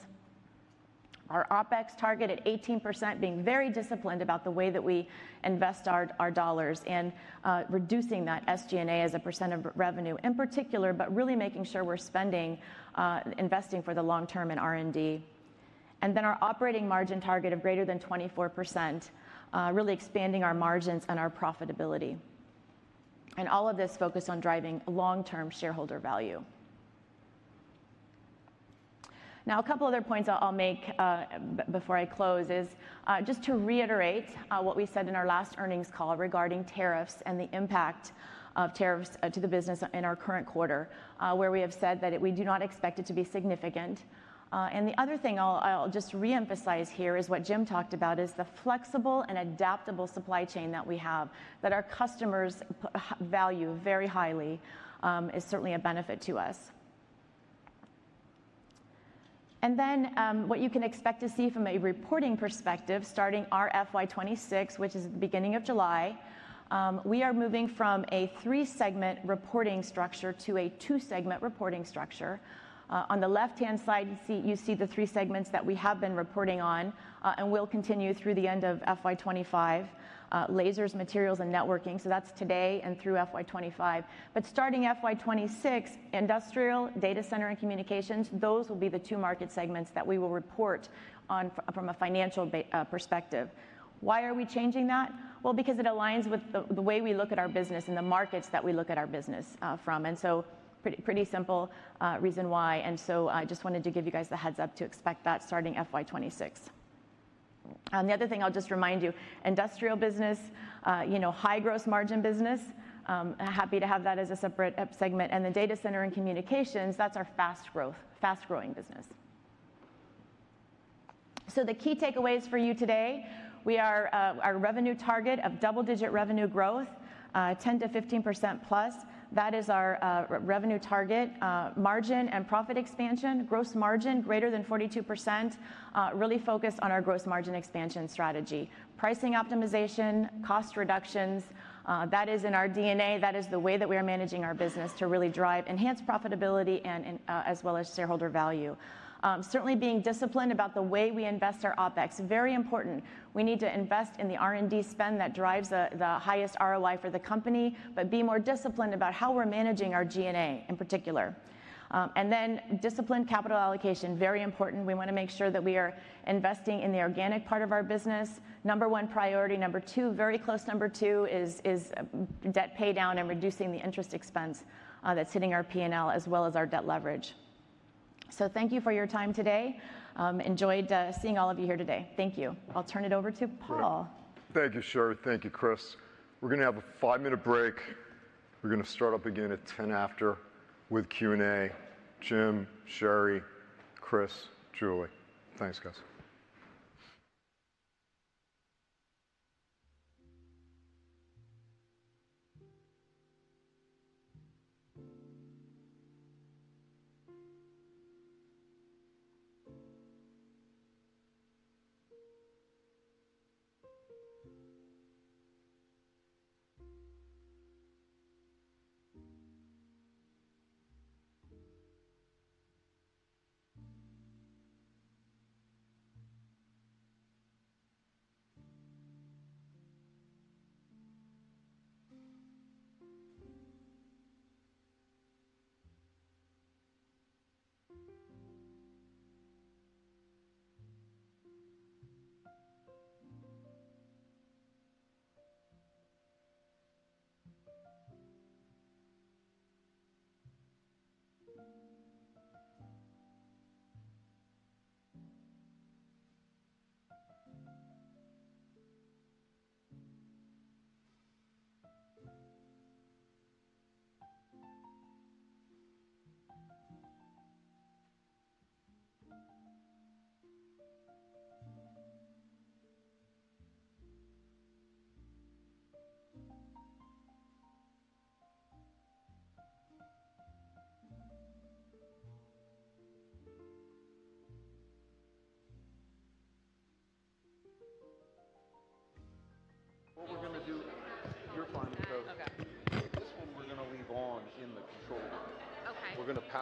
Our OpEx target at 18%, being very disciplined about the way that we invest our dollars and reducing that SG&A as a percent of revenue in particular, but really making sure we're spending, investing for the long term in R&D. Our operating margin target of greater than 24%, really expanding our margins and our profitability. All of this focused on driving long-term shareholder value. A couple of other points I'll make before I close is just to reiterate what we said in our last earnings call regarding tariffs and the impact of tariffs to the business in our current quarter, where we have said that we do not expect it to be significant. The other thing I'll just reemphasize here is what Jim talked about is the flexible and adaptable supply chain that we have that our customers value very highly. It is certainly a benefit to us. What you can expect to see from a reporting perspective, starting our FY 2026, which is the beginning of July, we are moving from a three-segment reporting structure to a two-segment reporting structure. On the left-hand side, you see the three segments that we have been reporting on and will continue through the end of FY 2025: lasers, materials, and networking. That is today and through FY 2025. Starting FY 2026, industrial, data center, and communications, those will be the two market segments that we will report on from a financial perspective. Why are we changing that? Because it aligns with the way we look at our business and the markets that we look at our business from. Pretty simple reason why. I just wanted to give you guys the heads up to expect that starting FY 2026. The other thing I'll just remind you, industrial business, high gross margin business, happy to have that as a separate segment. The data center and communications, that's our fast growth, fast growing business. The key takeaways for you today, we are our revenue target of double-digit revenue growth, 10% to 15% plus. That is our revenue target. Margin and profit expansion, gross margin greater than 42%, really focused on our gross margin expansion strategy. Pricing optimization, cost reductions, that is in our DNA. That is the way that we are managing our business to really drive enhanced profitability as well as shareholder value. Certainly being disciplined about the way we invest our OpEx, very important. We need to invest in the R&D spend that drives the highest ROI for the company, but be more disciplined about how we're managing our G&A in particular. Disciplined capital allocation, very important. We want to make sure that we are investing in the organic part of our business, number one priority. Number two, very close number two is debt paydown and reducing the interest expense that's hitting our P&L as well as our debt leverage. Thank you for your time today. Enjoyed seeing all of you here today. Thank you. I'll turn it over to Paul. Thank you, Sherri. Thank you, Chris. We're going to have a five-minute break. We're going to start up again at 10 after with Q&A. Jim, Sherri, Chris, Julie. Thanks, guys.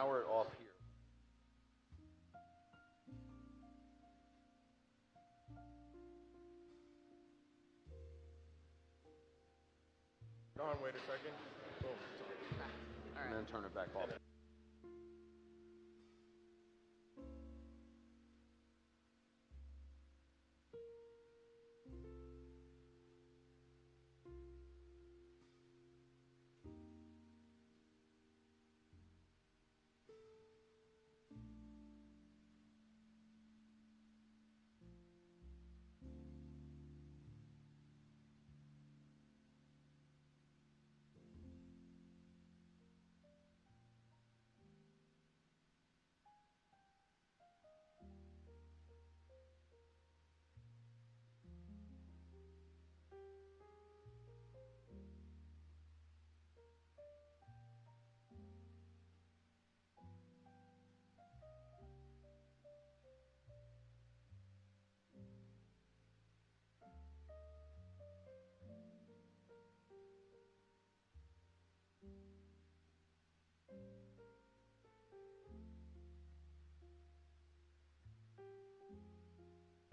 What we're going to do, you're fine, coach. This one we're going to leave on in the control room. We're going to power it off here. John, wait a second. Oh, sorry. And then turn it back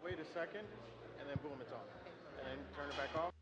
off. Wait a second, and then boom, it's on. And then turn it back off.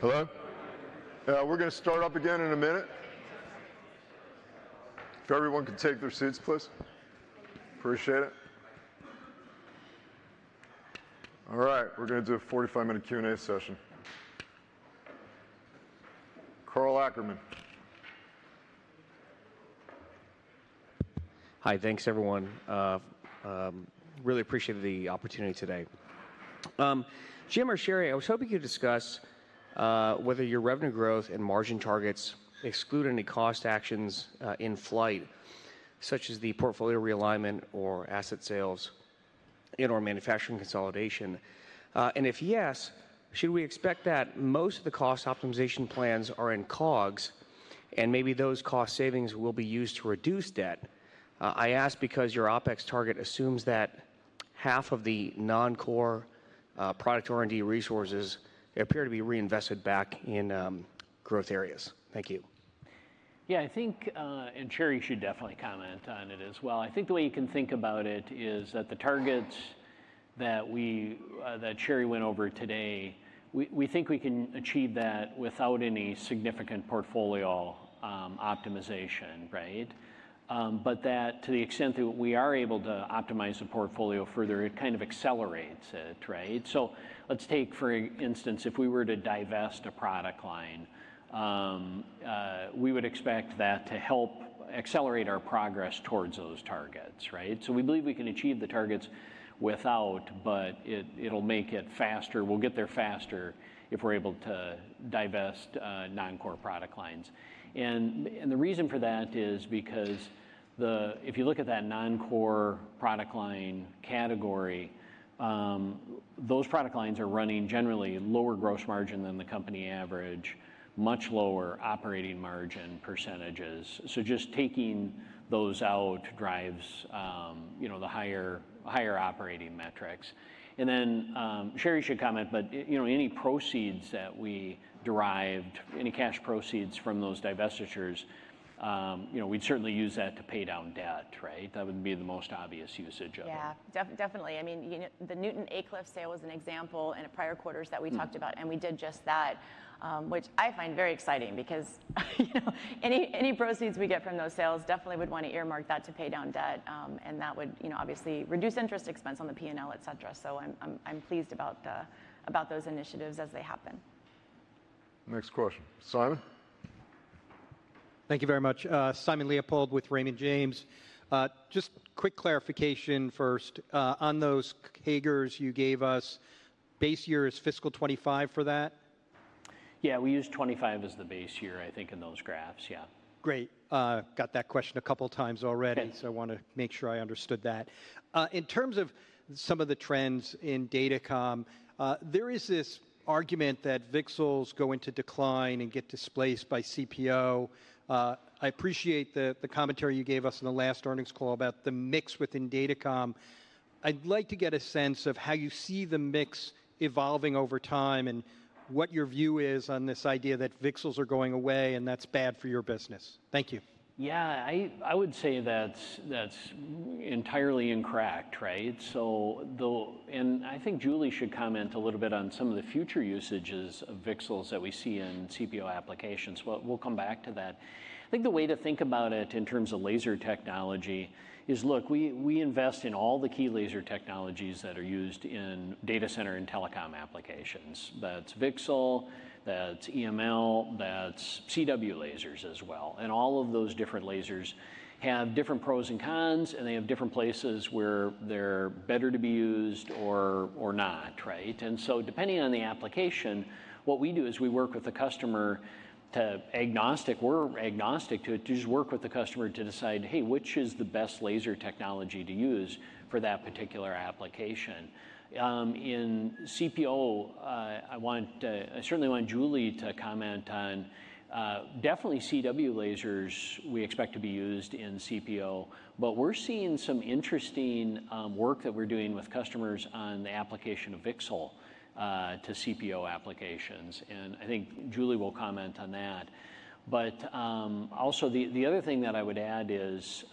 Hello? We're going to start up again in a minute. If everyone can take their seats, please. Appreciate it. All right, we're going to do a 45-minute Q&A session. Karl Ackerman. Hi, thanks everyone. Really appreciate the opportunity today. Jim or Sherri, I was hoping you'd discuss whether your revenue growth and margin targets exclude any cost actions in flight, such as the portfolio realignment or asset sales and/or manufacturing consolidation. If yes, should we expect that most of the cost optimization plans are in COGS, and maybe those cost savings will be used to reduce debt? I ask because your OpEx target assumes that half of the non-core product R&D resources appear to be reinvested back in growth areas. Thank you. Yeah, I think, and Sherri should definitely comment on it as well. I think the way you can think about it is that the targets that Sherri went over today, we think we can achieve that without any significant portfolio optimization, right? To the extent that we are able to optimize the portfolio further, it kind of accelerates it, right? Let's take for instance, if we were to divest a product line, we would expect that to help accelerate our progress towards those targets, right? We believe we can achieve the targets without, but it will make it faster. We will get there faster if we are able to divest non-core product lines. The reason for that is because if you look at that non-core product line category, those product lines are running generally lower gross margin than the company average, much lower operating margin percentages. Just taking those out drives the higher operating metrics. Sherri should comment, but any proceeds that we derived, any cash proceeds from those divestitures, we would certainly use that to pay down debt, right? That would be the most obvious usage of it. Yeah, definitely. I mean, the Newton-Aycliffe sale was an example in prior quarters that we talked about, and we did just that, which I find very exciting because any proceeds we get from those sales definitely would want to earmark that to pay down debt, and that would obviously reduce interest expense on the P&L, et cetera. I am pleased about those initiatives as they happen. Next question, Simon. Thank you very much. Simon Leopold with Raymond James. Just quick clarification first. On those CAGRs you gave us, base year is fiscal 2025 for that? Yeah, we use 2025 as the base year, I think, in those graphs, yeah. Great. Got that question a couple of times already, so I want to make sure I understood that. In terms of some of the trends in datacom, there is this argument that VCSELs go into decline and get displaced by CPO. I appreciate the commentary you gave us in the last earnings call about the mix within datacom. I'd like to get a sense of how you see the mix evolving over time and what your view is on this idea that VCSELs are going away and that's bad for your business. Thank you. Yeah, I would say that's entirely incorrect, right? I think Julie should comment a little bit on some of the future usages of VCSELs that we see in CPO applications. We'll come back to that. I think the way to think about it in terms of laser technology is, look, we invest in all the key laser technologies that are used in data center and telecom applications. That's VCSEL, that's EML, that's CW lasers as well. All of those different lasers have different pros and cons, and they have different places where they're better to be used or not, right? Depending on the application, what we do is we work with the customer, we're agnostic to it, to just work with the customer to decide, hey, which is the best laser technology to use for that particular application. In CPO, I certainly want Julie to comment on definitely CW lasers we expect to be used in CPO, but we're seeing some interesting work that we're doing with customers on the application of VCSEL to CPO applications. I think Julie will comment on that. Also, the other thing that I would add is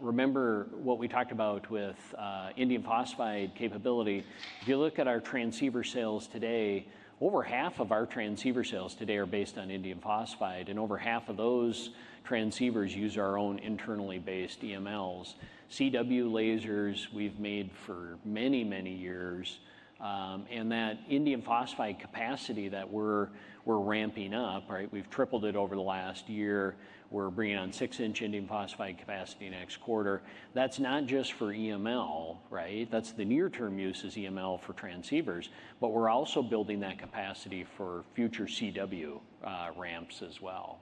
remember what we talked about with Indium Phosphide capability. If you look at our transceiver sales today, over half of our transceiver sales today are based on Indium Phosphide, and over half of those transceivers use our own internally based EMLs. CW lasers we've made for many, many years, and that Indium Phosphide capacity that we're ramping up, right? We've tripled it over the last year. We're bringing on six-inch Indium Phosphide capacity next quarter. That's not just for EML, right? That's the near-term use is EML for transceivers, but we're also building that capacity for future CW ramps as well.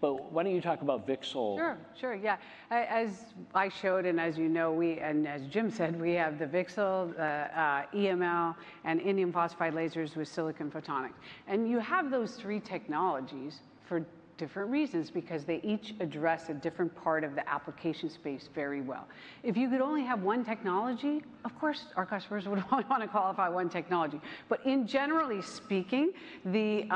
Why don't you talk about VCSEL? Sure, sure, yeah. As I showed, and as you know, and as Jim said, we have the VCSEL, EML, and Indium Phosphide lasers with silicon photonics. You have those three technologies for different reasons because they each address a different part of the application space very well. If you could only have one technology, of course our customers would only want to qualify one technology. But in generally speaking, the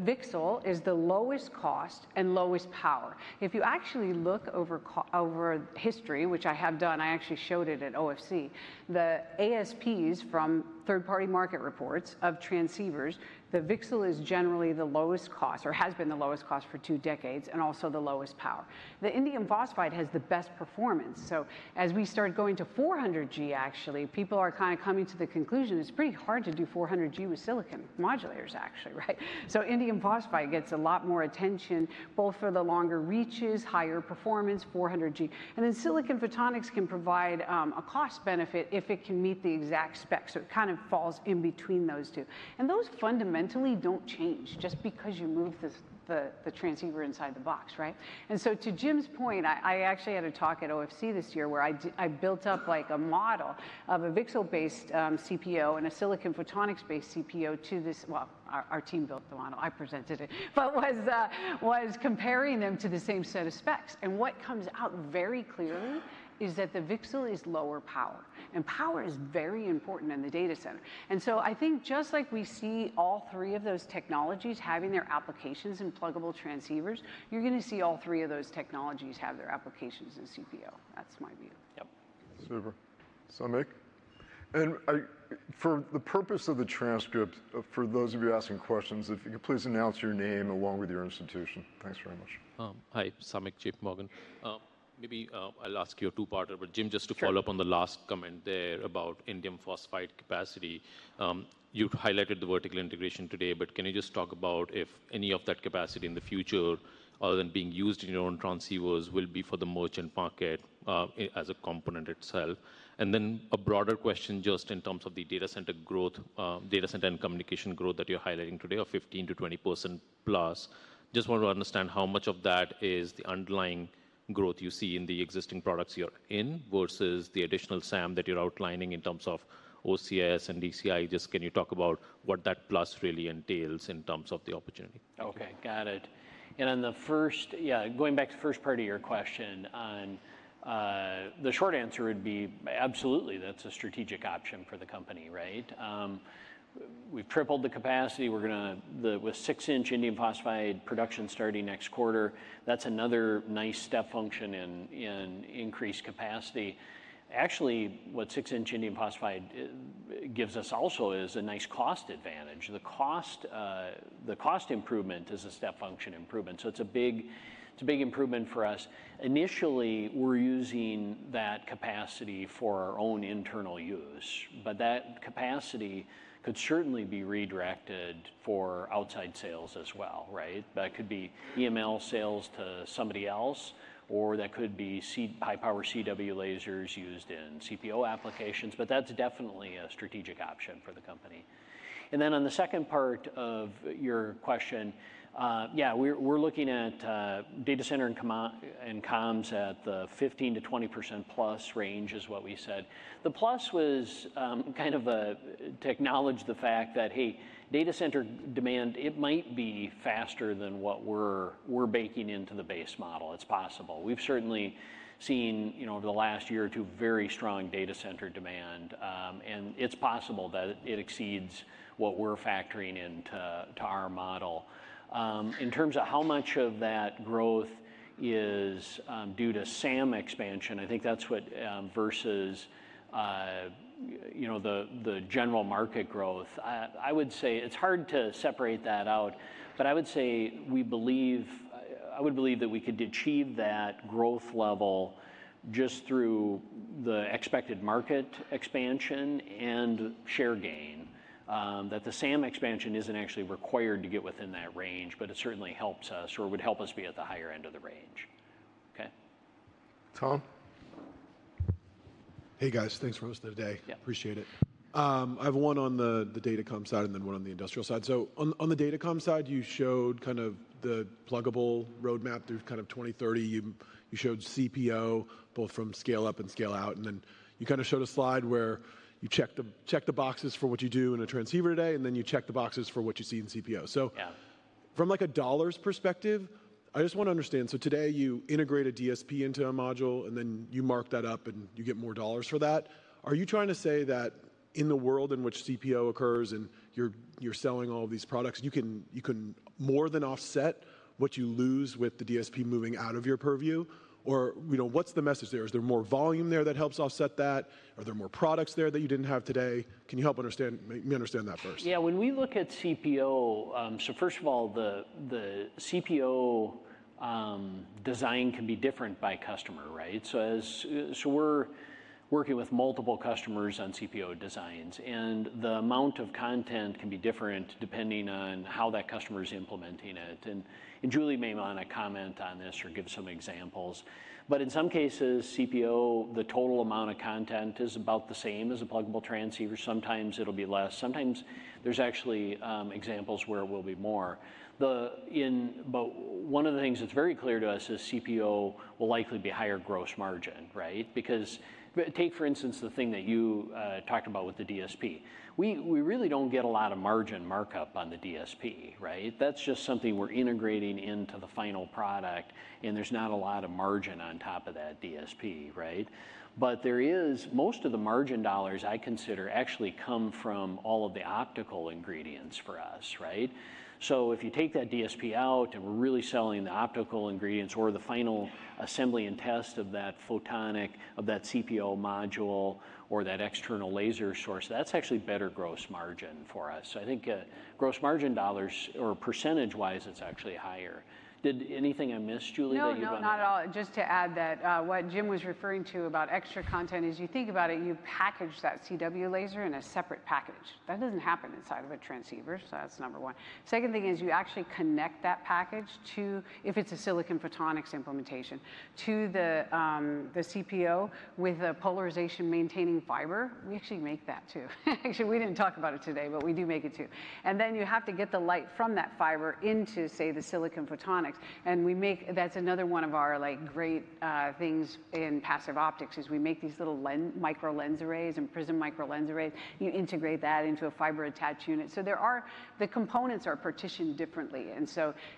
VCSEL is the lowest cost and lowest power. If you actually look over history, which I have done, I actually showed it at OFC, the ASPs from third-party market reports of transceivers, the VCSEL is generally the lowest cost or has been the lowest cost for two decades and also the lowest power. The Indium Phosphide has the best performance. As we start going to 400G, actually, people are kind of coming to the conclusion it's pretty hard to do 400G with silicon modulators, actually, right? Indium Phosphide gets a lot more attention, both for the longer reaches, higher performance, 400G. Silicon photonics can provide a cost benefit if it can meet the exact spec. It kind of falls in between those two. Those fundamentally do not change just because you move the transceiver inside the box, right? To Jim's point, I actually had a talk at OFC this year where I built up a model of a VCSEL-based CPO and a silicon photonics-based CPO to this, well, our team built the model, I presented it, but was comparing them to the same set of specs. What comes out very clearly is that the VCSEL is lower power. Power is very important in the data center. I think just like we see all three of those technologies having their applications in pluggable transceivers, you are going to see all three of those technologies have their applications in CPO. That is my view. Yep. Super. Samik. For the purpose of the transcript, for those of you asking questions, if you could please announce your name along with your institution. Thanks very much. Hi, Samik, JPMorgan. Maybe I'll ask you a two-parter, but Jim, just to follow up on the last comment there about Indium Phosphide capacity. You highlighted the vertical integration today, but can you just talk about if any of that capacity in the future, other than being used in your own transceivers, will be for the merchant market as a component itself? A broader question just in terms of the data center growth, data center and communication growth that you're highlighting today of 15% to 20% plus. Just want to understand how much of that is the underlying growth you see in the existing products you're in versus the additional SAM that you're outlining in terms of OCS and DCI. Just can you talk about what that plus really entails in terms of the opportunity? Okay, got it. On the first, yeah, going back to the first part of your question, the short answer would be absolutely that's a strategic option for the company, right? We've tripled the capacity. We're going to, with six-inch Indium Phosphide production starting next quarter, that's another nice step function in increased capacity. Actually, what six-inch Indium Phosphide gives us also is a nice cost advantage. The cost improvement is a step function improvement. It is a big improvement for us. Initially, we're using that capacity for our own internal use, but that capacity could certainly be redirected for outside sales as well, right? That could be EML sales to somebody else, or that could be high-power CW lasers used in CPO applications, but that's definitely a strategic option for the company. On the second part of your question, yeah, we're looking at data center and comms at the 15%-20% plus range is what we said. The plus was kind of to acknowledge the fact that, hey, data center demand, it might be faster than what we're baking into the base model. It's possible. We've certainly seen over the last year or two very strong data center demand, and it's possible that it exceeds what we're factoring into our model. In terms of how much of that growth is due to SAM expansion, I think that's what versus the general market growth, I would say it's hard to separate that out, but I would say we believe, I would believe that we could achieve that growth level just through the expected market expansion and share gain, that the SAM expansion isn't actually required to get within that range, but it certainly helps us or would help us be at the higher end of the range. Okay. Tom? Hey guys, thanks for hosting today. Appreciate it. I have one on the data com side and then one on the industrial side. In the data com side, you showed kind of the pluggable roadmap through kind of 2030. You showed CPO both from scale up and scale out, and then you kind of showed a slide where you check the boxes for what you do in a transceiver today, and then you check the boxes for what you see in CPO. From like a dollars perspective, I just want to understand. Today you integrate a DSP into a module, and then you mark that up and you get more dollars for that. Are you trying to say that in the world in which CPO occurs and you're selling all of these products, you can more than offset what you lose with the DSP moving out of your purview? What's the message there? Is there more volume there that helps offset that? Are there more products there that you didn't have today? Can you help me understand that first? Yeah, when we look at CPO, first of all, the CPO design can be different by customer, right? We're working with multiple customers on CPO designs, and the amount of content can be different depending on how that customer is implementing it. Julie may want to comment on this or give some examples. In some cases, CPO, the total amount of content is about the same as a pluggable transceiver. Sometimes it'll be less. Sometimes there's actually examples where it will be more. One of the things that's very clear to us is CPO will likely be higher gross margin, right? Because take for instance the thing that you talked about with the DSP. We really don't get a lot of margin markup on the DSP, right? That's just something we're integrating into the final product, and there's not a lot of margin on top of that DSP, right? But there is, most of the margin dollars I consider actually come from all of the optical ingredients for us, right? If you take that DSP out and we're really selling the optical ingredients or the final assembly and test of that photonic, of that CPO module or that external laser source, that's actually better gross margin for us. I think gross margin dollars or percentage-wise, it's actually higher. Did anything I missed, Julie, that you don't? No, no, not at all. Just to add that what Jim was referring to about extra content is you think about it, you package that CW laser in a separate package. That doesn't happen inside of a transceiver, so that's number one. Second thing is you actually connect that package to, if it's a silicon photonics implementation, to the CPO with a polarization maintaining fiber. We actually make that too. Actually, we did not talk about it today, but we do make it too. You have to get the light from that fiber into, say, the silicon photonics. That is another one of our great things in passive optics, as we make these little micro lens arrays and prism micro lens arrays. You integrate that into a fiber attach unit. The components are partitioned differently.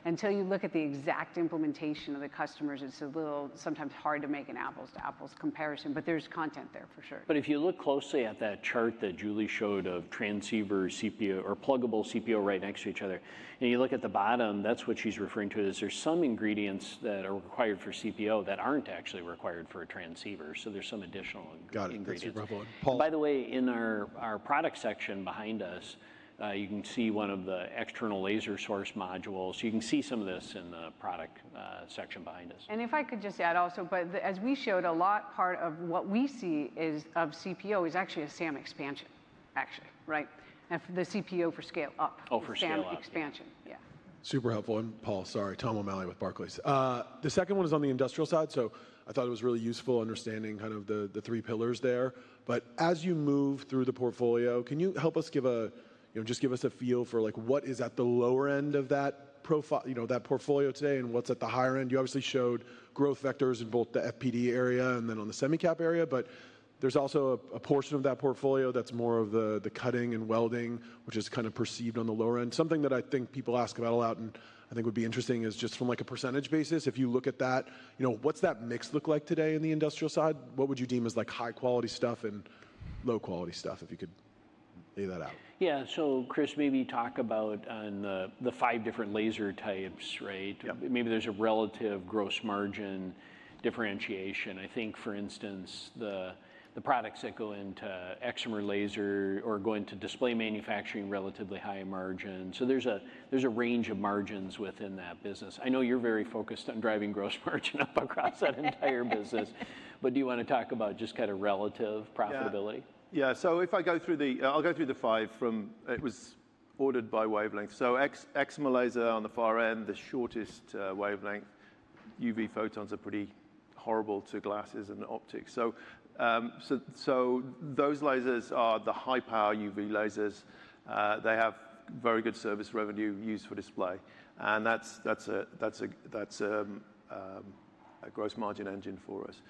Until you look at the exact implementation of the customers, it is a little sometimes hard to make an apples-to-apples comparison, but there is content there for sure. If you look closely at that chart that Julie showed of transceiver CPO or pluggable CPO right next to each other, and you look at the bottom, that's what she's referring to is there's some ingredients that are required for CPO that aren't actually required for a transceiver. There's some additional ingredients. Got it, super helpful. Paul? By the way, in our product section behind us, you can see one of the external laser source modules. You can see some of this in the product section behind us. If I could just add also, as we showed, a lot part of what we see of CPO is actually a SAM expansion, actually, right? The CPO for scale up. Oh, for scale up. SAM expansion, yeah. Super helpful. Paul, sorry, Tom O'Malley with Barclays. The second one is on the industrial side, so I thought it was really useful understanding kind of the three pillars there. As you move through the portfolio, can you help us give a, just give us a feel for what is at the lower end of that portfolio today and what is at the higher end? You obviously showed growth vectors in both the FPD area and then on the semicap area, but there is also a portion of that portfolio that is more of the cutting and welding, which is kind of perceived on the lower end. Something that I think people ask about a lot and I think would be interesting is just from like a percentage basis, if you look at that, what is that mix look like today in the industrial side? What would you deem as like high-quality stuff and low-quality stuff if you could lay that out? Yeah, so Chris, maybe talk about the five different laser types, right? Maybe there's a relative gross margin differentiation. I think, for instance, the products that go into excimer laser or go into display manufacturing, relatively high margin. So there's a range of margins within that business. I know you're very focused on driving gross margin up across that entire business, but do you want to talk about just kind of relative profitability? Yeah, so if I go through the, I'll go through the five from, it was ordered by wavelength. So excimer laser on the far end, the shortest wavelength. UV photons are pretty horrible to glasses and optics. So those lasers are the high-power UV lasers. They have very good service revenue used for display. That's a gross margin engine for us.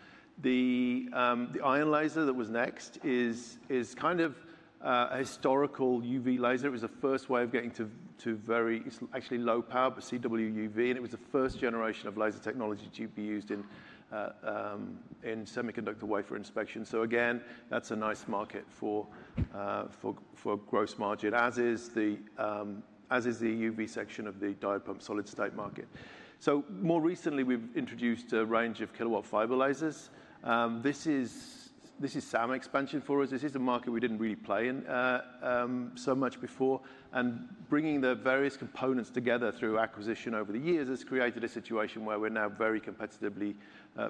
The iron laser that was next is kind of a historical UV laser. It was the first way of getting to very actually low power, but CW UV, and it was the first generation of laser technology to be used in semiconductor wafer inspection. Again, that's a nice market for gross margin, as is the UV section of the diode pump solid state market. More recently, we've introduced a range of kilowatt fiber lasers. This is SAM expansion for us. This is a market we didn't really play in so much before. Bringing the various components together through acquisition over the years has created a situation where we're now very competitively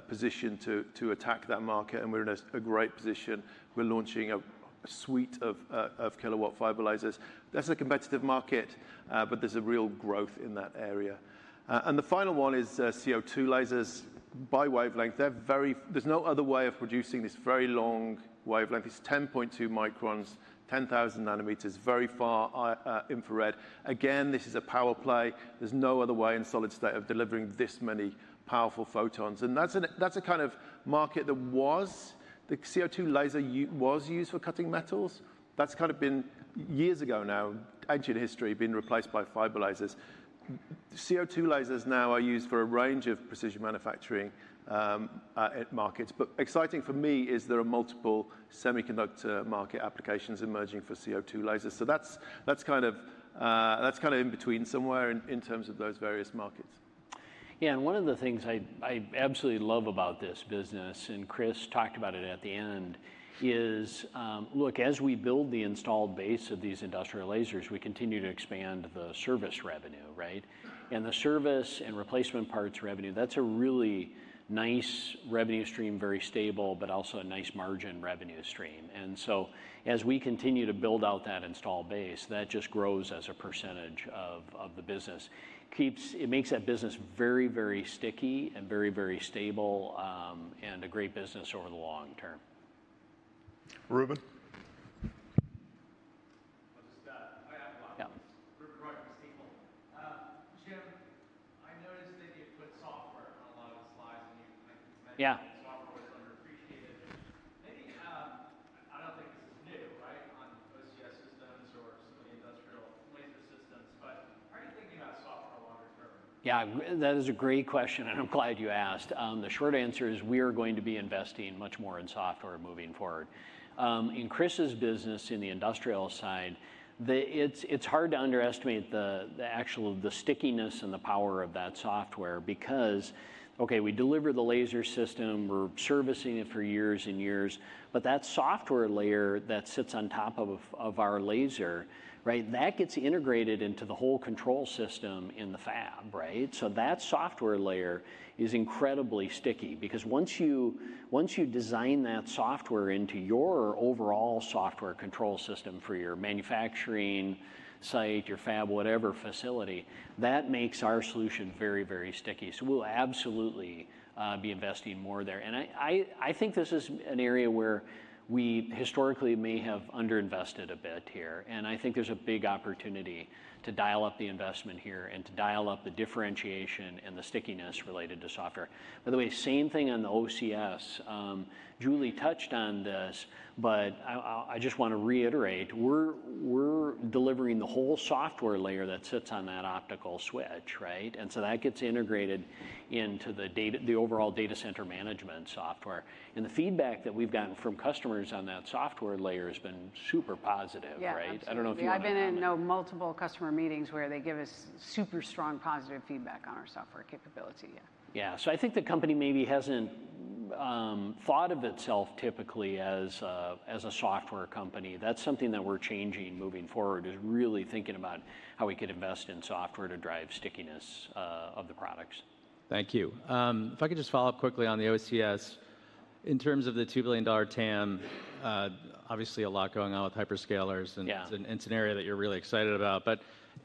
positioned to attack that market, and we're in a great position. We're launching a suite of kilowatt fiber lasers. That's a competitive market, but there's a real growth in that area. The final one is CO2 lasers by wavelength. There's no other way of producing this very long wavelength. It's 10.2 microns, 10,000 nanometers, very far infrared. This is a power play. There's no other way in solid state of delivering this many powerful photons. That's a kind of market that was, the CO2 laser was used for cutting metals. That's kind of been years ago now, ancient history being replaced by fiber lasers. CO2 lasers now are used for a range of precision manufacturing markets. Exciting for me is there are multiple semiconductor market applications emerging for CO2 lasers. That's kind of in between somewhere in terms of those various markets. Yeah, and one of the things I absolutely love about this business, and Chris talked about it at the end, is look, as we build the installed base of these industrial lasers, we continue to expand the service revenue, right? The service and replacement parts revenue, that's a really nice revenue stream, very stable, but also a nice margin revenue stream. As we continue to build out that installed base, that just grows as a percentage of the business. It makes that business very, very sticky and very, very stable and a great business over the long term. Reuben? I'll just stop. I have a lot of questions. Reuben Rogers, Steve Holtman. Jim, I noticed that you put software on a lot of the slides, and you mentioned software was underappreciated. Maybe, I don't think this is new, right, on OCS systems or some of the industrial laser systems, but how are you thinking about software longer term? Yeah, that is a great question, and I'm glad you asked. The short answer is we are going to be investing much more in software moving forward. In Chris's business in the industrial side, it's hard to underestimate the actual stickiness and the power of that software because, okay, we deliver the laser system, we're servicing it for years and years, but that software layer that sits on top of our laser, right, that gets integrated into the whole control system in the fab, right? That software layer is incredibly sticky because once you design that software into your overall software control system for your manufacturing site, your fab, whatever facility, that makes our solution very, very sticky. We'll absolutely be investing more there. I think this is an area where we historically may have underinvested a bit here. I think there's a big opportunity to dial up the investment here and to dial up the differentiation and the stickiness related to software. By the way, same thing on the OCS. Julie touched on this, but I just want to reiterate, we're delivering the whole software layer that sits on that optical switch, right? That gets integrated into the overall data center management software. The feedback that we've gotten from customers on that software layer has been super positive, right? I don't know if you have any? Yeah, I've been in multiple customer meetings where they give us super strong positive feedback on our software capability, yeah. Yeah, so I think the company maybe hasn't thought of itself typically as a software company. That's something that we're changing moving forward is really thinking about how we could invest in software to drive stickiness of the products. Thank you. If I could just follow up quickly on the OCS, in terms of the $2 billion TAM, obviously a lot going on with hyperscalers and it's an area that you're really excited about.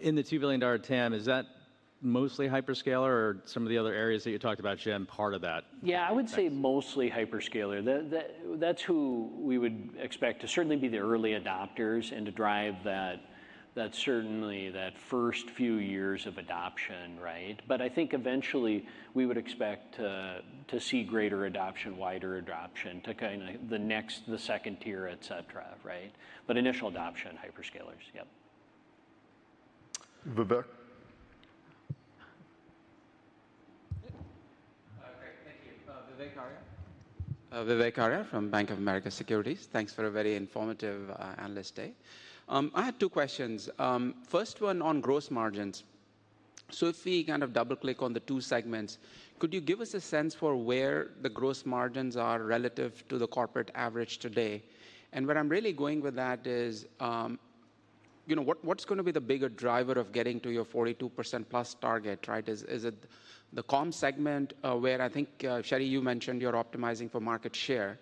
In the $2 billion TAM, is that mostly hyperscaler or some of the other areas that you talked about, Jim, part of that? Yeah, I would say mostly hyperscaler. That's who we would expect to certainly be the early adopters and to drive that certainly that first few years of adoption, right? I think eventually we would expect to see greater adoption, wider adoption to kind of the next, the second tier, et cetera, right? Initial adoption, hyperscalers, yep. Vivek? Great, thank you. Vivek Arya? Vivek Arya from Bank of America Securities. Thanks for a very informative analyst day. I had two questions. First one on gross margins. If we kind of double-click on the two segments, could you give us a sense for where the gross margins are relative to the corporate average today? What I'm really going with that is what's going to be the bigger driver of getting to your 42% plus target, right? Is it the comm segment where I think, Sherri, you mentioned you're optimizing for market share,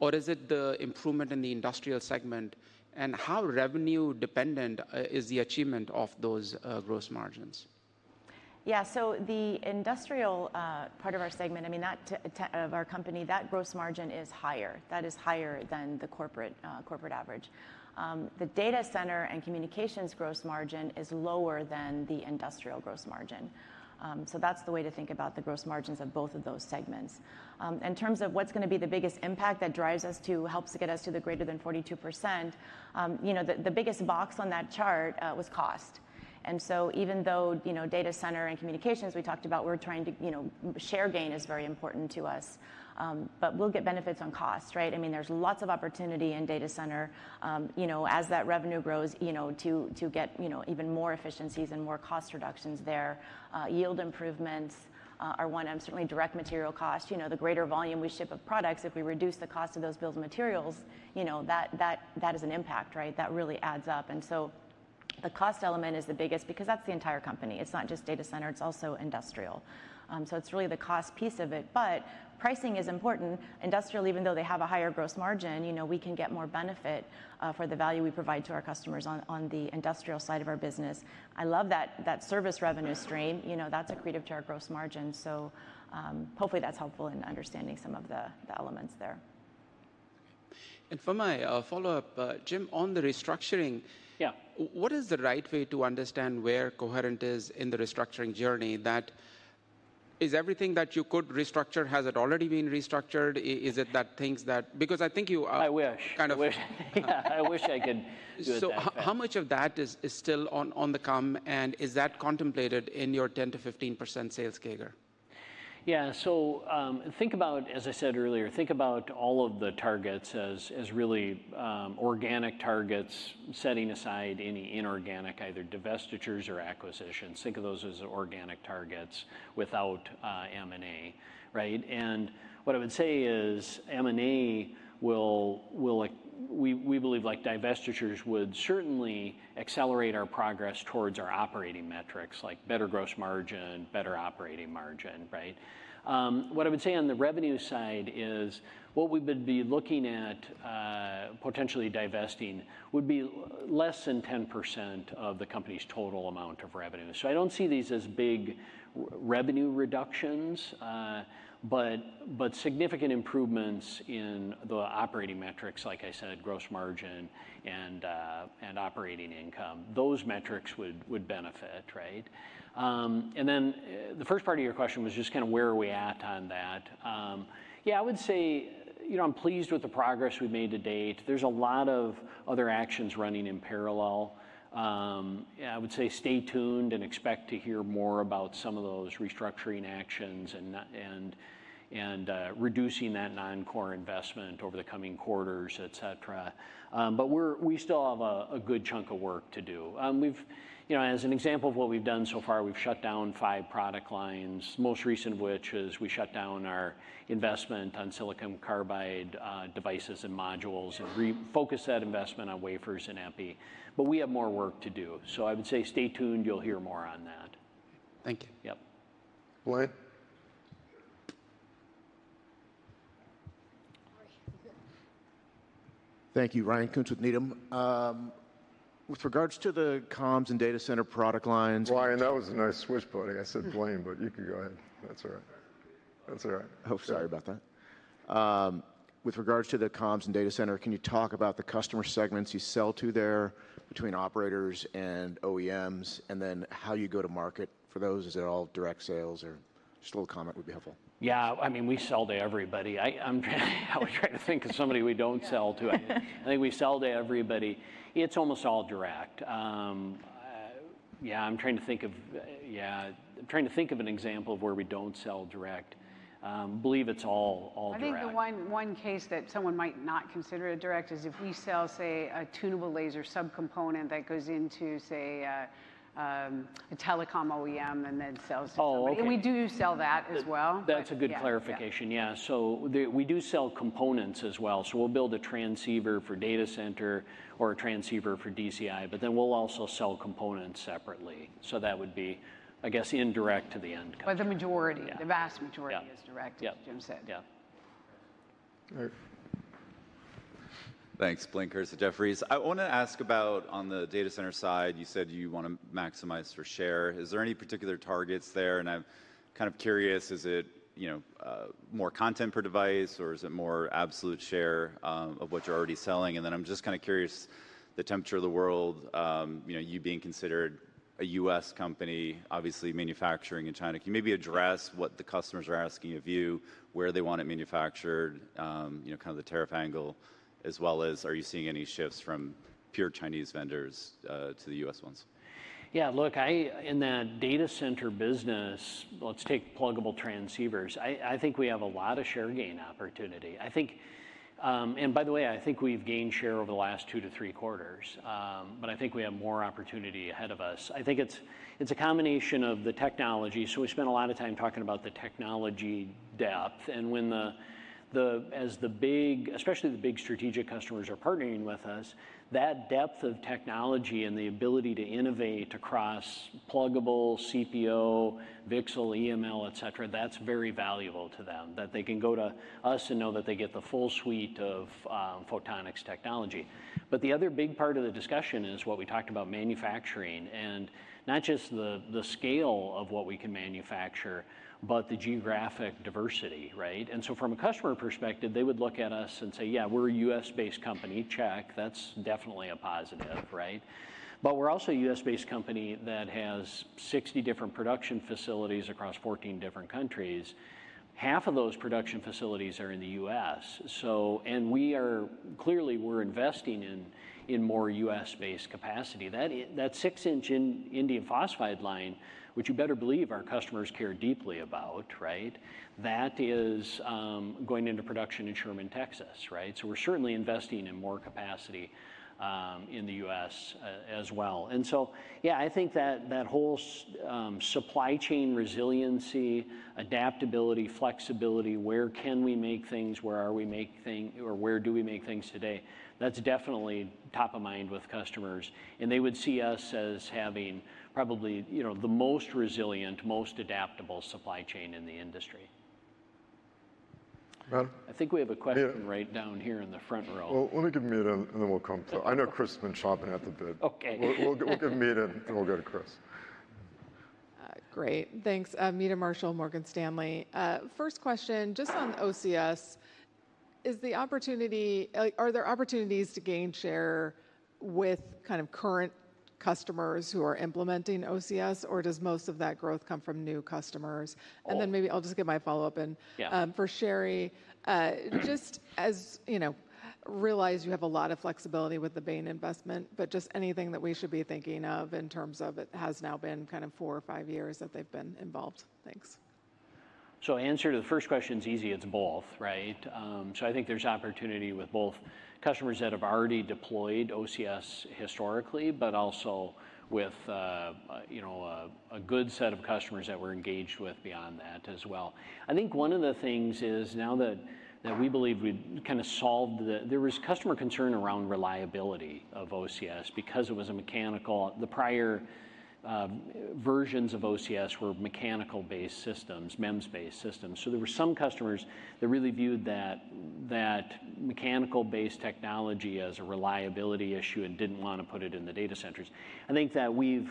or is it the improvement in the industrial segment? How revenue-dependent is the achievement of those gross margins? Yeah, so the industrial part of our segment, I mean, that of our company, that gross margin is higher. That is higher than the corporate average. The data center and communications gross margin is lower than the industrial gross margin. That is the way to think about the gross margins of both of those segments. In terms of what is going to be the biggest impact that drives us to help to get us to the greater than 42%, the biggest box on that chart was cost. Even though data center and communications we talked about, we are trying to share gain is very important to us, but we will get benefits on cost, right? I mean, there is lots of opportunity in data center as that revenue grows to get even more efficiencies and more cost reductions there. Yield improvements are one. I am certainly direct material cost. The greater volume we ship of products, if we reduce the cost of those build materials, that is an impact, right? That really adds up. The cost element is the biggest because that's the entire company. It's not just data center, it's also industrial. It's really the cost piece of it. Pricing is important. Industrial, even though they have a higher gross margin, we can get more benefit for the value we provide to our customers on the industrial side of our business. I love that service revenue stream. That's accretive to our gross margin. Hopefully that's helpful in understanding some of the elements there. For my follow-up, Jim, on the restructuring, what is the right way to understand where Coherent is in the restructuring journey? Is everything that you could restructure has already been restructured? Is it that things that, because I think you kind of—I wish I could do it that way. How much of that is still on the come, and is that contemplated in your 10%-15% sales kegger? Yeah, think about, as I said earlier, think about all of the targets as really organic targets, setting aside any inorganic either divestitures or acquisitions. Think of those as organic targets without M&A, right? What I would say is M&A will, we believe like divestitures would certainly accelerate our progress towards our operating metrics, like better gross margin, better operating margin, right? What I would say on the revenue side is what we would be looking at potentially divesting would be less than 10% of the company's total amount of revenue. I do not see these as big revenue reductions, but significant improvements in the operating metrics, like I said, gross margin and operating income. Those metrics would benefit, right? The first part of your question was just kind of where are we at on that? Yeah, I would say I am pleased with the progress we have made to date. There are a lot of other actions running in parallel. I would say stay tuned and expect to hear more about some of those restructuring actions and reducing that non-core investment over the coming quarters, et cetera. We still have a good chunk of work to do. As an example of what we have done so far, we have shut down five product lines, most recent of which is we shut down our investment on silicon carbide devices and modules and focused that investment on wafers and EPI. We have more work to do. I would say stay tuned, you'll hear more on that. Thank you. Yep. Blaine? Thank you, Ryan, comes with Needham. With regards to the comms and data center product lines— Ryan, that was a nice switchboarding. I said Blaine, but you can go ahead. That's all right. That's all right. Oh, sorry about that. With regards to the comms and data center, can you talk about the customer segments you sell to there between operators and OEMs and then how you go to market for those? Is it all direct sales or just a little comment would be helpful? Yeah, I mean, we sell to everybody. I was trying to think of somebody we do not sell to. I think we sell to everybody. It's almost all direct. Yeah, I'm trying to think of, yeah, I'm trying to think of an example of where we don't sell direct. I believe it's all direct. I think one case that someone might not consider it direct is if we sell, say, a tunable laser subcomponent that goes into, say, a telecom OEM and then sells to—oh, and we do sell that as well. That's a good clarification, yeah. So we do sell components as well. So we'll build a transceiver for data center or a transceiver for DCI, but then we'll also sell components separately. That would be, I guess, indirect to the end customer. The majority, the vast majority is direct, as Jim said. Yeah. All right. Thanks, Blaine, Chris, and Jefferies. I want to ask about on the data center side, you said you want to maximize for share. Is there any particular targets there? I'm kind of curious, is it more content per device or is it more absolute share of what you're already selling? I'm just kind of curious, the temperature of the world, you being considered a US company, obviously manufacturing in China, can you maybe address what the customers are asking of you, where they want it manufactured, kind of the tariff angle, as well as are you seeing any shifts from pure Chinese vendors to the US ones? Yeah, look, in the data center business, let's take pluggable transceivers. I think we have a lot of share gain opportunity. I think, and by the way, I think we've gained share over the last two to three quarters, but I think we have more opportunity ahead of us. I think it's a combination of the technology. We spent a lot of time talking about the technology depth. When the, as the big, especially the big strategic customers are partnering with us, that depth of technology and the ability to innovate across pluggable, CPO, VCSEL, EML, et cetera, that's very valuable to them that they can go to us and know that they get the full suite of photonics technology. The other big part of the discussion is what we talked about manufacturing and not just the scale of what we can manufacture, but the geographic diversity, right? From a customer perspective, they would look at us and say, "Yeah, we're a US-based company." Check. That's definitely a positive, right? We're also a US-based company that has 60 different production facilities across 14 different countries. Half of those production facilities are in the US. We are clearly investing in more US-based capacity. That six-inch indium phosphide line, which you better believe our customers care deeply about, right? That is going into production in Sherman, Texas, right? We are certainly investing in more capacity in the U.S. as well. I think that whole supply chain resiliency, adaptability, flexibility, where can we make things, where are we making things, or where do we make things today? That is definitely top of mind with customers. They would see us as having probably the most resilient, most adaptable supply chain in the industry. I think we have a question right down here in the front row. Let me give Meetam, and then we will come to—I know Chris has been chomping at the bit. Okay. We will give Meetam, then we will go to Chris. Great. Thanks. Meta Marshall, Morgan Stanley. First question, just on OCS, is the opportunity, are there opportunities to gain share with kind of current customers who are implementing OCS, or does most of that growth come from new customers? Maybe I'll just get my follow-up. For Sherri, just as you realize you have a lot of flexibility with the Bain investment, but just anything that we should be thinking of in terms of it has now been kind of four or five years that they've been involved. Thanks. Answer to the first question is easy. It's both, right? I think there's opportunity with both customers that have already deployed OCS historically, but also with a good set of customers that we're engaged with beyond that as well. I think one of the things is now that we believe we've kind of solved the—there was customer concern around reliability of OCS because it was a mechanical—the prior versions of OCS were mechanical-based systems, MEMS-based systems. There were some customers that really viewed that mechanical-based technology as a reliability issue and did not want to put it in the data centers. I think that we've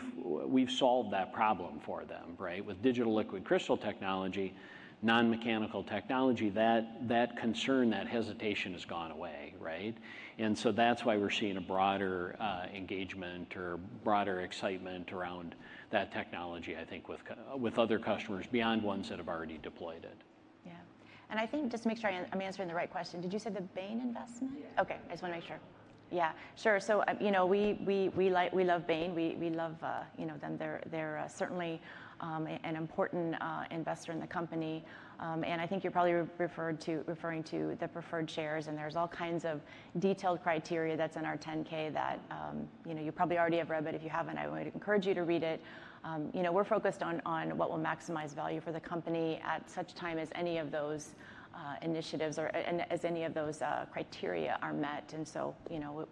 solved that problem for them, right? With digital liquid crystal technology, non-mechanical technology, that concern, that hesitation has gone away, right? That is why we're seeing a broader engagement or broader excitement around that technology, I think, with other customers beyond ones that have already deployed it. Yeah. I think just to make sure I'm answering the right question, did you say the Bain investment? Yeah. Okay. I just want to make sure. Yeah. Sure. We love Bain. We love them. They're certainly an important investor in the company. I think you're probably referring to the preferred shares. There's all kinds of detailed criteria that's in our 10-K that you probably already have read, but if you haven't, I would encourage you to read it. We're focused on what will maximize value for the company at such time as any of those initiatives or as any of those criteria are met.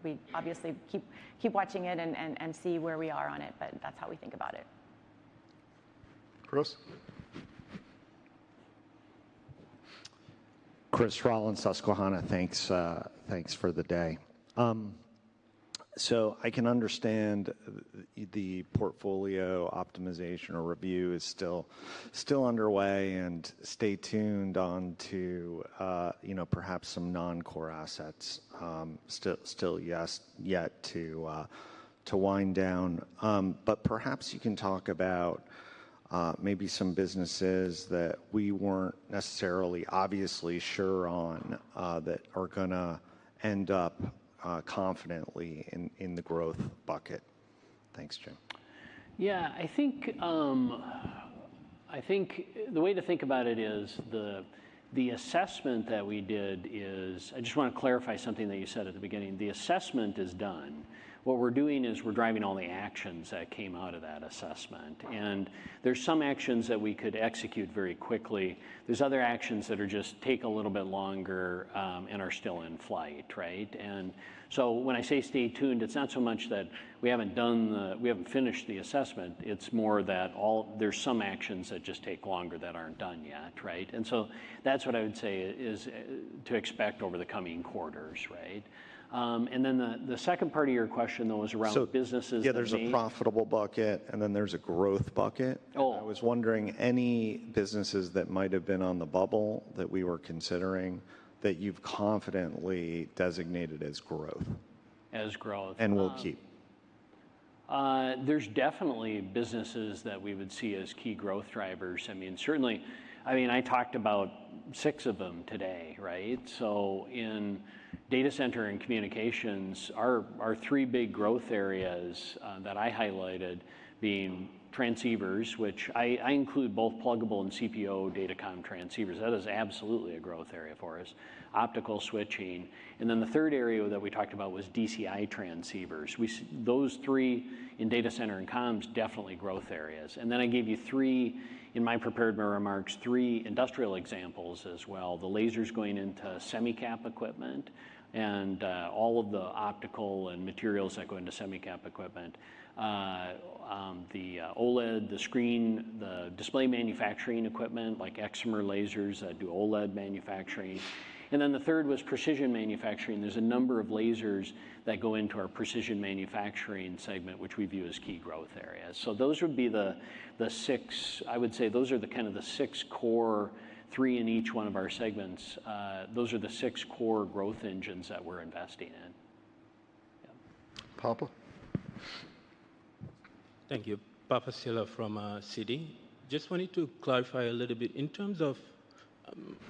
We obviously keep watching it and see where we are on it, but that's how we think about it. Chris? Chris Rolland, Susquehanna. Thanks for the day. I can understand the portfolio optimization or review is still underway and stay tuned on to perhaps some non-core assets still yet to wind down. Perhaps you can talk about maybe some businesses that we were not necessarily obviously sure on that are going to end up confidently in the growth bucket. Thanks, Jim. Yeah, I think the way to think about it is the assessment that we did is I just want to clarify something that you said at the beginning. The assessment is done. What we are doing is we are driving all the actions that came out of that assessment. There are some actions that we could execute very quickly. There are other actions that just take a little bit longer and are still in flight, right? When I say stay tuned, it is not so much that we have not finished the assessment. It is more that there are some actions that just take longer that are not done yet, right? That is what I would say is to expect over the coming quarters, right? The second part of your question, though, is around businesses that need—yeah, there's a profitable bucket and then there's a growth bucket. I was wondering any businesses that might have been on the bubble that we were considering that you've confidently designated as growth. As growth. And we'll keep. There's definitely businesses that we would see as key growth drivers. I mean, certainly, I talked about six of them today, right? In data center and communications, our three big growth areas that I highlighted being transceivers, which I include both pluggable and CPO data comm transceivers. That is absolutely a growth area for us. Optical switching. The third area that we talked about was DCI transceivers. Those three in data center and comms definitely growth areas. I gave you three, in my prepared remarks, three industrial examples as well. The lasers going into semicap equipment and all of the optical and materials that go into semicap equipment. The OLED, the screen, the display manufacturing equipment like excimer lasers that do OLED manufacturing. The third was precision manufacturing. There's a number of lasers that go into our precision manufacturing segment, which we view as key growth areas. Those would be the six—I would say those are kind of the six core, three in each one of our segments. Those are the six core growth engines that we're investing in. Yeah. Papa? Thank you. Papa Sylla from Citi. Just wanted to clarify a little bit in terms of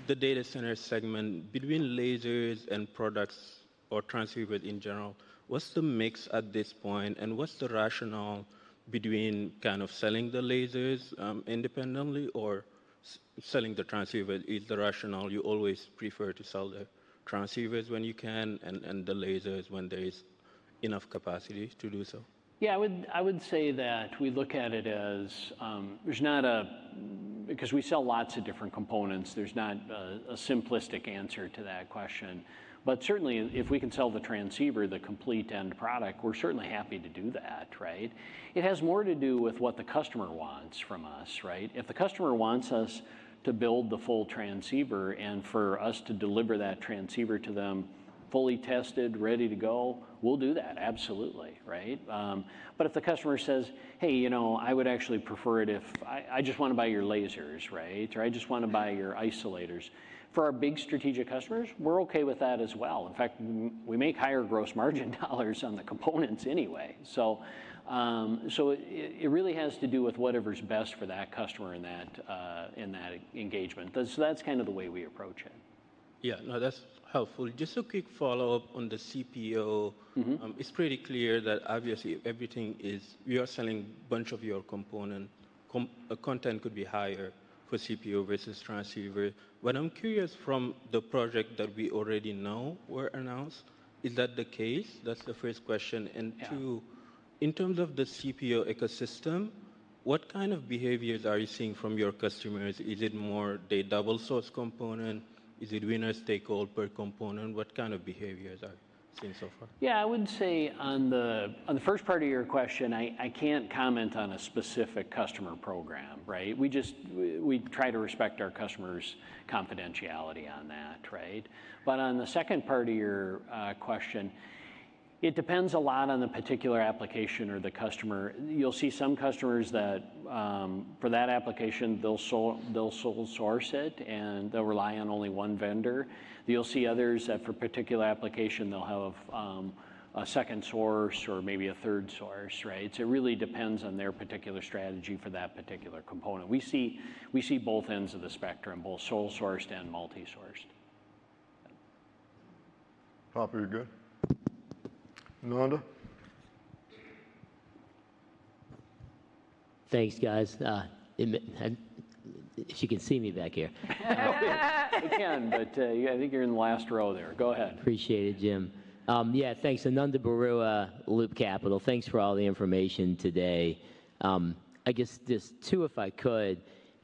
the data center segment between lasers and products or transceivers in general, what's the mix at this point and what's the rationale between kind of selling the lasers independently or selling the transceivers? Is the rationale you always prefer to sell the transceivers when you can and the lasers when there is enough capacity to do so? Yeah, I would say that we look at it as there's not a—because we sell lots of different components, there's not a simplistic answer to that question. Certainly, if we can sell the transceiver, the complete end product, we're certainly happy to do that, right? It has more to do with what the customer wants from us, right? If the customer wants us to build the full transceiver and for us to deliver that transceiver to them fully tested, ready to go, we'll do that, absolutely, right? If the customer says, "Hey, you know, I would actually prefer it if I just want to buy your lasers," right? Or, "I just want to buy your isolators," for our big strategic customers, we're okay with that as well. In fact, we make higher gross margin dollars on the components anyway. It really has to do with whatever's best for that customer in that engagement. That's kind of the way we approach it. Yeah, no, that's helpful. Just a quick follow-up on the CPO. It's pretty clear that obviously everything is—we are selling a bunch of your components. Content could be higher for CPO versus transceiver. I'm curious from the project that we already know were announced, is that the case? That's the first question. In terms of the CPO ecosystem, what kind of behaviors are you seeing from your customers? Is it more they double source component? Is it winner stakeholder component? What kind of behaviors are you seeing so far? Yeah, I would say on the first part of your question, I can't comment on a specific customer program, right? We try to respect our customers' confidentiality on that, right? On the second part of your question, it depends a lot on the particular application or the customer. You'll see some customers that for that application, they'll sole source it and they'll rely on only one vendor. You'll see others that for a particular application, they'll have a second source or maybe a third source, right? It really depends on their particular strategy for that particular component. We see both ends of the spectrum, both sole sourced and multi-sourced. Papa, you're good. Ananda? Thanks, guys. As you can see me back here. I can, but I think you're in the last row there. Go ahead. Appreciate it, Jim. Yeah, thanks. Ananda Barua, Loop Capital. Thanks for all the information today. I guess just two, if I could.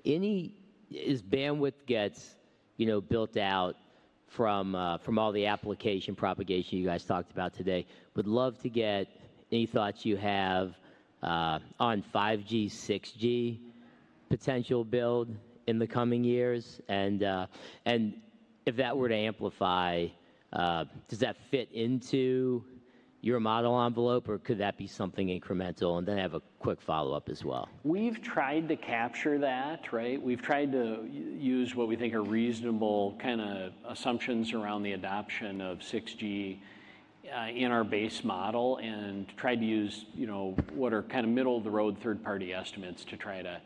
Any—as bandwidth gets built out from all the application propagation you guys talked about today, would love to get any thoughts you have on 5G, 6G potential build in the coming years. If that were to amplify, does that fit into your model envelope or could that be something incremental? I have a quick follow-up as well. We've tried to capture that, right? We've tried to use what we think are reasonable kind of assumptions around the adoption of 6G in our base model and tried to use what are kind of middle of the road third-party estimates to try to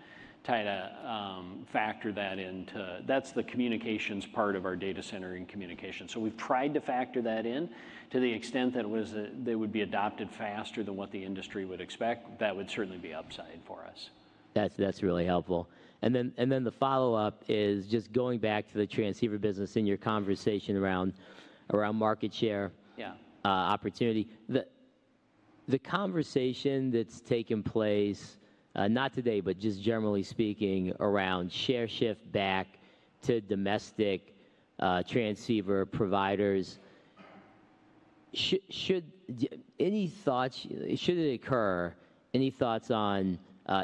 factor that into—that's the communications part of our data center and communications. We have tried to factor that in to the extent that it would be adopted faster than what the industry would expect. That would certainly be upside for us. That's really helpful. The follow-up is just going back to the transceiver business in your conversation around market share opportunity. The conversation that's taken place, not today, but just generally speaking around share shift back to domestic transceiver providers, should any thoughts—should it occur, any thoughts on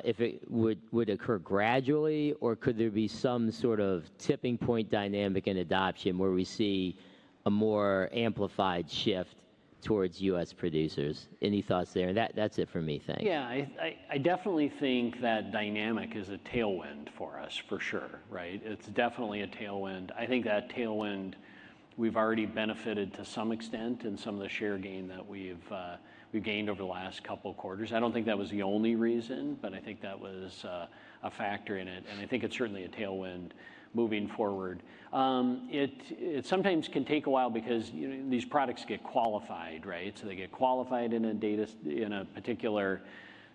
if it would occur gradually or could there be some sort of tipping point dynamic in adoption where we see a more amplified shift towards U.S. producers? Any thoughts there? And that's it for me, thanks. Yeah, I definitely think that dynamic is a tailwind for us for sure, right? It's definitely a tailwind. I think that tailwind we've already benefited to some extent in some of the share gain that we've gained over the last couple of quarters. I don't think that was the only reason, but I think that was a factor in it. I think it's certainly a tailwind moving forward. It sometimes can take a while because these products get qualified, right? They get qualified in a particular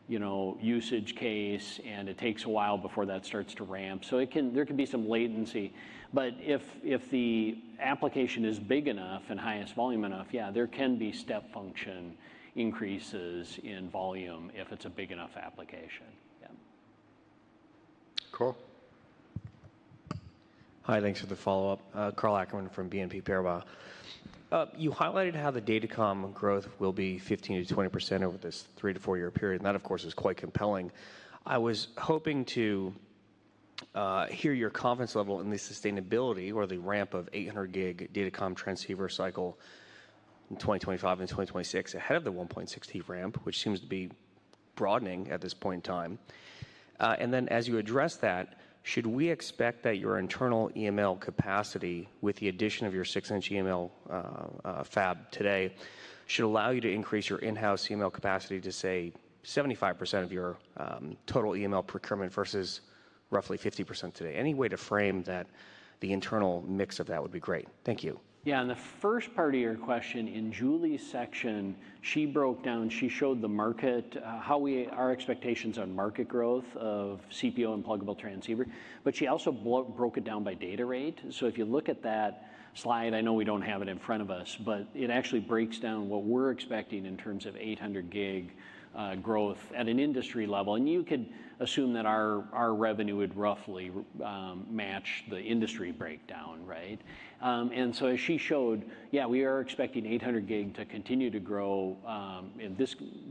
usage case and it takes a while before that starts to ramp. There can be some latency. If the application is big enough and highest volume enough, there can be step function increases in volume if it is a big enough application. Yeah. Carl? Hi, thanks for the follow-up. Karl Ackerman from BNP Paribas. You highlighted how the data comm growth will be 15%-20% over this three- to four-year period. That, of course, is quite compelling. I was hoping to hear your confidence level in the sustainability or the ramp of 800-gig data comm transceiver cycle in 2025 and 2026 ahead of the 1.6T ramp, which seems to be broadening at this point in time. As you address that, should we expect that your internal EML capacity with the addition of your 6-inch EML fab today should allow you to increase your in-house EML capacity to say 75% of your total EML procurement versus roughly 50% today? Any way to frame that, the internal mix of that would be great. Thank you. Yeah, in the first part of your question, in Julie's section, she broke down, she showed the market, how our expectations on market growth of CPO and pluggable transceiver. She also broke it down by data rate. If you look at that slide, I know we do not have it in front of us, but it actually breaks down what we are expecting in terms of 800-gig growth at an industry level. You could assume that our revenue would roughly match the industry breakdown, right? As she showed, yeah, we are expecting 800 gig to continue to grow in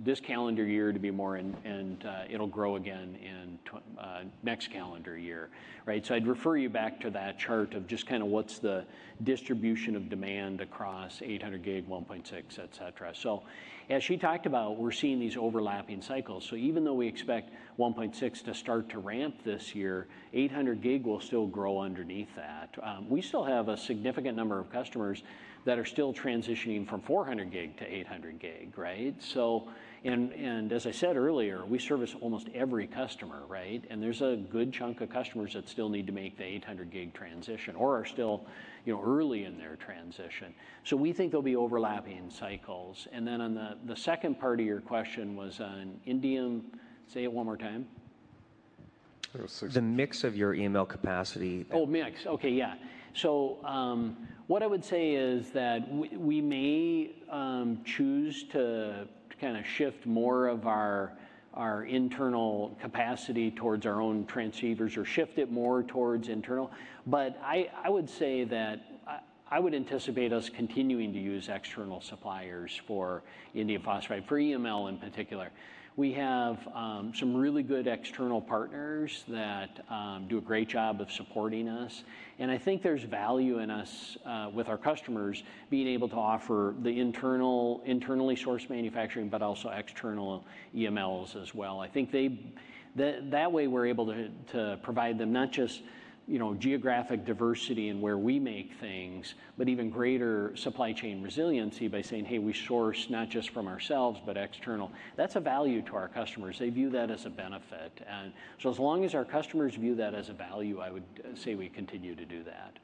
this calendar year to be more, and it'll grow again in next calendar year, right? I would refer you back to that chart of just kind of what's the distribution of demand across 800 gig, 1.6, etc. As she talked about, we're seeing these overlapping cycles. Even though we expect 1.6 to start to ramp this year, 800 gig will still grow underneath that. We still have a significant number of customers that are still transitioning from 400 gig to 800 gig, right? As I said earlier, we service almost every customer, right? There is a good chunk of customers that still need to make the 800 gig transition or are still early in their transition. We think there will be overlapping cycles. On the second part of your question, which was on Indium, say it one more time. The mix of your EML capacity. Oh, mix. Okay, yeah. What I would say is that we may choose to kind of shift more of our internal capacity towards our own transceivers or shift it more towards internal. I would anticipate us continuing to use external suppliers for Indium Phosphide for EML in particular. We have some really good external partners that do a great job of supporting us. I think there is value in us with our customers being able to offer the internally sourced manufacturing, but also external EMLs as well. I think that way we're able to provide them not just geographic diversity in where we make things, but even greater supply chain resiliency by saying, "Hey, we source not just from ourselves, but external." That's a value to our customers. They view that as a benefit. As long as our customers view that as a value, I would say we continue to do that.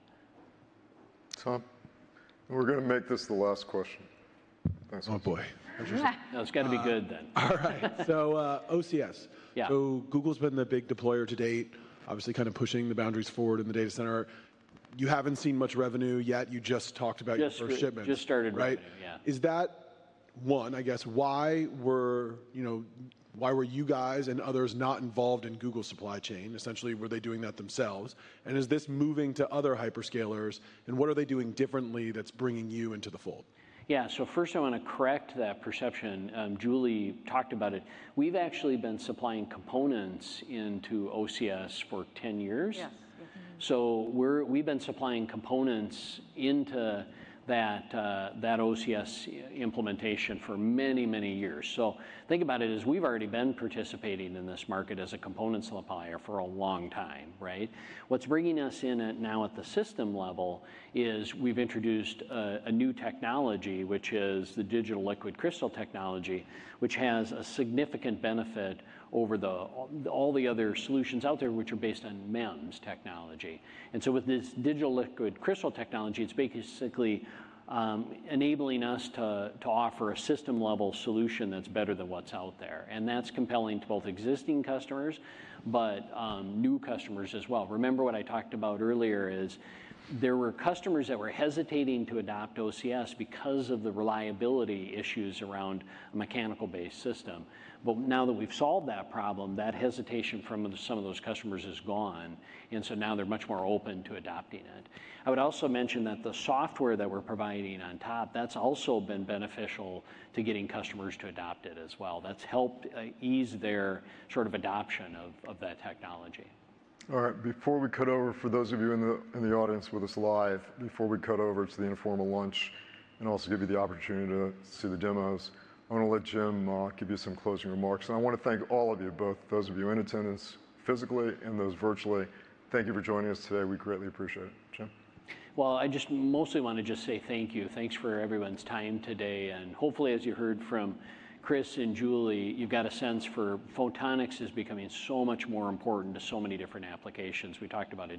Tom? We're going to make this the last question. Thanks. Oh, boy. That's good. It's got to be good then. All right. OCS. Google's been the big deployer to date, obviously kind of pushing the boundaries forward in the data center. You haven't seen much revenue yet. You just talked about your first shipment. Just started revenue, yeah. Is that one, I guess, why were you guys and others not involved in Google supply chain? Essentially, were they doing that themselves? Is this moving to other hyperscalers? What are they doing differently that's bringing you into the fold? Yeah, first I want to correct that perception. Julie talked about it. We've actually been supplying components into OCS for 10 years. We've been supplying components into that OCS implementation for many, many years. Think about it as we've already been participating in this market as a components supplier for a long time, right? What's bringing us in now at the system level is we've introduced a new technology, which is the digital liquid crystal technology, which has a significant benefit over all the other solutions out there, which are based on MEMS technology. With this digital liquid crystal technology, it's basically enabling us to offer a system-level solution that's better than what's out there. That is compelling to both existing customers, but new customers as well. Remember what I talked about earlier is there were customers that were hesitating to adopt OCS because of the reliability issues around a mechanical-based system. Now that we have solved that problem, that hesitation from some of those customers is gone. Now they are much more open to adopting it. I would also mention that the software that we are providing on top, that has also been beneficial to getting customers to adopt it as well. That has helped ease their sort of adoption of that technology. All right, before we cut over, for those of you in the audience with us live, before we cut over to the informal lunch and also give you the opportunity to see the demos, I want to let Jim give you some closing remarks.I want to thank all of you, both those of you in attendance physically and those virtually. Thank you for joining us today. We greatly appreciate it. Jim? I just mostly want to just say thank you. Thanks for everyone's time today. Hopefully, as you heard from Chris and Julie, you've got a sense for photonics is becoming so much more important to so many different applications. We talked about.